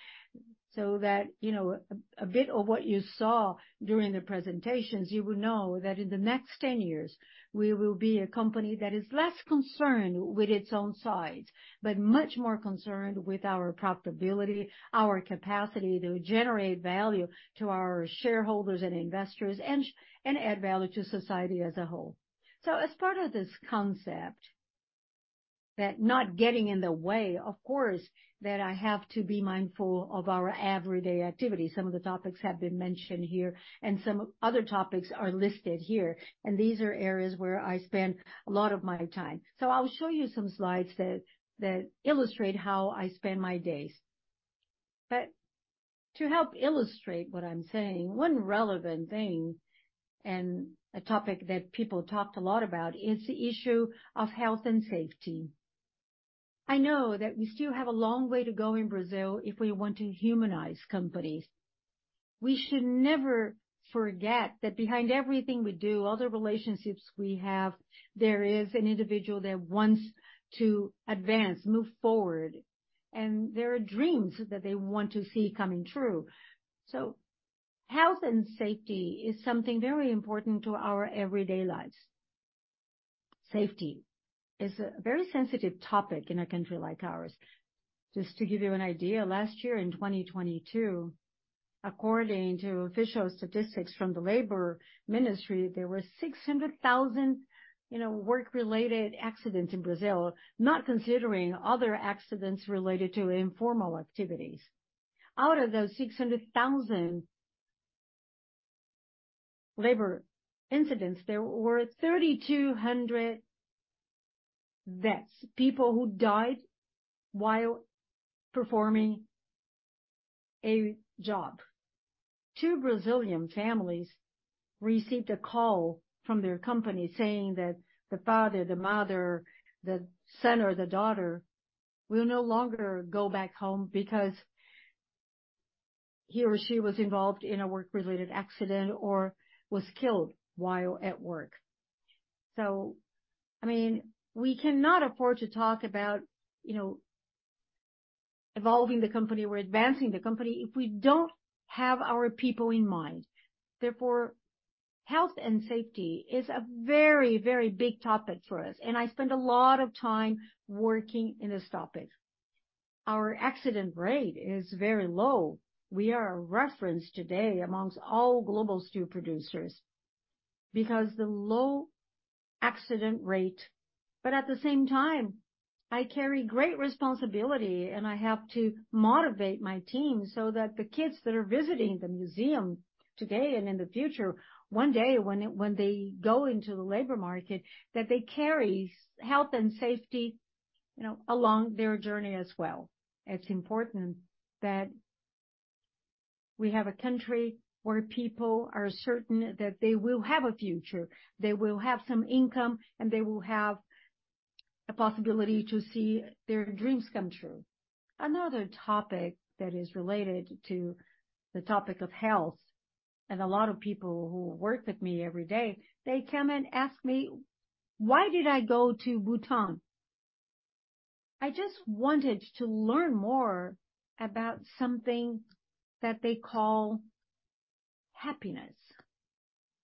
so that, you know, a bit of what you saw during the presentations, you will know that in the next ten years, we will be a company that is less concerned with its own size, but much more concerned with our profitability, our capacity to generate value to our shareholders and investors, and, and add value to society as a whole. As part of this concept, that not getting in the way, of course, that I have to be mindful of our everyday activity. Some of the topics have been mentioned here, and some other topics are listed here, and these are areas where I spend a lot of my time. I will show you some slides that illustrate how I spend my days. But to help illustrate what I'm saying, one relevant thing and a topic that people talked a lot about is the issue of health and safety. I know that we still have a long way to go in Brazil if we want to humanize companies. We should never forget that behind everything we do, all the relationships we have, there is an individual that wants to advance, move forward, and there are dreams that they want to see coming true. Health and safety is something very important to our everyday lives. Safety is a very sensitive topic in a country like ours. Just to give you an idea, last year in 2022, according to official statistics from the Labor Ministry, there were 600,000, you know, work-related accidents in Brazil, not considering other accidents related to informal activities. Out of those 600,000 labor incidents, there were 3,200 deaths, people who died while performing a job. Two Brazilian families received a call from their company saying that the father, the mother, the son, or the daughter will no longer go back home because he or she was involved in a work-related accident or was killed while at work. So, I mean, we cannot afford to talk about, you know, evolving the company or advancing the company if we don't have our people in mind. Therefore, health and safety is a very, very big topic for us, and I spend a lot of time working in this topic. Our accident rate is very low. We are a reference today amongst all global steel producers because the low accident rate, but at the same time, I carry great responsibility, and I have to motivate my team so that the kids that are visiting the museum today and in the future, one day when they go into the labor market, that they carry health and safety, you know, along their journey as well. It's important that we have a country where people are certain that they will have a future, they will have some income, and they will have a possibility to see their dreams come true. Another topic that is related to the topic of health, and a lot of people who work with me every day, they come and ask me, "Why did I go to Bhutan?" I just wanted to learn more about something that they call happiness.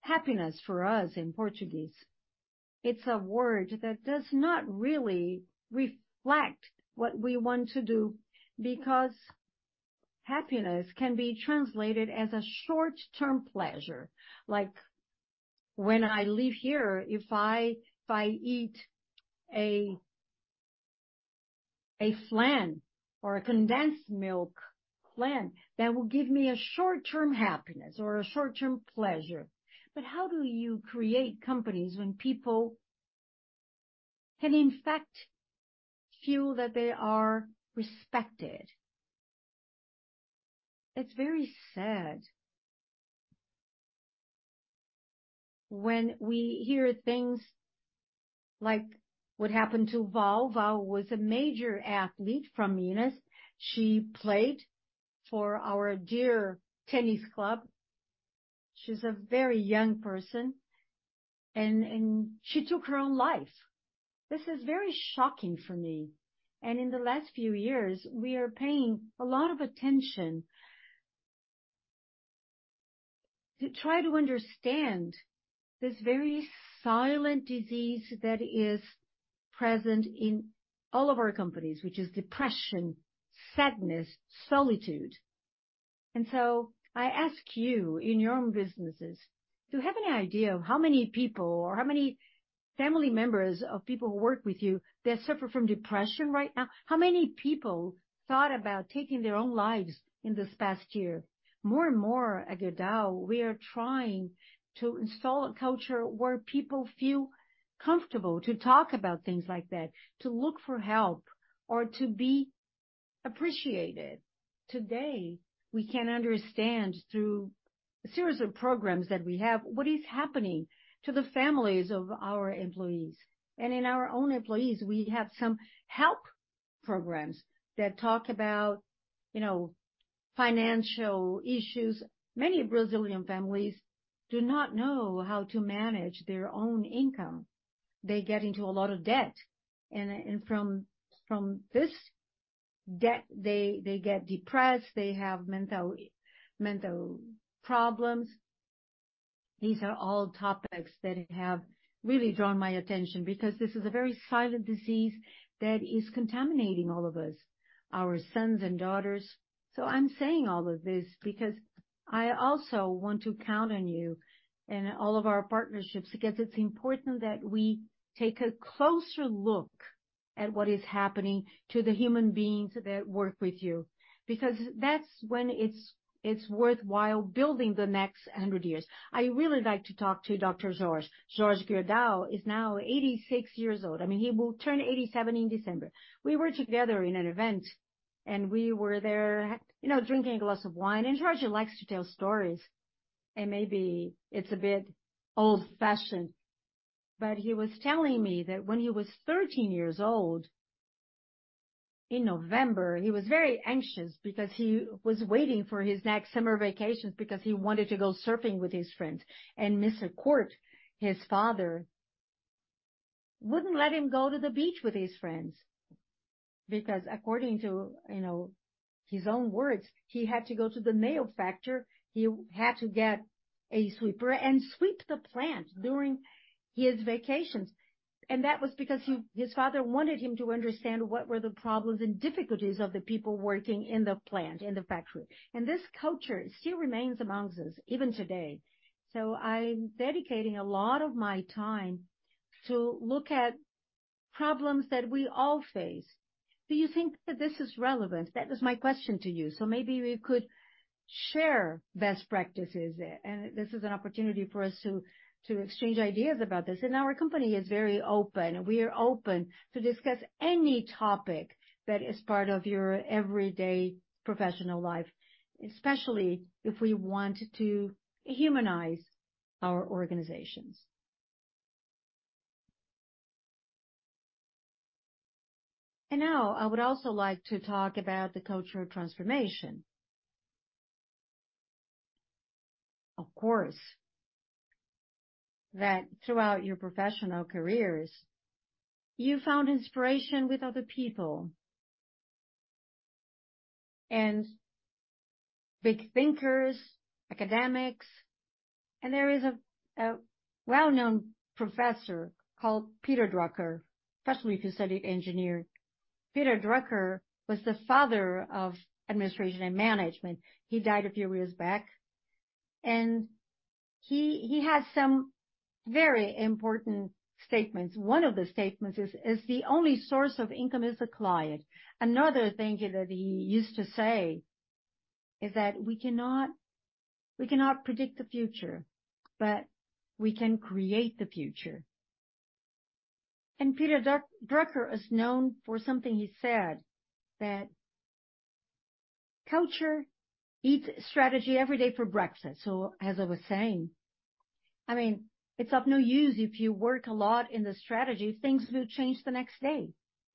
Happiness for us in Portuguese, it's a word that does not really reflect what we want to do, because happiness can be translated as a short-term pleasure. Like when I leave here, if I eat a flan or a condensed milk flan, that will give me a short-term happiness or a short-term pleasure. But how do you create companies when people can in fact feel that they are respected? It's very sad. When we hear things like what happened to Val. Val was a major athlete from Minas. She played for our dear tennis club. She's a very young person, and she took her own life. This is very shocking for me, and in the last few years, we are paying a lot of attention... to try to understand this very silent disease that is present in all of our companies, which is depression, sadness, solitude. And so I ask you, in your own businesses, do you have any idea of how many people or how many family members of people who work with you, they suffer from depression right now? How many people thought about taking their own lives in this past year? More and more at Gerdau, we are trying to install a culture where people feel comfortable to talk about things like that, to look for help or to be appreciated. Today, we can understand through a series of programs that we have what is happening to the families of our employees. In our own employees, we have some help programs that talk about, you know, financial issues. Many Brazilian families do not know how to manage their own income. They get into a lot of debt, and from this debt, they get depressed, they have mental problems. These are all topics that have really drawn my attention, because this is a very silent disease that is contaminating all of us, our sons and daughters. I'm saying all of this because I also want to count on you and all of our partnerships, because it's important that we take a closer look at what is happening to the human beings that work with you, because that's when it's worthwhile building the next hundred years. I really like to talk to Dr. Jorge. Jorge Gerdau is now 86 years old. I mean, he will turn 87 in December. We were together in an event, and we were there, you know, drinking a glass of wine, and Jorge likes to tell stories, and maybe it's a bit old-fashioned, but he was telling me that when he was 13 years old, in November, he was very anxious because he was waiting for his next summer vacations because he wanted to go surfing with his friends. And Mr. Kurt, his father, wouldn't let him go to the beach with his friends. Because according to, you know, his own words, he had to go to the nail factory. He had to get a sweeper and sweep the plant during his vacations, and that was because he, his father wanted him to understand what were the problems and difficulties of the people working in the plant, in the factory. This culture still remains among us, even today. I'm dedicating a lot of my time to look at problems that we all face. Do you think that this is relevant? That is my question to you. Maybe we could share best practices, and this is an opportunity for us to exchange ideas about this. Our company is very open. We are open to discuss any topic that is part of your everyday professional life, especially if we want to humanize our organizations. Now, I would also like to talk about the cultural transformation. Of course, throughout your professional careers, you found inspiration with other people. Big thinkers, academics, and there is a well-known professor called Peter Drucker, especially if you study engineer. Peter Drucker was the father of administration and management. He died a few years back, and he had some very important statements. One of the statements is, "The only source of income is the client." Another thing that he used to say is that, "We cannot predict the future, but we can create the future." And Peter Drucker is known for something he said, that, "Culture eats strategy every day for breakfast." So as I was saying, I mean, it's of no use if you work a lot in the strategy, things will change the next day.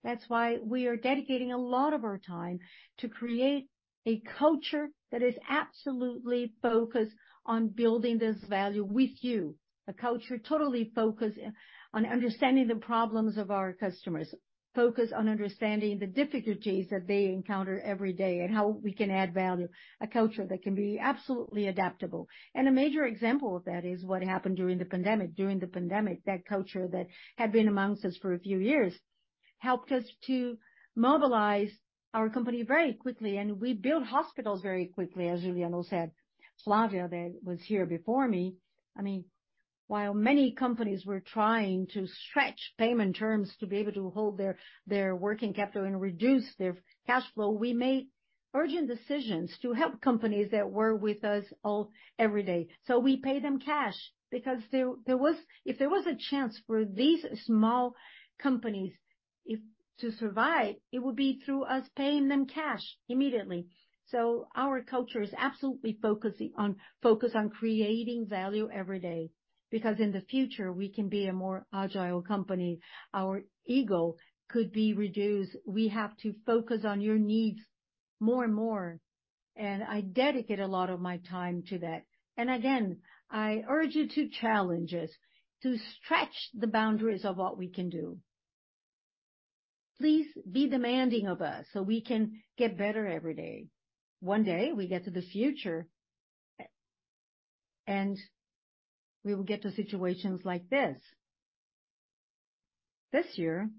That's why we are dedicating a lot of our time to create a culture that is absolutely focused on building this value with you. A culture totally focused on understanding the problems of our customers, focused on understanding the difficulties that they encounter every day and how we can add value. A culture that can be absolutely adaptable. A major example of that is what happened during the pandemic. During the pandemic, that culture that had been amongst us for a few years helped us to mobilize our company very quickly, and we built hospitals very quickly, as Juliano said. Flavia, that was here before me. I mean, while many companies were trying to stretch payment terms to be able to hold their working capital and reduce their cash flow, we made urgent decisions to help companies that were with us all every day. So we paid them cash because there was a chance for these small companies to survive; it would be through us paying them cash immediately. So our culture is absolutely focusing on, focused on creating value every day, because in the future, we can be a more agile company. Our ego could be reduced. We have to focus on your needs more and more, and I dedicate a lot of my time to that. And again, I urge you to challenge us, to stretch the boundaries of what we can do. Please be demanding of us so we can get better every day. One day, we get to the future, and we will get to situations like this. This year,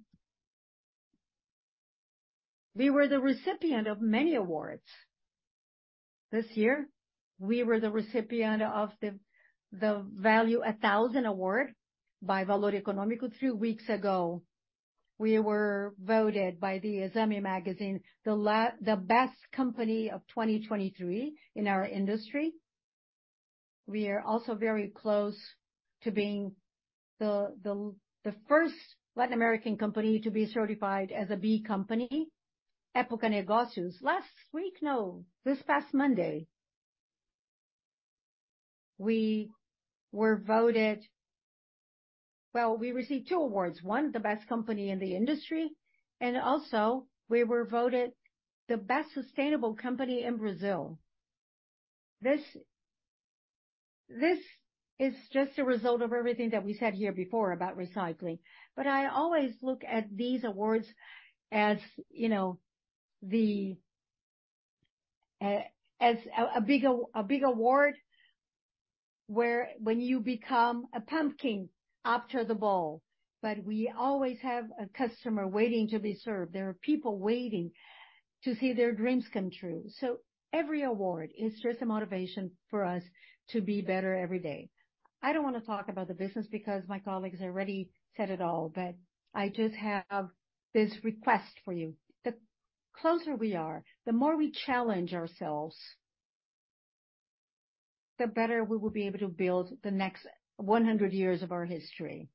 we were the recipient of many awards. This year, we were the recipient of the Valor 1000 award by Valor Econômico three weeks ago. We were voted by the Exame Magazine the best company of 2023 in our industry. We are also very close to being the first Latin American company to be certified as a B Corp. Época Negócios. Last week, no, this past Monday, we were voted. Well, we received two awards. One, the best company in the industry, and also we were voted the best sustainable company in Brazil. This is just a result of everything that we said here before about recycling. But I always look at these awards as, you know, as a big award, where when you become a pumpkin after the ball, but we always have a customer waiting to be served. There are people waiting to see their dreams come true. So every award is just a motivation for us to be better every day. I don't wanna talk about the business because my colleagues already said it all, but I just have this request for you. The closer we are, the more we challenge ourselves, the better we will be able to build the next 100 years of our history.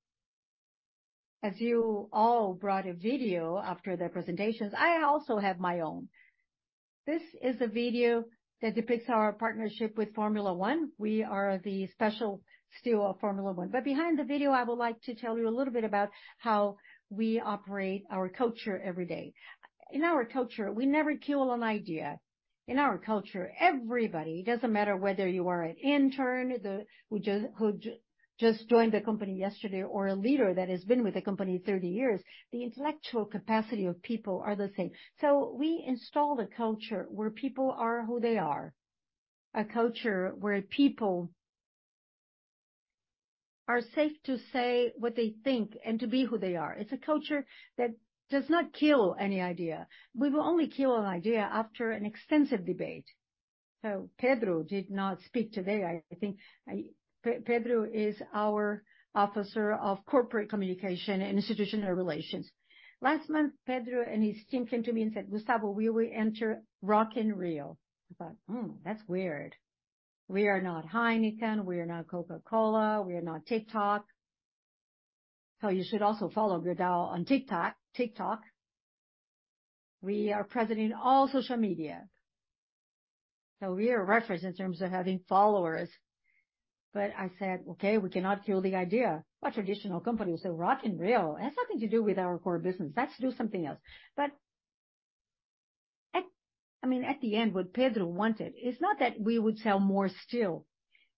As you all brought a video after the presentations, I also have my own. This is a video that depicts our partnership with Formula One. We are the special steel Formula One. But behind the video, I would like to tell you a little bit about how we operate our culture every day. In our culture, we never kill an idea. In our culture, everybody, it doesn't matter whether you are an intern. just joined the company yesterday, or a leader that has been with the company 30 years, the intellectual capacity of people are the same. So we install the culture where people are who they are. A culture where people are safe to say what they think and to be who they are. It's a culture that does not kill any idea. We will only kill an idea after an extensive debate. So Pedro did not speak today, I think. Pedro, Pedro is our Officer of Corporate Communication and Institutional Relations. Last month, Pedro and his team came to me and said, "Gustavo, we will enter Rock in Rio." I thought, "Hmm, that's weird." We are not Heineken, we are not Coca-Cola, we are not TikTok. So you should also follow Gerdau on TikTok, TikTok. We are present in all social media, so we are a reference in terms of having followers. But I said: Okay, we cannot kill the idea. But traditional companies say, Rock in Rio? It has nothing to do with our core business. Let's do something else. But at, I mean, at the end, what Pedro wanted, it's not that we would sell more steel,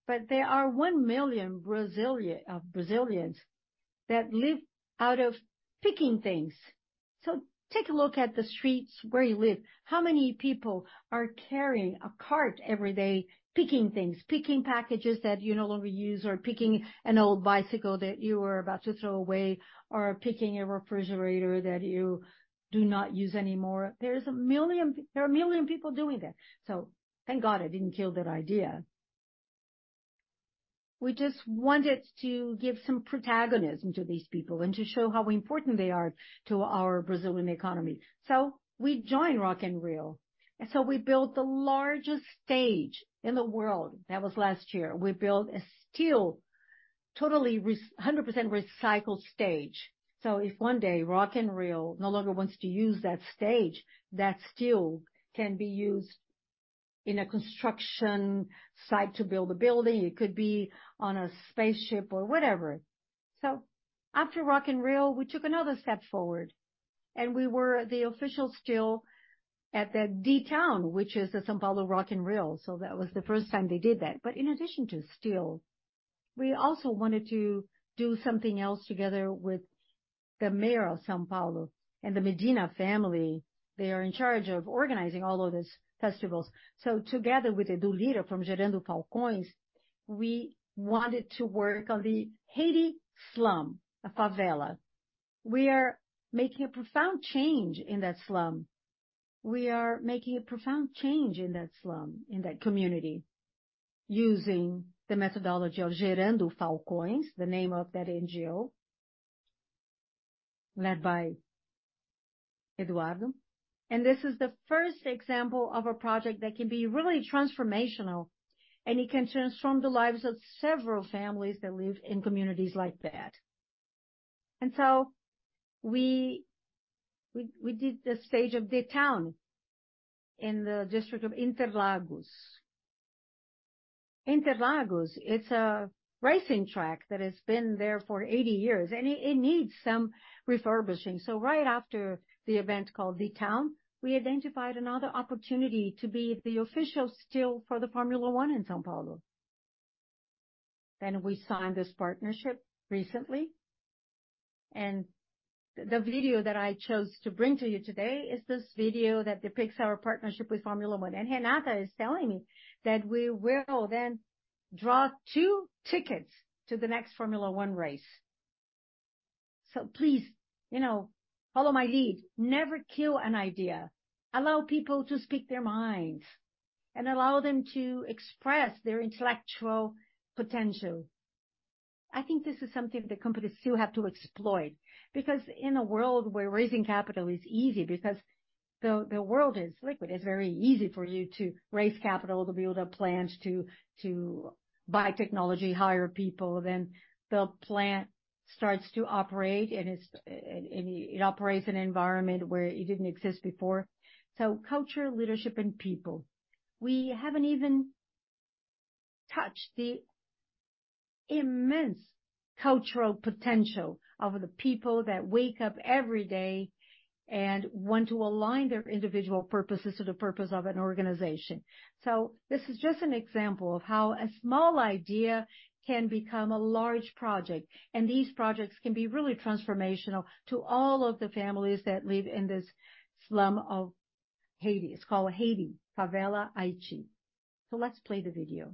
but there are 1 million Brazilian, Brazilians that live out of picking things. So take a look at the streets where you live. How many people are carrying a cart every day, picking things, picking packages that you no longer use, or picking an old bicycle that you were about to throw away, or picking a refrigerator that you do not use anymore? There's one million there are one million people doing that. So thank God I didn't kill that idea. We just wanted to give some protagonism to these people and to show how important they are to our Brazilian economy. So we joined Rock in Rio, and so we built the largest stage in the world. That was last year. We built a steel, totally recycled, 100% recycled stage. So if one day, Rock in Rio no longer wants to use that stage, that steel can be used in a construction site to build a building, it could be on a spaceship or whatever. So after Rock in Rio, we took another step forward, and we were the official steel at the The Town, which is the São Paulo Rock in Rio. So that was the first time they did that. But in addition to steel, we also wanted to do something else together with the mayor of São Paulo and the Medina family. They are in charge of organizing all of these festivals. So together with the leader from Gerando Falcões, we wanted to work on the Haiti favela. We are making a profound change in that slum. We are making a profound change in that slum, in that community, using the methodology of Gerando Falcões, the name of that NGO, led by Eduardo. And this is the first example of a project that can be really transformational, and it can transform the lives of several families that live in communities like that. And so we did the stage of The Town in the district of Interlagos. Interlagos, it's a racing track that has been there for 80 years, and it needs some refurbishing. So right after the event called The Town, we identified another opportunity to be the official steel for the Formula One in São Paulo. Then we signed this partnership recently, and the video that I chose to bring to you today is this video that depicts our partnership with Formula One. And Renata is telling me that we will then draw two tickets to the next Formula One race. So please, you know, follow my lead. Never kill an idea. Allow people to speak their minds and allow them to express their intellectual potential. I think this is something that companies still have to exploit, because in a world where raising capital is easy, because the world is liquid, it's very easy for you to raise capital, to build a plant, to buy technology, hire people, then the plant starts to operate, and it's, and it operates in an environment where it didn't exist before. So culture, leadership, and people. We haven't even touched the immense cultural potential of the people that wake up every day and want to align their individual purposes to the purpose of an organization. So this is just an example of how a small idea can become a large project, and these projects can be really transformational to all of the families that live in this slum of Haiti. It's called Haiti, Favela Haiti. So let's play the video.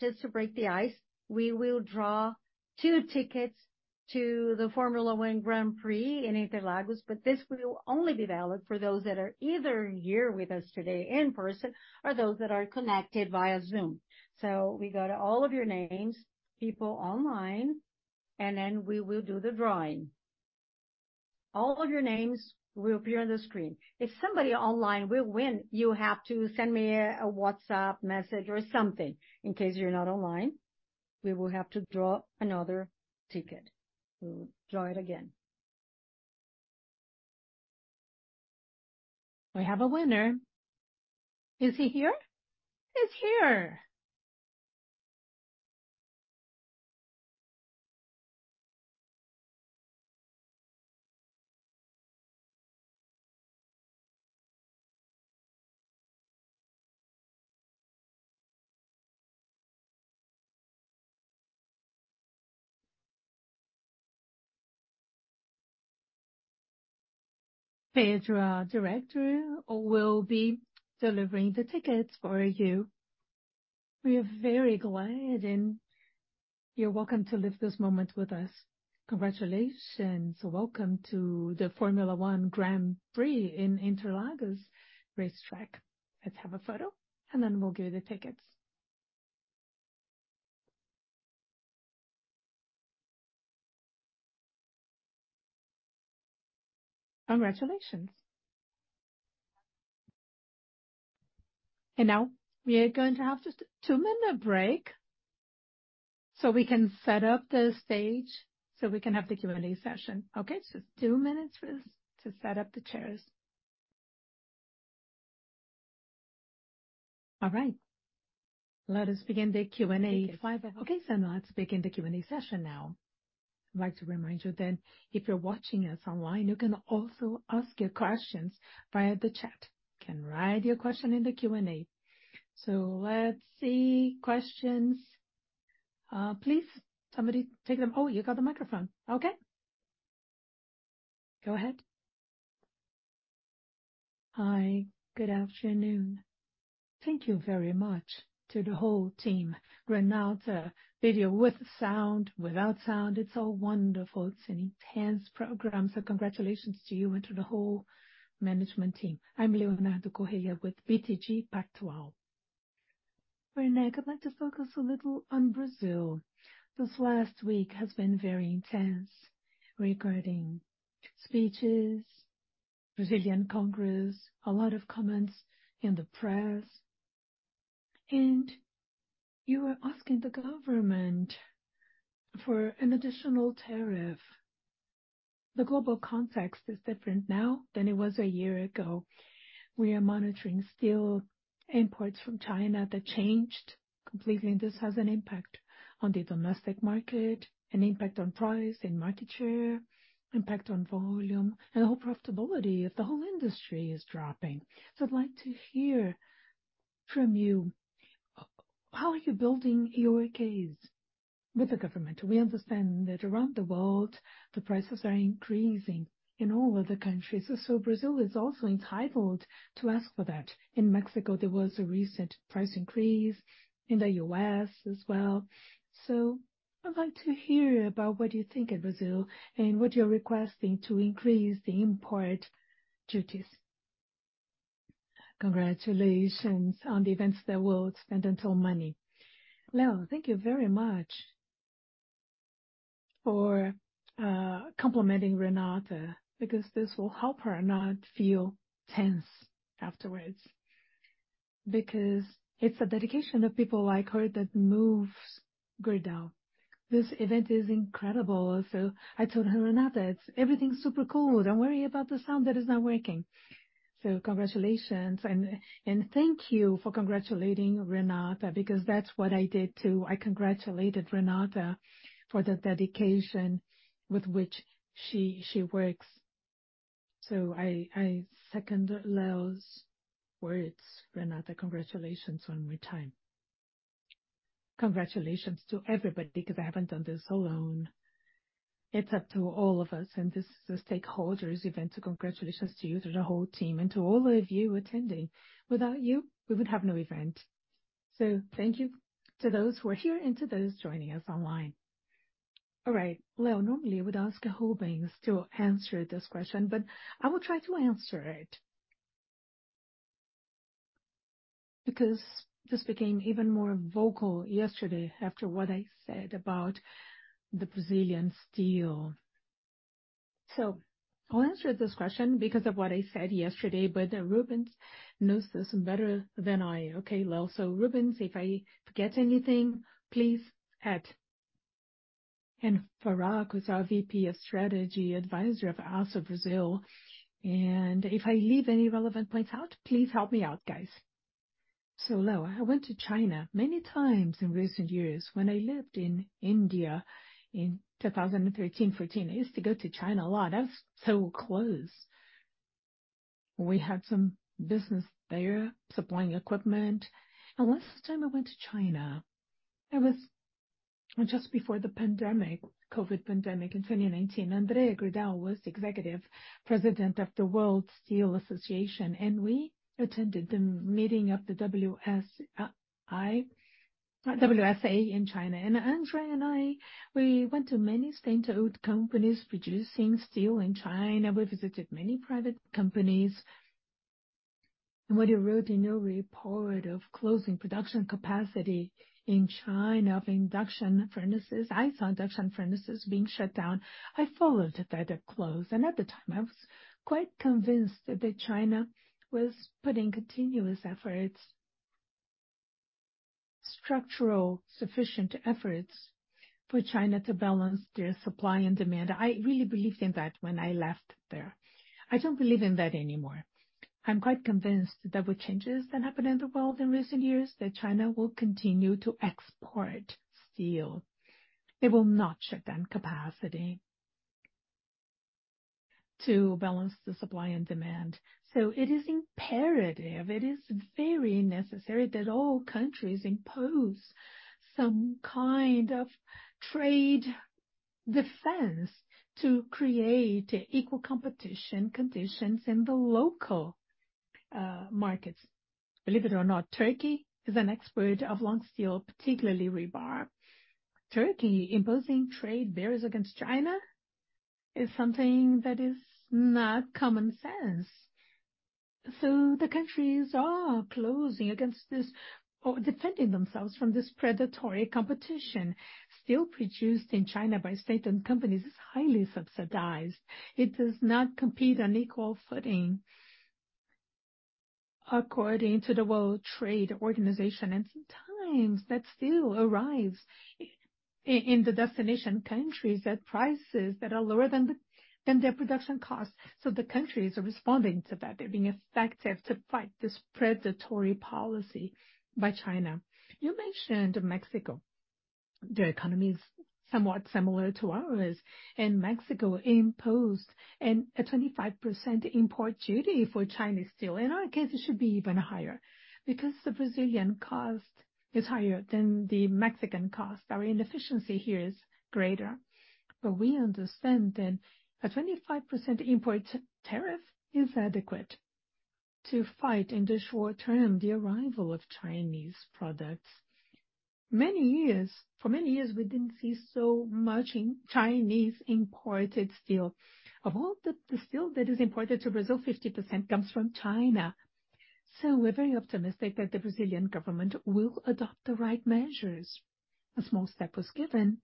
In the internet. So now, just to break the ice, we will draw two tickets to the Formula One Grand Prix in Interlagos, but this will only be valid for those that are either here with us today in person or those that are connected via Zoom. So we go to all of your names, people online, and then we will do the drawing. All of your names will appear on the screen. If somebody online will win, you have to send me a WhatsApp message or something. In case you're not online, we will have to draw another ticket. We'll draw it again. We have a winner. Is he here? He's here! Pedro, our Director, will be delivering the tickets for you. We are very glad, and you're welcome to live this moment with us. Congratulations. Welcome to the Formula One Grand Prix in Interlagos race track. Let's have a photo, and then we'll give you the tickets. Congratulations. Now we are going to have just a two-minute break so we can set up the stage, so we can have the Q&A session. Okay? Just two minutes for this to set up the chairs. All right, let us begin the Q&A. Okay, so let's begin the Q&A session now. I'd like to remind you that if you're watching us online, you can also ask your questions via the chat. You can write your question in the Q&A. So let's see questions. Please, somebody take them. Oh, you got the microphone. Okay. Go ahead. Hi, good afternoon. Thank you very much to the whole team. Renata, video with sound, without sound, it's all wonderful. It's an intense program, so congratulations to you and to the whole management team. I'm Leonardo Correa with BTG Pactual. Werneck, I'd like to focus a little on Brazil. This last week has been very intense regarding speeches, Brazilian Congress, a lot of comments in the press, and you were asking the government for an additional tariff. The global context is different now than it was a year ago. We are monitoring steel imports from China that changed completely, and this has an impact on the domestic market, an impact on price and market share, impact on volume, and the whole profitability of the whole industry is dropping. So I'd like to hear from you, how are you building your case with the government? We understand that around the world, the prices are increasing in all of the countries, so Brazil is also entitled to ask for that. In Mexico, there was a recent price increase, in the U.S. as well. So I'd like to hear about what you think in Brazil and what you're requesting to increase the import duties. Congratulations on the events that will spend until money. Leo, thank you very much for complimenting Renata, because this will help her not feel tense afterwards. Because it's the dedication of people like her that moves Gerdau. This event is incredible, so I told her, Renata, everything's super cool. Don't worry about the sound that is not working. So congratulations, and thank you for congratulating Renata, because that's what I did, too. I congratulated Renata for the dedication with which she works. So I second Leo's words. Renata, congratulations one more time. Congratulations to everybody, because I haven't done this alone. It's up to all of us, and this is a stakeholders event, so congratulations to you through the whole team and to all of you attending. Without you, we would have no event. So thank you to those who are here and to those joining us online. All right, Leo, normally, I would ask Rubens to answer this question, but I will try to answer it. Because this became even more vocal yesterday after what I said about the Brazilian steel. So I'll answer this question because of what I said yesterday, but Rubens knows this better than I. Okay, Leo? So, Rubens, if I forget anything, please add. And Faraco, who's our VP of Strategy Advisor o fAços Brasil, and if I leave any relevant points out, please help me out, guys. So Leo, I went to China many times in recent years. When I lived in India in 2013, 2014, I used to go to China a lot. That was so close. We had some business there, supplying equipment, and last time I went to China. Just before the pandemic, COVID pandemic in 2019, André Gerdau was executive president of the World Steel Association, and we attended the meeting of the WSA in China. And André and I, we went to many state-owned companies producing steel in China. We visited many private companies. And what he wrote in your report of closing production capacity in China, of induction furnaces, I saw induction furnaces being shut down. I followed that they closed, and at the time, I was quite convinced that China was putting continuous efforts, structural, sufficient efforts for China to balance their supply and demand. I really believed in that when I left there. I don't believe in that anymore. I'm quite convinced that with changes that happened in the world in recent years, that China will continue to export steel. They will not shut down capacity to balance the supply and demand. So it is imperative, it is very necessary that all countries impose some kind of trade defense to create equal competition conditions in the local markets. Believe it or not, Turkey is an expert of long steel, particularly rebar. Turkey imposing trade barriers against China is something that is not common sense. So the countries are closing against this or defending themselves from this predatory competition. Steel produced in China by state-owned companies is highly subsidized. It does not compete on equal footing according to the World Trade Organization, and sometimes that steel arrives in the destination countries at prices that are lower than their production costs. So the countries are responding to that. They're being effective to fight this predatory policy by China. You mentioned Mexico. Their economy is somewhat similar to ours, and Mexico imposed a 25% import duty for Chinese steel. In our case, it should be even higher because the Brazilian cost is higher than the Mexican cost. Our inefficiency here is greater, but we understand that a 25% import tariff is adequate to fight, in the short term, the arrival of Chinese products. For many years, we didn't see so much Chinese imported steel. Of all the steel that is imported to Brazil, 50% comes from China. So we're very optimistic that the Brazilian government will adopt the right measures. A small step was given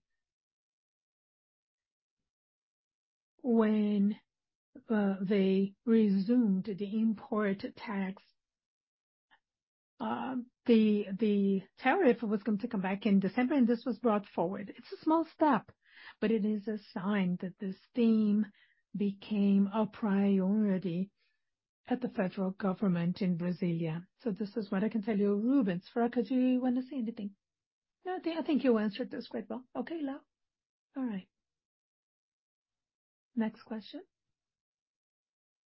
when they resumed the import tax. The tariff was going to come back in December, and this was brought forward. It's a small step, but it is a sign that this theme became a priority at the federal government in Brasília. So this is what I can tell you. Rubens, Fracas, do you want to say anything? No, I think, I think you answered this quite well. Okay, Leo. All right. Next question.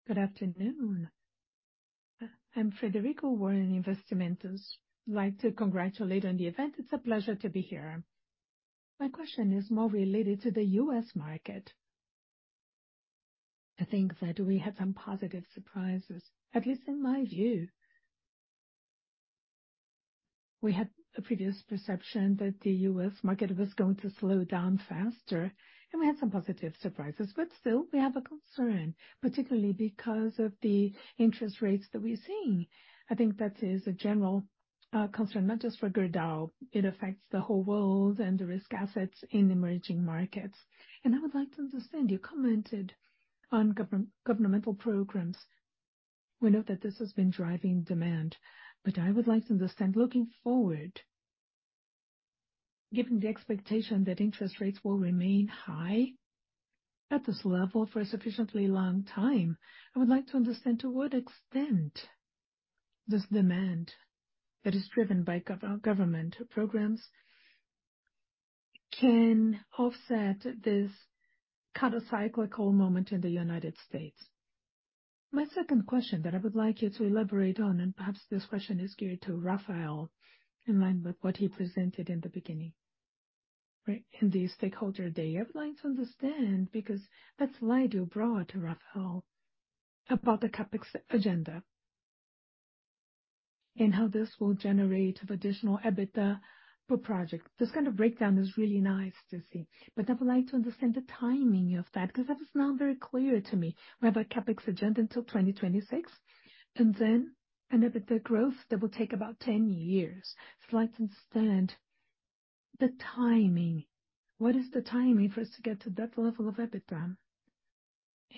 Good afternoon. I'm Frederico, Warren Investimentos. I'd like to congratulate on the event. It's a pleasure to be here. My question is more related to the U.S. market. I think that we had some positive surprises, at least in my view. We had a previous perception that the U.S. market was going to slow down faster, and we had some positive surprises, but still, we have a concern, particularly because of the interest rates that we're seeing. I think that is a general concern, not just for Gerdau. It affects the whole world and the risk assets in emerging markets. And I would like to understand, you commented on governmental programs. We know that this has been driving demand, but I would like to understand, looking forward, given the expectation that interest rates will remain high at this level for a sufficiently long time, I would like to understand to what extent this demand that is driven by government programs can offset this countercyclical moment in the United States. My second question that I would like you to elaborate on, and perhaps this question is geared to Rafael, in line with what he presented in the beginning, right? In the stakeholder day. I would like to understand, because that slide you brought, Rafael, about the CapEx agenda and how this will generate additional EBITDA per project. This kind of breakdown is really nice to see, but I would like to understand the timing of that, because that is not very clear to me. We have a CapEx agenda until 2026, and then an EBITDA growth that will take about 10 years. So I'd like to understand the timing. What is the timing for us to get to that level of EBITDA,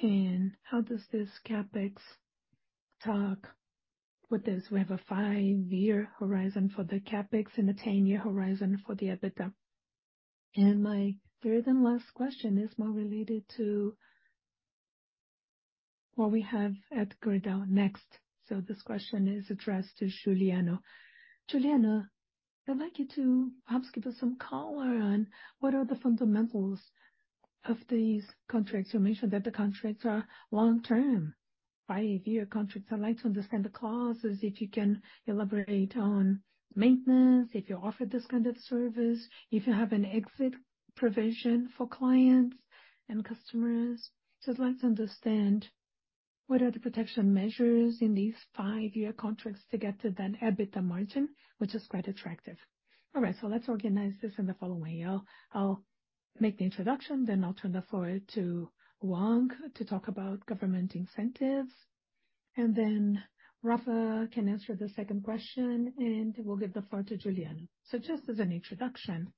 and how does this CapEx talk with this? We have a five year horizon for the CapEx and a 10-year horizon for the EBITDA. And my third and last question is more related to what we have at Gerdau Next. So this question is addressed to Juliano. Juliano, I'd like you to perhaps give us some color on what are the fundamentals of these contracts. You mentioned that the contracts are long-term, five-year contracts. I'd like to understand the clauses, if you can elaborate on maintenance, if you offer this kind of service, if you have an exit provision for clients and customers. Just like to understand what are the protection measures in these five-year contracts to get to that EBITDA margin, which is quite attractive. All right, so let's organize this in the following way. I'll, I'll make the introduction, then I'll turn the floor to Wang to talk about government incentives, and then Rafa can answer the second question, and we'll give the floor to Juliano. Just as an introduction,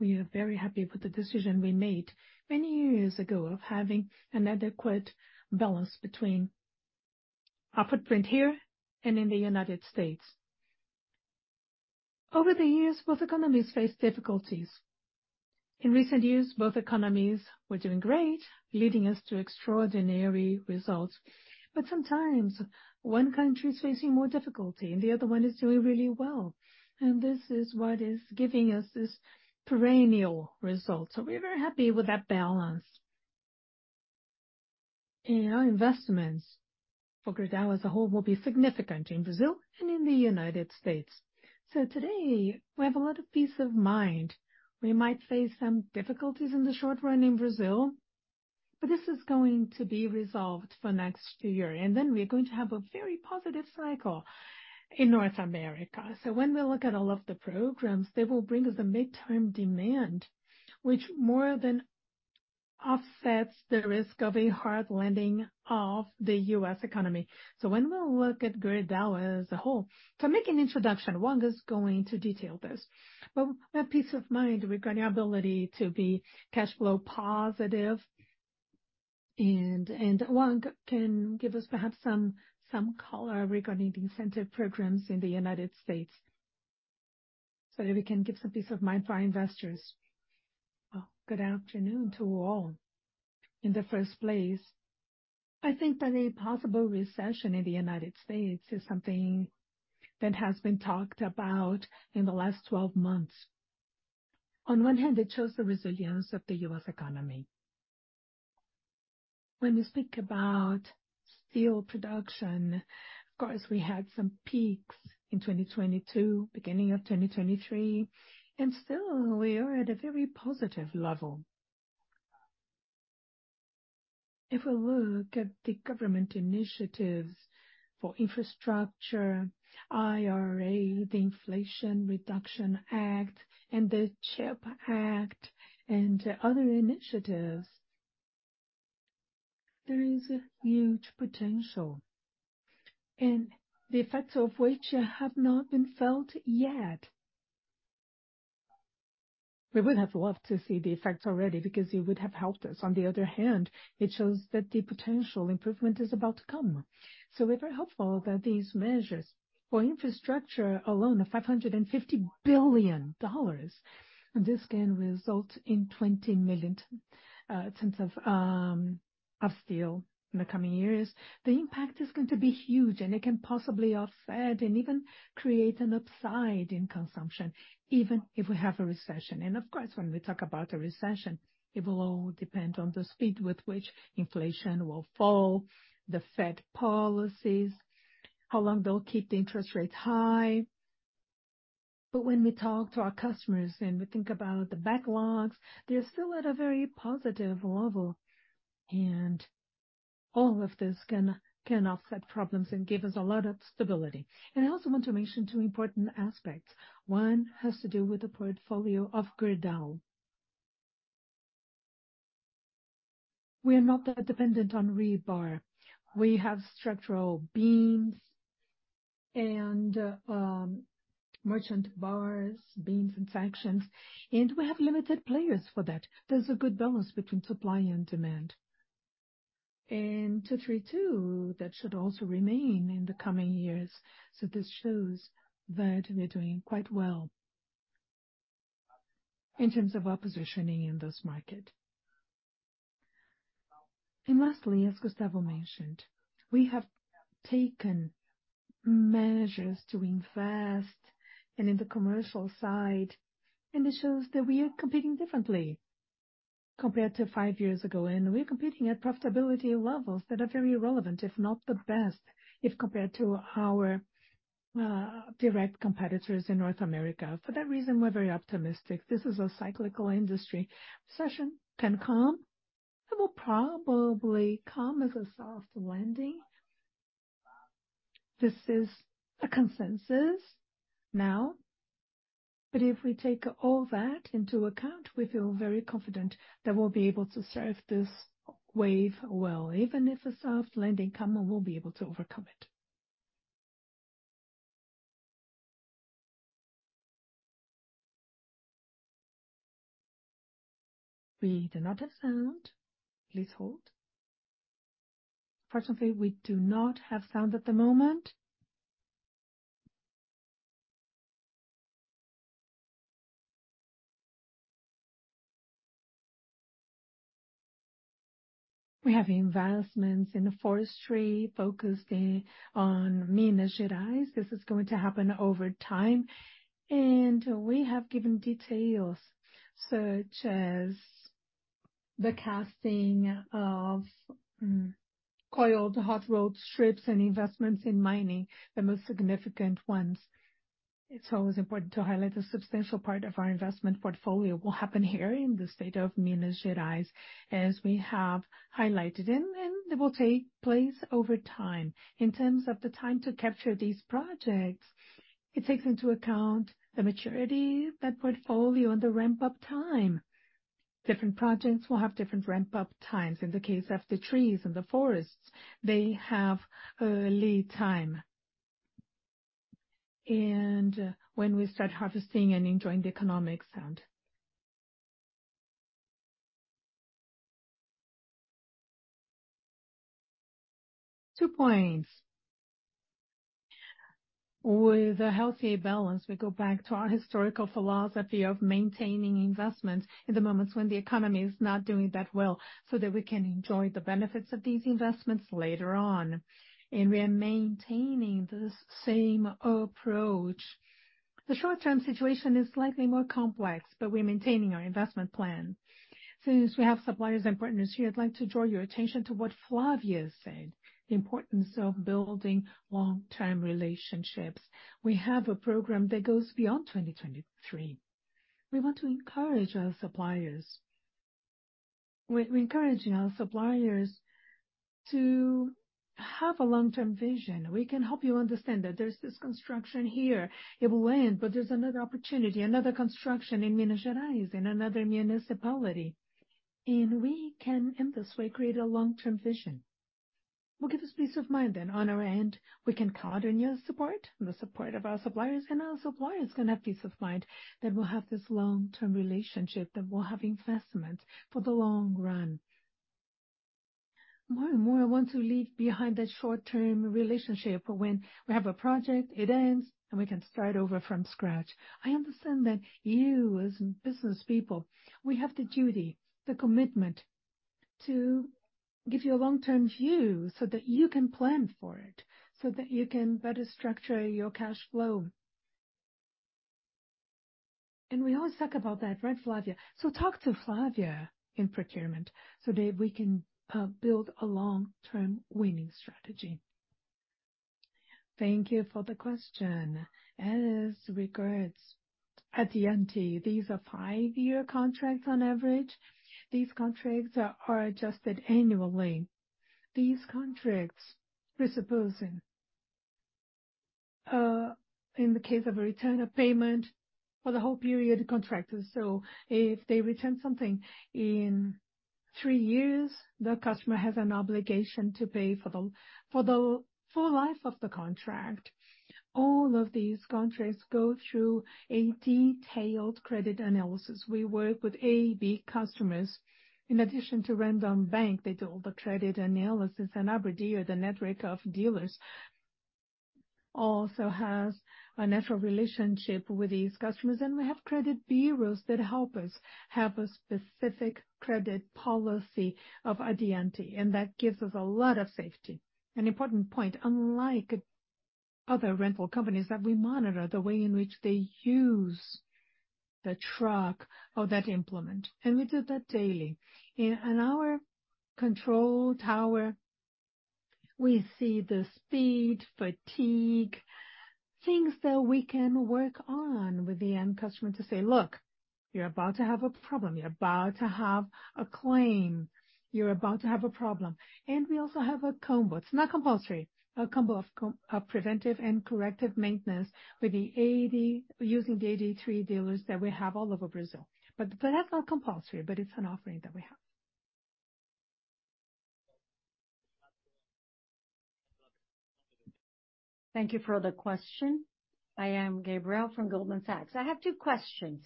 we are very happy with the decision we made many years ago of having an adequate balance between our footprint here and in the United States. Over the years, both economies faced difficulties. In recent years, both economies were doing great, leading us to extraordinary results. But sometimes one country is facing more difficulty and the other one is doing really well, and this is what is giving us this perennial result. So we're very happy with that balance. Our investments for Gerdau as a whole will be significant in Brazil and in the United States. Today, we have a lot of peace of mind. We might face some difficulties in the short run in Brazil, but this is going to be resolved for next year, and then we're going to have a very positive cycle in North America. So when we look at all of the programs, they will bring us a midterm demand, which more than offsets the risk of a hard landing of the U.S. economy. So when we look at Gerdau as a whole. To make an introduction, Wang is going to detail this, but we have peace of mind regarding our ability to be cash flow positive, and Wang can give us perhaps some color regarding the incentive programs in the United States, so that we can give some peace of mind for our investors. Well, good afternoon to all. In the first place, I think that a possible recession in the United States is something that has been talked about in the last 12 months. On one hand, it shows the resilience of the U.S. economy. When you speak about steel production, of course, we had some peaks in 2022, beginning of 2023, and still we are at a very positive level. If we look at the government initiatives for infrastructure, IRA, the Inflation Reduction Act, and the CHIPS Act, and other initiatives, there is a huge potential, and the effects of which have not been felt yet. We would have loved to see the effects already, because it would have helped us. On the other hand, it shows that the potential improvement is about to come. So we're very hopeful that these measures for infrastructure alone, of $550 billion, and this can result in 20 million tons of steel in the coming years. The impact is going to be huge, and it can possibly offset and even create an upside in consumption, even if we have a recession. Of course, when we talk about a recession, it will all depend on the speed with which inflation will fall, the Fed policies, how long they'll keep the interest rates high. But when we talk to our customers and we think about the backlogs, they're still at a very positive level, and all of this can, can offset problems and give us a lot of stability. I also want to mention two important aspects. One has to do with the portfolio of Gerdau. We are not that dependent on rebar. We have structural beams and, merchant bars, beams and sections, and we have limited players for that. There's a good balance between supply and demand. Two, three, two that should also remain in the coming years. So this shows that we are doing quite well in terms of our positioning in this market. And lastly, as Gustavo mentioned, we have taken measures to invest and in the commercial side, and it shows that we are competing differently compared to five years ago, and we're competing at profitability levels that are very relevant, if not the best, if compared to our direct competitors in North America. For that reason, we're very optimistic. This is a cyclical industry. Recession can come. It will probably come as a soft landing. This is a consensus now, but if we take all that into account, we feel very confident that we'll be able to surf this wave well. Even if a soft landing come, we'll be able to overcome it. We do not have sound. Please hold. Unfortunately, we do not have sound at the moment. We have investments in the forestry focused in, on Minas Gerais. This is going to happen over time, and we have given details such as the casting of coiled hot rolled strips and investments in mining, the most significant ones. It's always important to highlight a substantial part of our investment portfolio will happen here in the state of Minas Gerais, as we have highlighted, and it will take place over time. In terms of the time to capture these projects, it takes into account the maturity, that portfolio, and the ramp-up time. Different projects will have different ramp-up times. In the case of the trees and the forests, they have a lead time. And when we start harvesting and enjoying the economics and. Two points. With a healthier balance, we go back to our historical philosophy of maintaining investments in the moments when the economy is not doing that well, so that we can enjoy the benefits of these investments later on, and we are maintaining this same approach. The short-term situation is slightly more complex, but we're maintaining our investment plan. Since we have suppliers and partners here, I'd like to draw your attention to what Flavia said, the importance of building long-term relationships. We have a program that goes beyond 2023. We want to encourage our suppliers. We are encouraging our suppliers to have a long-term vision. We can help you understand that there's this construction here, it will end, but there's another opportunity, another construction in Minas Gerais, in another municipality. We can, in this way, create a long-term vision. We'll give us peace of mind, and on our end, we can count on your support and the support of our suppliers, and our suppliers can have peace of mind that we'll have this long-term relationship, that we'll have investments for the long run. More and more, I want to leave behind that short-term relationship, when we have a project, it ends, and we can start over from scratch. I understand that you, as business people, we have the duty, the commitment to give you a long-term view so that you can plan for it, so that you can better structure your cash flow. And we always talk about that, right, Flavia? So talk to Flavia in procurement so that we can build a long-term winning strategy. Thank you for the question. As regards, at the end, these are five-year contracts on average. These contracts are adjusted annually. These contracts, we're supposing, in the case of a return of payment for the whole period contractors. So if they return something in three years, the customer has an obligation to pay for the, for the full life of the contract. All of these contracts go through a detailed credit analysis. We work with AB customers. In addition to Randon Bank, they do all the credit analysis, and ABRADIST, the network of dealers, also has a natural relationship with these customers. And we have credit bureaus that help us have a specific credit policy of Addiante, and that gives us a lot of safety. An important point, unlike other rental companies, that we monitor the way in which they use the truck or that implement, and we do that daily. In our control tower, we see the speed, fatigue, things that we can work on with the end customer to say: Look, you're about to have a problem. You're about to have a claim. You're about to have a problem. And we also have a combo. It's not compulsory, a combo of preventive and corrective maintenance using the AD3 dealers that we have all over Brazil. But that's not compulsory, but it's an offering that we have. Thank you for the question. I am Gabrielle from Goldman Sachs. I have two questions.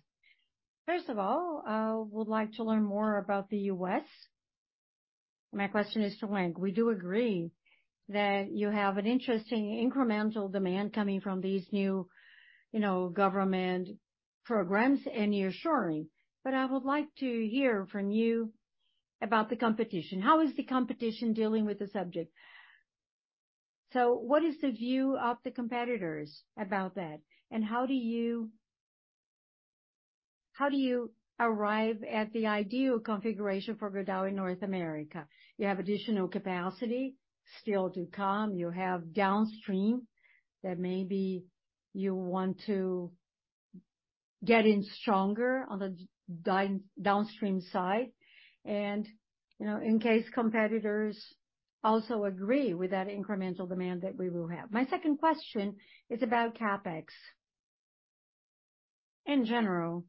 First of all, I would like to learn more about the US. My question is to Wang. We do agree that you have an interesting incremental demand coming from these new, you know, government programs, and you're assuring, but I would like to hear from you about the competition. How is the competition dealing with the subject? So what is the view of the competitors about that, and how do you, how do you arrive at the ideal configuration for Gerdau in North America? You have additional capacity still to come. You have downstream that maybe you want to get in stronger on the down, downstream side. And, you know, in case competitors also agree with that incremental demand that we will have. My second question is about CapEx. In general,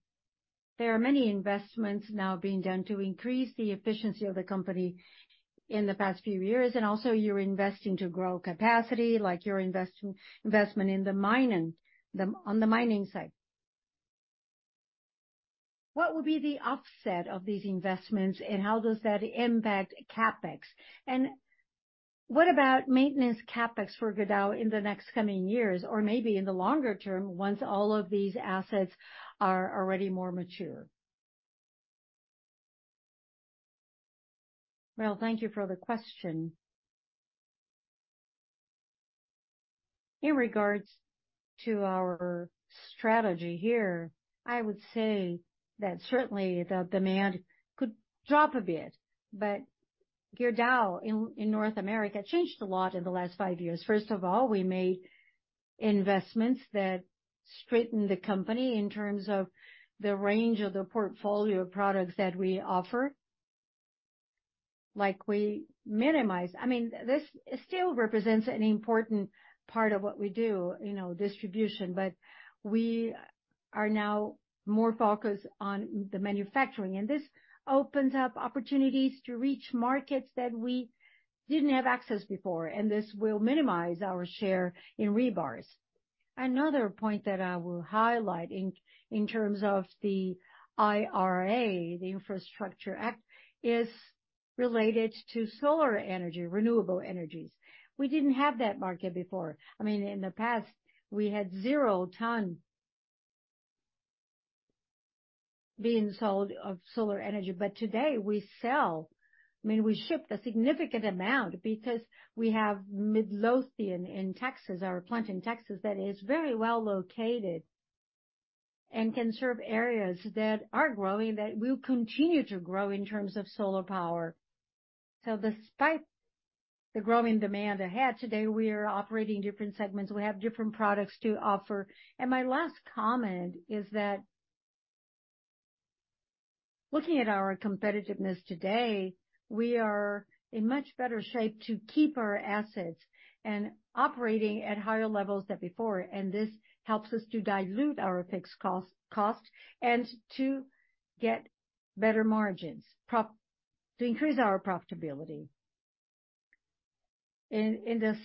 there are many investments now being done to increase the efficiency of the company in the past few years, and also you're investing to grow capacity, like you're investing in the mining, on the mining side. What will be the offset of these investments, and how does that impact CapEx? What about maintenance CapEx for Gerdau in the next coming years, or maybe in the longer term, once all of these assets are already more mature? Well, thank you for the question. In regards to our strategy here, I would say that certainly the demand could drop a bit, but Gerdau in North America changed a lot in the last five years. First of all, we made investments that straightened the company in terms of the range of the portfolio of products that we offer. Like, we minimize. I mean, this still represents an important part of what we do, you know, distribution, but we are now more focused on the manufacturing. And this opens up opportunities to reach markets that we didn't have access before, and this will minimize our share in rebars. Another point that I will highlight in terms of the IRA, the Infrastructure Act, is related to solar energy, renewable energies. We didn't have that market before. I mean, in the past, we had 0 tons being sold of solar energy. But today, we sell, I mean, we ship a significant amount because we have Midlothian in Texas, our plant in Texas, that is very well located and can serve areas that are growing, that will continue to grow in terms of solar power. So despite the growing demand ahead, today, we are operating different segments. We have different products to offer. My last comment is that looking at our competitiveness today, we are in much better shape to keep our assets operating at higher levels than before, and this helps us to dilute our fixed costs and to get better margins, to increase our profitability. In the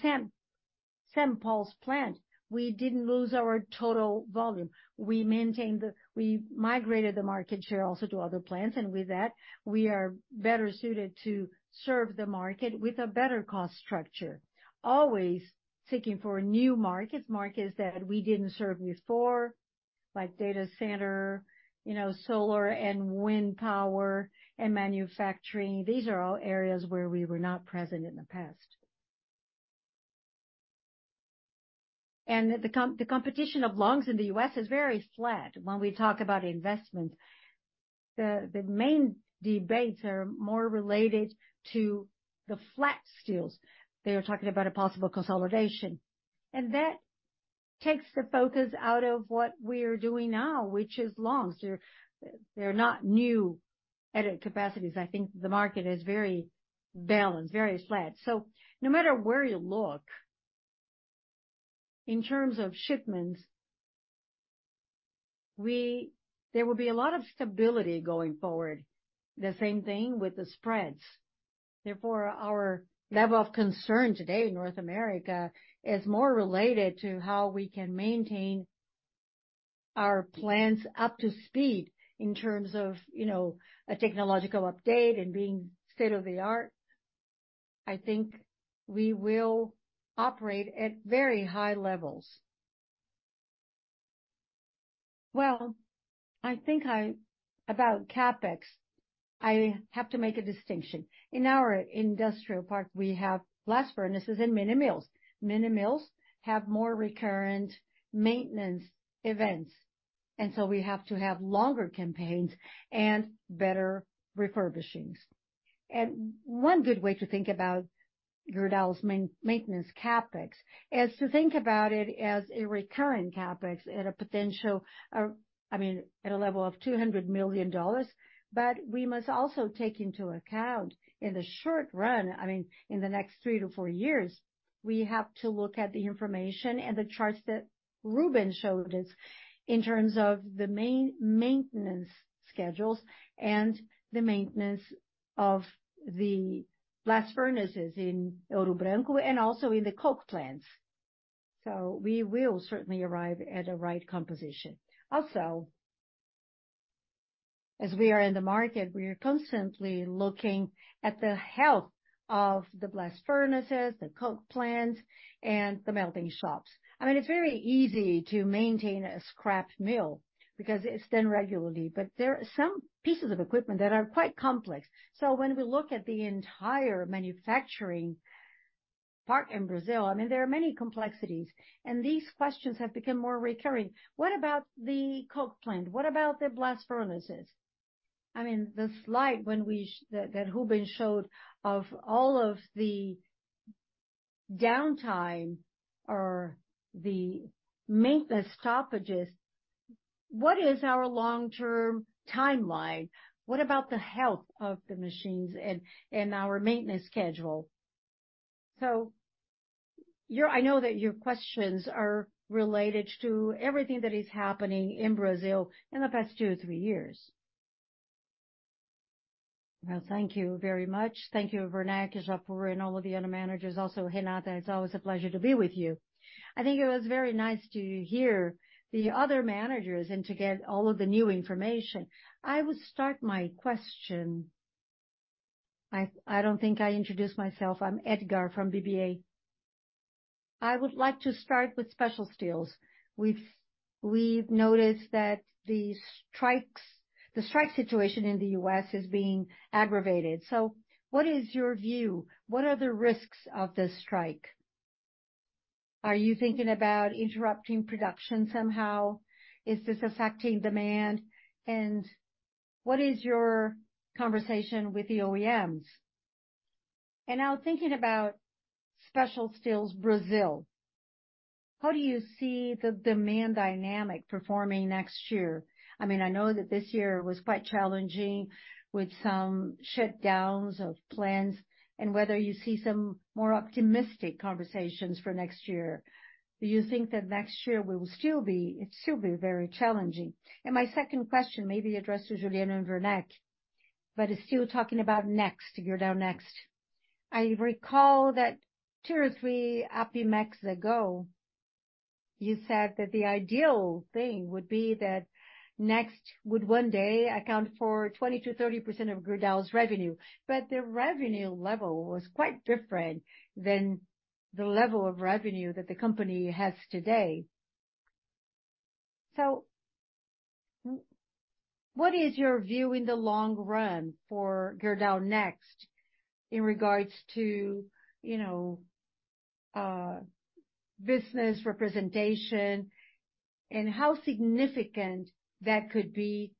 St. Paul's plant, we didn't lose our total volume. We maintained the volume. We migrated the market share also to other plants, and with that, we are better suited to serve the market with a better cost structure, always seeking new markets, markets that we didn't serve before, like data center, you know, solar and wind power and manufacturing. These are all areas where we were not present in the past. The competition of longs in the U.S. is very flat when we talk about investment. The main debates are more related to the flat steel. They are talking about a possible consolidation, and that takes the focus out of what we are doing now, which is longs. They're not new added capacities. I think the market is very balanced, very flat. So no matter where you look, in terms of shipments, we, there will be a lot of stability going forward, the same thing with the spreads. Therefore, our level of concern today in North America is more related to how we can maintain our plants up to speed in terms of, you know, a technological update and being state-of-the-art. I think we will operate at very high levels. Well, I think, about CapEx, I have to make a distinction. In our industrial park, we have blast furnaces and mini mills. Mini mills have more recurrent maintenance events, and so we have to have longer campaigns and better refurbishings. One good way to think about Gerdau's main maintenance CapEx is to think about it as a recurring CapEx at a potential, I mean, at a level of $200 million. But we must also take into account in the short run, I mean, in the next three to four years, we have to look at the information and the charts that Rubens showed us in terms of the main maintenance schedules and the maintenance of the blast furnaces in Ouro Branco and also in the coke plants. So we will certainly arrive at a right composition. Also, as we are in the market, we are constantly looking at the health of the blast furnaces, the coke plants, and the melting shops. I mean, it's very easy to maintain a scrap mill because it's done regularly, but there are some pieces of equipment that are quite complex. So when we look at the entire manufacturing park in Brazil, I mean, there are many complexities, and these questions have become more recurring. What about the coke plant? What about the blast furnaces? I mean, the slide that Rubens showed of all of the downtime or the maintenance stoppages, what is our long-term timeline? What about the health of the machines and our maintenance schedule? So I know that your questions are related to everything that is happening in Brazil in the past two or three years. Well, thank you very much. Thank you, Vernon, Japur, and all of the other managers. Also, Renata, it's always a pleasure to be with you. I think it was very nice to hear the other managers and to get all of the new information. I will start my question. I, I don't think I introduced myself. I'm Edgar from BBA. I would like to start with special steels. We've noticed that the strike situation in the U.S. is being aggravated, so what is your view? What are the risks of this strike? Are you thinking about interrupting production somehow? Is this affecting demand? And what is your conversation with the OEMs? And now thinking about Special Steels Brazil, how do you see the demand dynamic performing next year? I mean, I know that this year was quite challenging with some shutdowns of plants and whether you see some more optimistic conversations for next year. Do you think that next year we will still be it's still be very challenging? My second question may be addressed to Juliano and Werneck, but it's still talking about Next, Gerdau Next. I recall that two or three APIMEC ago, you said that the ideal thing would be that Next would one day account for 20%-30% of Gerdau's revenue, but the revenue level was quite different than the level of revenue that the company has today. So what is your view in the long run for Gerdau Next, in regards to, you know, business representation, and how significant that could be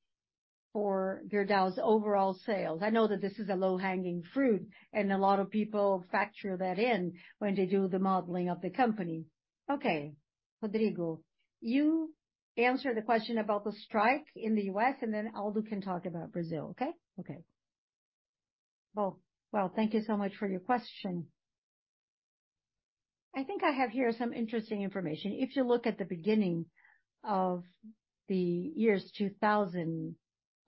for Gerdau's overall sales? I know that this is a low-hanging fruit, and a lot of people factor that in when they do the modeling of the company. Okay, Rodrigo, you answer the question about the strike in the U.S., and then Aldo can talk about Brazil, okay? Okay. Well, well, thank you so much for your question. I think I have here some interesting information. If you look at the beginning of the years 2000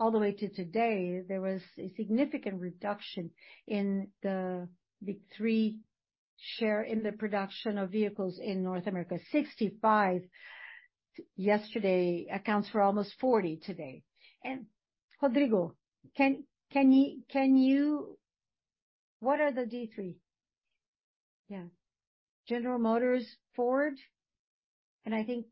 all the way to today, there was a significant reduction in the big three share in the production of vehicles in North America. 65% yesterday, accounts for almost 40% today. And, Rodrigo, can you what are the Big Three? Yeah. General Motors, Ford, and I think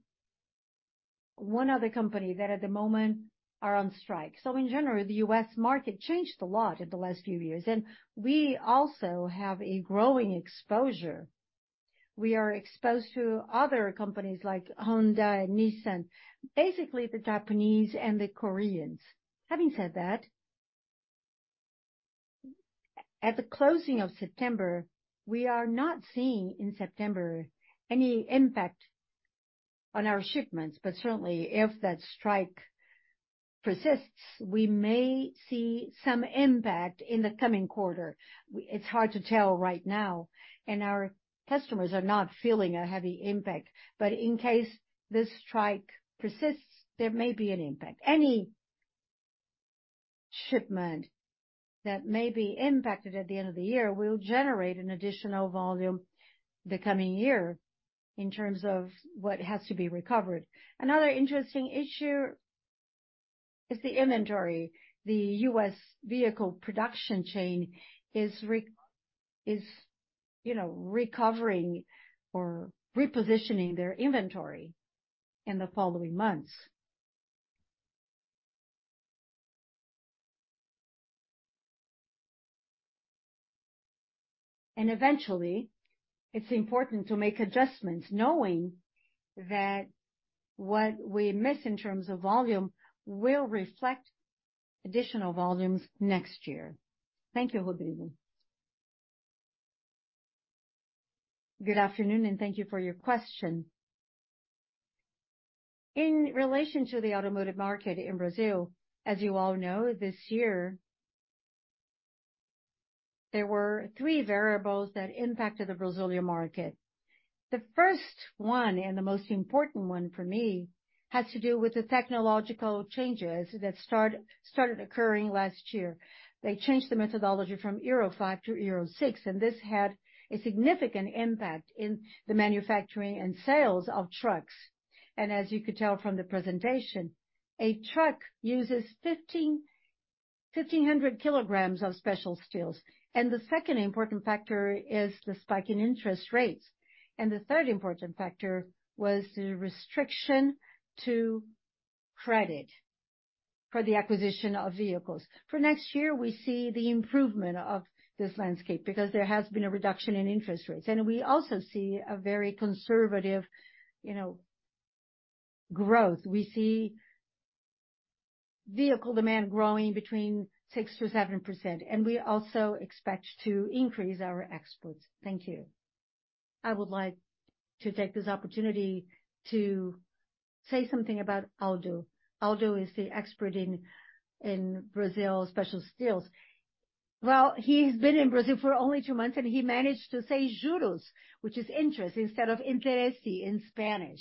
one other company that at the moment are on strike. So in general, the U.S. market changed a lot in the last few years, and we also have a growing exposure. We are exposed to other companies like Honda and Nissan, basically the Japanese and the Koreans. Having said that, at the closing of September, we are not seeing in September any impact on our shipments, but certainly, if that strike persists, we may see some impact in the coming quarter. It's hard to tell right now, and our customers are not feeling a heavy impact, but in case this strike persists, there may be an impact. Any shipment that may be impacted at the end of the year will generate an additional volume the coming year in terms of what has to be recovered. Another interesting issue is the inventory. The U.S. vehicle production chain is, you know, recovering or repositioning their inventory in the following months. And eventually, it's important to make adjustments, knowing that what we miss in terms of volume will reflect additional volumes next year. Thank you, Good afternoon, and thank you for your question. In relation to the automotive market in Brazil, as you all know, this year, there were three variables that impacted the Brazilian market. The first one, and the most important one for me, has to do with the technological changes that started occurring last year. They changed the methodology from euro 5 to euro 6, and this had a significant impact in the manufacturing and sales of trucks. As you could tell from the presentation, a truck uses 1,500 kilograms of special steels. The second important factor is the spike in interest rates. The third important factor was the restriction to credit for the acquisition of vehicles. For next year, we see the improvement of this landscape because there has been a reduction in interest rates, and we also see a very conservative, you know, growth. We see vehicle demand growing between 6%-7%, and we also expect to increase our exports. Thank you. I would like to take this opportunity to say something about Aldo. Aldo is the expert in Brazil special steels. Well, he's been in Brazil for only two months, and he managed to say juros, which is interest, instead of interés in Spanish.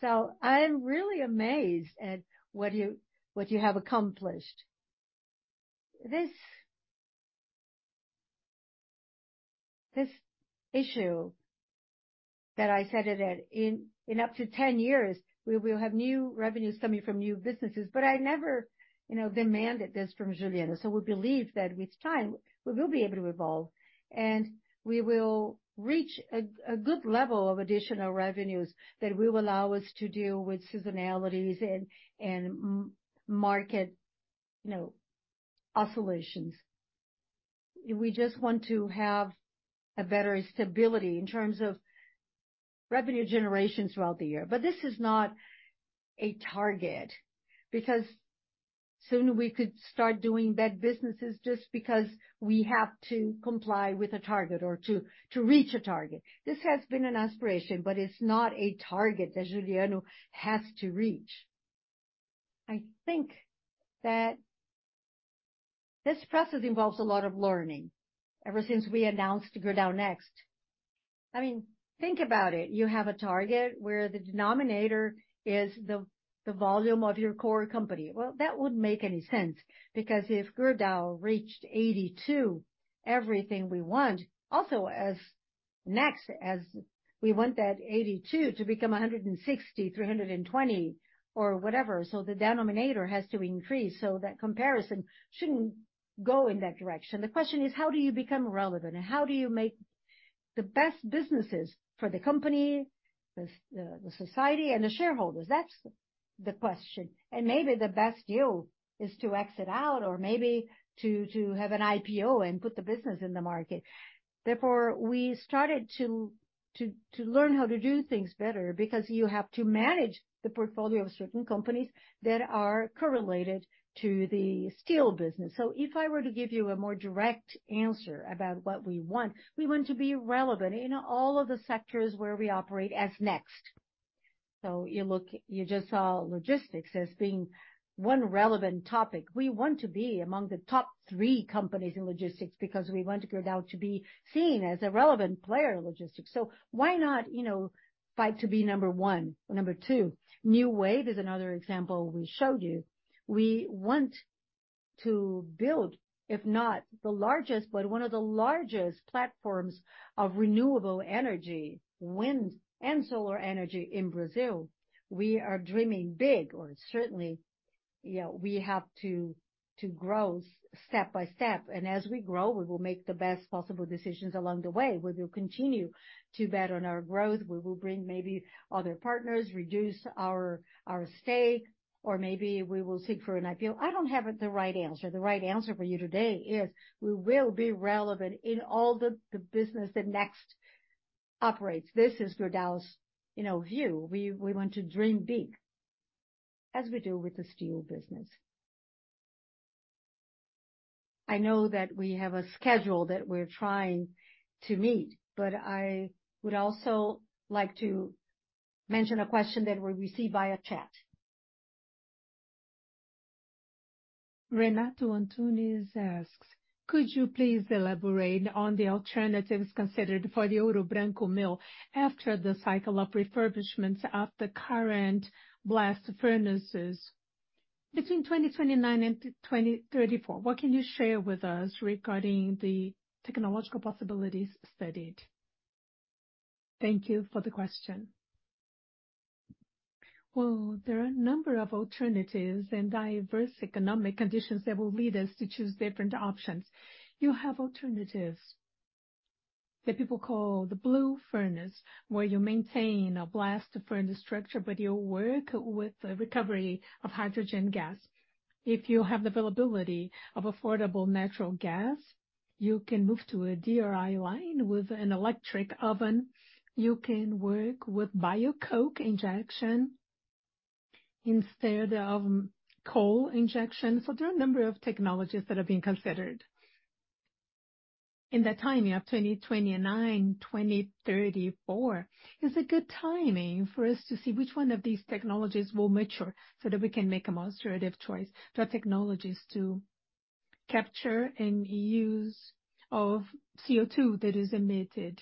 So I'm really amazed at what you have accomplished. This issue that I said that in up to 10 years, we will have new revenues coming from new businesses, but I never, you know, demanded this from Juliano. So we believe that with time, we will be able to evolve, and we will reach a good level of additional revenues that will allow us to deal with seasonalities and market, you know, oscillations. We just want to have a better stability in terms of revenue generation throughout the year. But this is not a target, because soon we could start doing bad businesses just because we have to comply with a target or to reach a target. This has been an aspiration, but it's not a target that Juliano has to reach. I think that this process involves a lot of learning. Ever since we announced Gerdau Next. I mean, think about it, you have a target where the denominator is the volume of your core company. Well, that wouldn't make any sense, because if Gerdau reached 82, everything we want, also as next, as we want that 82 to become 160, 320 or whatever, so the denominator has to increase, so that comparison shouldn't go in that direction. The question is: how do you become relevant, and how do you make the best businesses for the company, the society and the shareholders? That's the question. And maybe the best deal is to exit out or maybe to have an IPO and put the business in the market. Therefore, we started to learn how to do things better, because you have to manage the portfolio of certain companies that are correlated to the steel business. So if I were to give you a more direct answer about what we want, we want to be relevant in all of the sectors where we operate as Next. So you look, you just saw logistics as being one relevant topic. We want to be among the top three companies in logistics because we want Gerdau to be seen as a relevant player in logistics. So why not, you know, fight to be number one or number two? New Wave is another example we showed you. We want to build, if not the largest, but one of the largest platforms of renewable energy, wind and solar energy in Brazil. We are dreaming big, or certainly, you know, we have to, to grow step by step. And as we grow, we will make the best possible decisions along the way. We will continue to bet on our growth. We will bring maybe other partners, reduce our stake, or maybe we will seek for an IPO. I don't have the right answer. The right answer for you today is: we will be relevant in all the business that Next operates. This is Gerdau's, you know, view. We want to dream big as we do with the steel business. I know that we have a schedule that we're trying to meet, but I would also like to mention a question that we received via chat. Renato Antunes asks: Could you please elaborate on the alternatives considered for the Ouro Branco mill after the cycle of refurbishments of the current blast furnaces between 2029 and 2034? What can you share with us regarding the technological possibilities studied? Thank you for the question. Well, there are a number of alternatives and diverse economic conditions that will lead us to choose different options. You have alternatives that people call the blue furnace, where you maintain a blast furnace structure, but you work with the recovery of hydrogen gas. If you have the availability of affordable natural gas, you can move to a DRI line with an electric oven. You can work with bio coke injection instead of coal injection. So there are a number of technologies that are being considered. In that timing of 2029, 2034, is a good timing for us to see which one of these technologies will mature so that we can make a more illustrative choice. There are technologies to capture and use of CO2 that is emitted.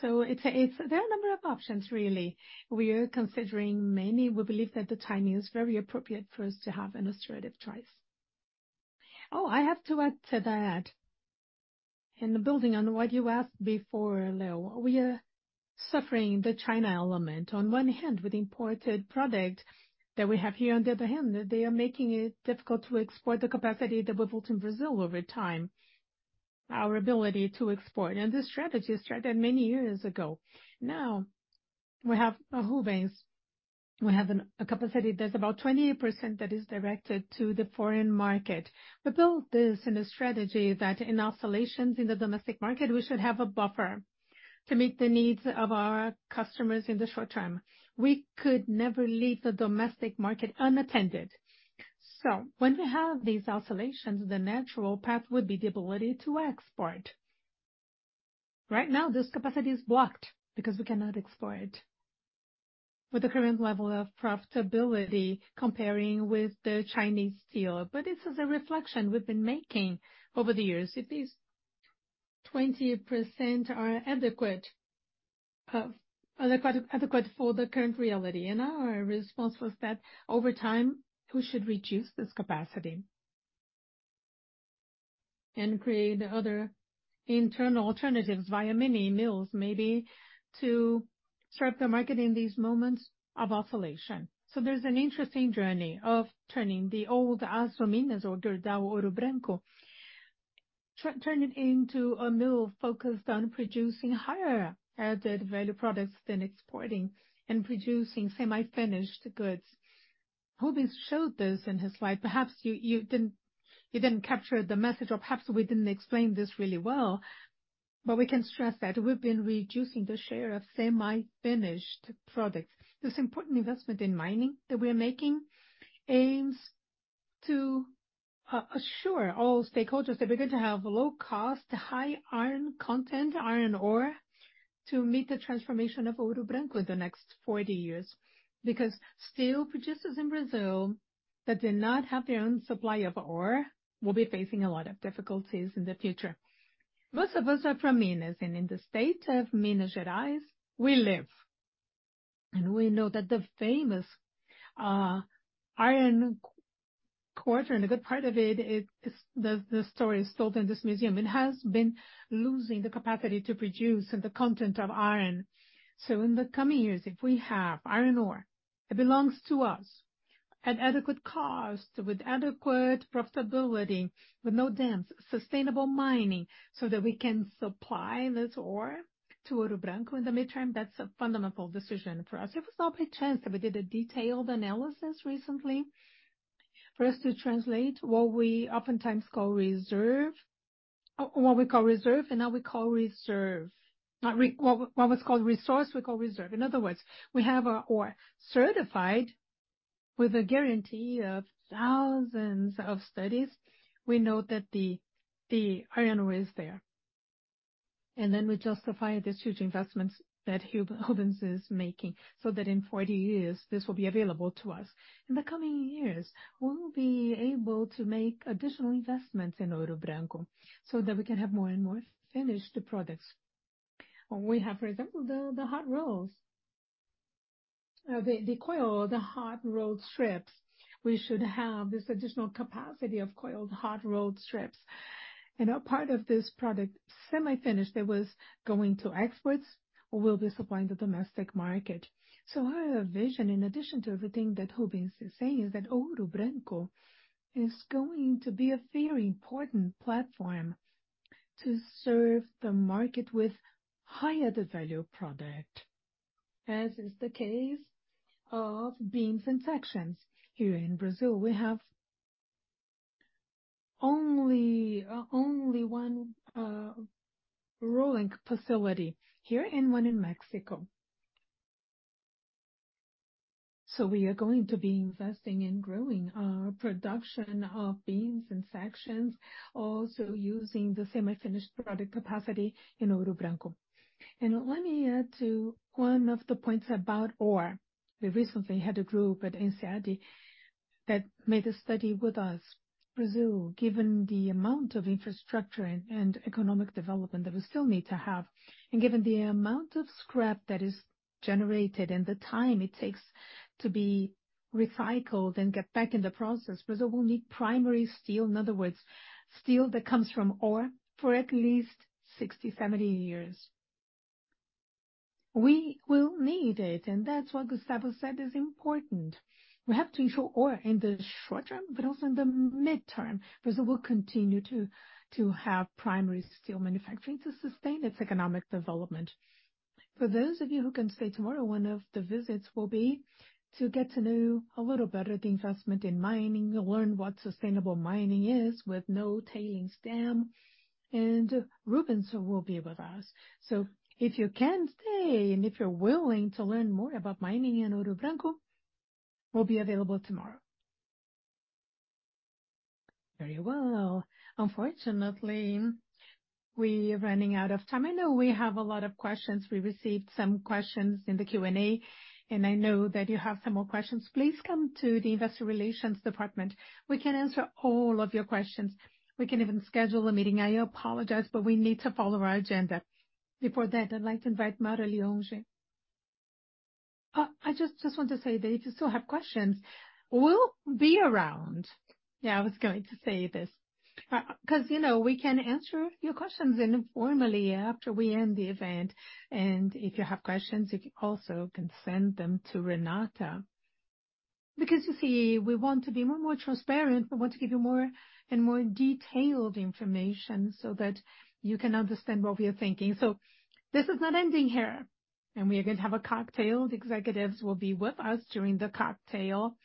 So it's a, there are a number of options, really. We are considering many. We believe that the timing is very appropriate for us to have an illustrative choice. Oh, I have to add to that, and building on what you asked before we are suffering the China element. On one hand, with imported product that we have here, on the other hand, they are making it difficult to export the capacity that we built in Brazil over time, our ability to export. And this strategy started many years ago. Now, we have a Rubens. We have a capacity that's about 28% that is directed to the foreign market. We built this in a strategy that in oscillations in the domestic market, we should have a buffer to meet the needs of our customers in the short term. We could never leave the domestic market unattended. So when we have these oscillations, the natural path would be the ability to export. Right now, this capacity is blocked because we cannot export with the current level of profitability comparing with the Chinese steel. But this is a reflection we've been making over the years. 20% are adequate for the current reality. Our response was that over time, we should reduce this capacity and create other internal alternatives via many mills, maybe to serve the market in these moments of oscillation. There's an interesting journey of turning the old Açominas or Gerdau Ouro Branco, turning into a mill focused on producing higher added value products than exporting and producing semi-finished goods. Rubens showed this in his slide. Perhaps you didn't capture the message, or perhaps we didn't explain this really well, but we can stress that we've been reducing the share of semi-finished products. This important investment in mining that we are making aims to assure all stakeholders that we're going to have low cost, high iron content, iron ore, to meet the transformation of Ouro Branco in the next 40 years. Because steel producers in Brazil that did not have their own supply of ore will be facing a lot of difficulties in the future. Most of us are from Minas, and in the state of Minas Gerais, we live, and we know that the famous iron quarter, and a good part of it is the story is told in this museum. It has been losing the capacity to produce and the content of iron. So in the coming years, if we have iron ore, it belongs to us at adequate cost, with adequate profitability, with no dams, sustainable mining, so that we can supply this ore to Ouro Branco in the midterm. That's a fundamental decision for us. It was not by chance that we did a detailed analysis recently, for us to translate what we oftentimes call reserve. What we call reserve and now we call reserve. Not what was called resource, we call reserve. In other words, we have our ore certified with a guarantee of thousands of studies. We know that the iron ore is there. And then we justify these huge investments that Rubens is making, so that in 40 years, this will be available to us. In the coming years, we will be able to make additional investments in Ouro Branco, so that we can have more and more finished products. When we have, for example, the hot rolls, the coil, the hot rolled strips, we should have this additional capacity of coiled hot rolled strips. And a part of this product, semi-finished, that was going to exports, will be supplying the domestic market. So our vision, in addition to everything that Rubens is saying, is that Ouro Branco is going to be a very important platform to serve the market with higher the value product, as is the case of beams and sections. Here in Brazil, we have only one rolling facility here and one in Mexico. So we are going to be investing in growing our production of beams and sections, also using the semi-finished product capacity in Ouro Branco. And let me add to one of the points about ore. We recently had a group at INSEAD that made a study with us. Brazil, given the amount of infrastructure and economic development that we still need to have, and given the amount of scrap that is generated and the time it takes to be recycled and get back in the process, Brazil will need primary steel, in other words, steel that comes from ore, for at least 60-70 years. We will need it, and that's what Gustavo said is important. We have to ensure ore in the short term, but also in the midterm. Brazil will continue to have primary steel manufacturing to sustain its economic development. For those of you who can stay tomorrow, one of the visits will be to get to know a little better the investment in mining, you'll learn what sustainable mining is with no tailings dam, and Rubens will be with us. So if you can stay, and if you're willing to learn more about mining in Ouro Branco, we'll be available tomorrow. Very well. Unfortunately, we are running out of time. I know we have a lot of questions. We received some questions in the Q&A, and I know that you have some more questions. Please come to the Investor Relations department. We can answer all of your questions. We can even schedule a meeting. I apologize, but we need to follow our agenda. Before that, I'd like to invite [inaudible] I just want to say that if you still have questions, we'll be around. Yeah, I was going to say this. 'Cause, you know, we can answer your questions informally after we end the event. And if you have questions, you also can send them to Renata. You see, we want to be more and more transparent. We want to give you more and more detailed information so that you can understand what we are thinking. This is not ending here, and we are going to have a cocktail. The executives will be with us during the cocktail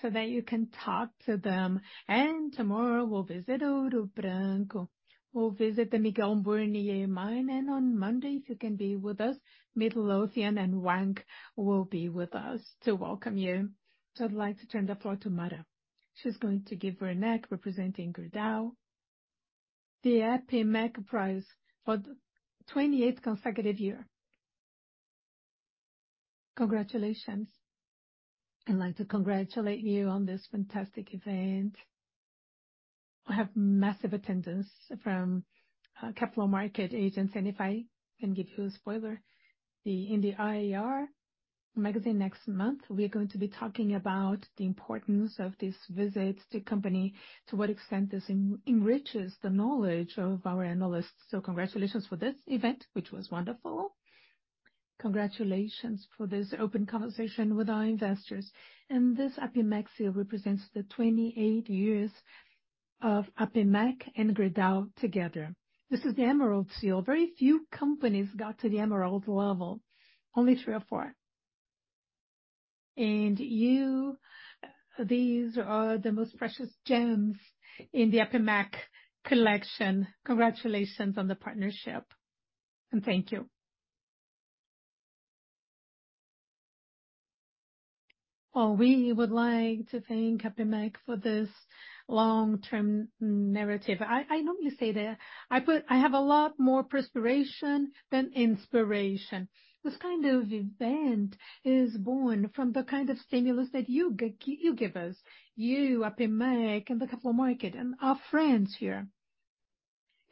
so that you can talk to them. Tomorrow, we'll visit Ouro Branco. We'll visit the Miguel Burnier mine, and on Monday, if you can be with us, Midlothian and Wang will be with us to welcome you. I'd like to turn the floor to Renata. She's going to give, on behalf of Gerdau, the APIMEC prize for the 28th consecutive year. Congratulations. I'd like to congratulate you on this fantastic event. We have massive attendance from capital market agents, and if I can give you a spoiler, in the IR magazine next month, we're going to be talking about the importance of this visit to company, to what extent this enriches the knowledge of our analysts. So congratulations for this event, which was wonderful. Congratulations for this open conversation with our investors. And this APIMEC seal represents the 28 years of APIMEC and Gerdau together. This is the Emerald Seal. Very few companies got to the Emerald level, only three or four. And you, these are the most precious gems in the APIMEC collection. Congratulations on the partnership, and thank you. Well, we would like to thank APIMEC for this long-term narrative. I normally say that I have a lot more perspiration than inspiration. This kind of event is born from the kind of stimulus that you give us. You, APIMEC, and the capital market, and our friends here.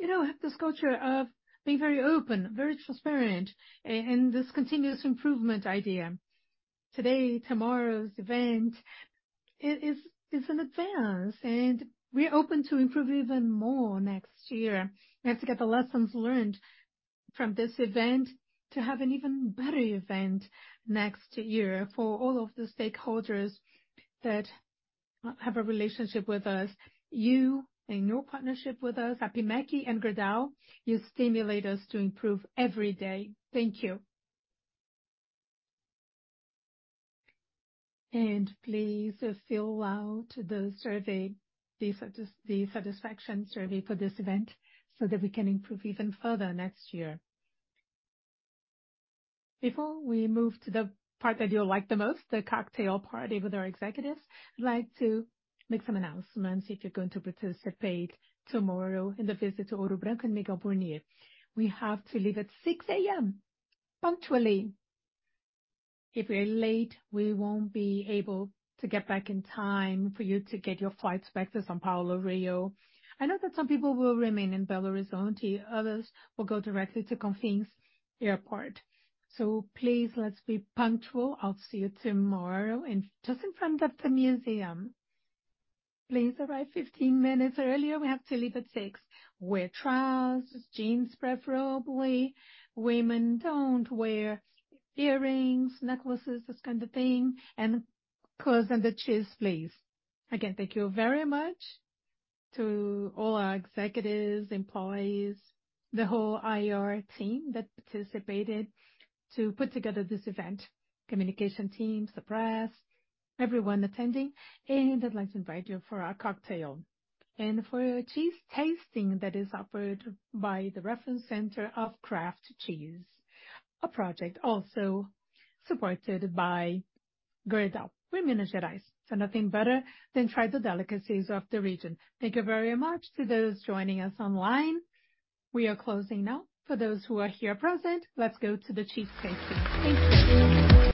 You know, we have this culture of being very open, very transparent, and this continuous improvement idea. Today, tomorrow's event is an advance, and we're open to improve even more next year. We have to get the lessons learned from this event to have an even better event next year for all of the stakeholders that have a relationship with us. You, in your partnership with us, APIMEC and Gerdau, you stimulate us to improve every day. Thank you. Please fill out the survey, the satisfaction survey for this event, so that we can improve even further next year. Before we move to the part that you'll like the most, the cocktail party with our executives, I'd like to make some announcements if you're going to participate tomorrow in the visit to Ouro Branco and Miguel Burnier. We have to leave at 6:00 A.M., punctually. If we're late, we won't be able to get back in time for you to get your flights back to São Paulo, Rio. I know that some people will remain in Belo Horizonte, others will go directly to Confins Airport. So please, let's be punctual. I'll see you tomorrow and just in front of the museum. Please arrive 15 minutes earlier, we have to leave at 6:00 A.M. Wear trousers, jeans, preferably. se. Women, don't wear earrings, necklaces, this kind of thing, and clothes and the shoes, plea Again, thank you very much to all our executives, employees, the whole IR team that participated to put together this event. Communication teams, the press, everyone attending, and I'd like to invite you for our cocktail and for a cheese tasting that is offered by the Reference Center of Craft Cheese. A project also supported by Gerdau Minas Gerais. So nothing better than try the delicacies of the region. Thank you very much to those joining us online. We are closing now. For those who are here present, let's go to the cheese tasting. Thank you.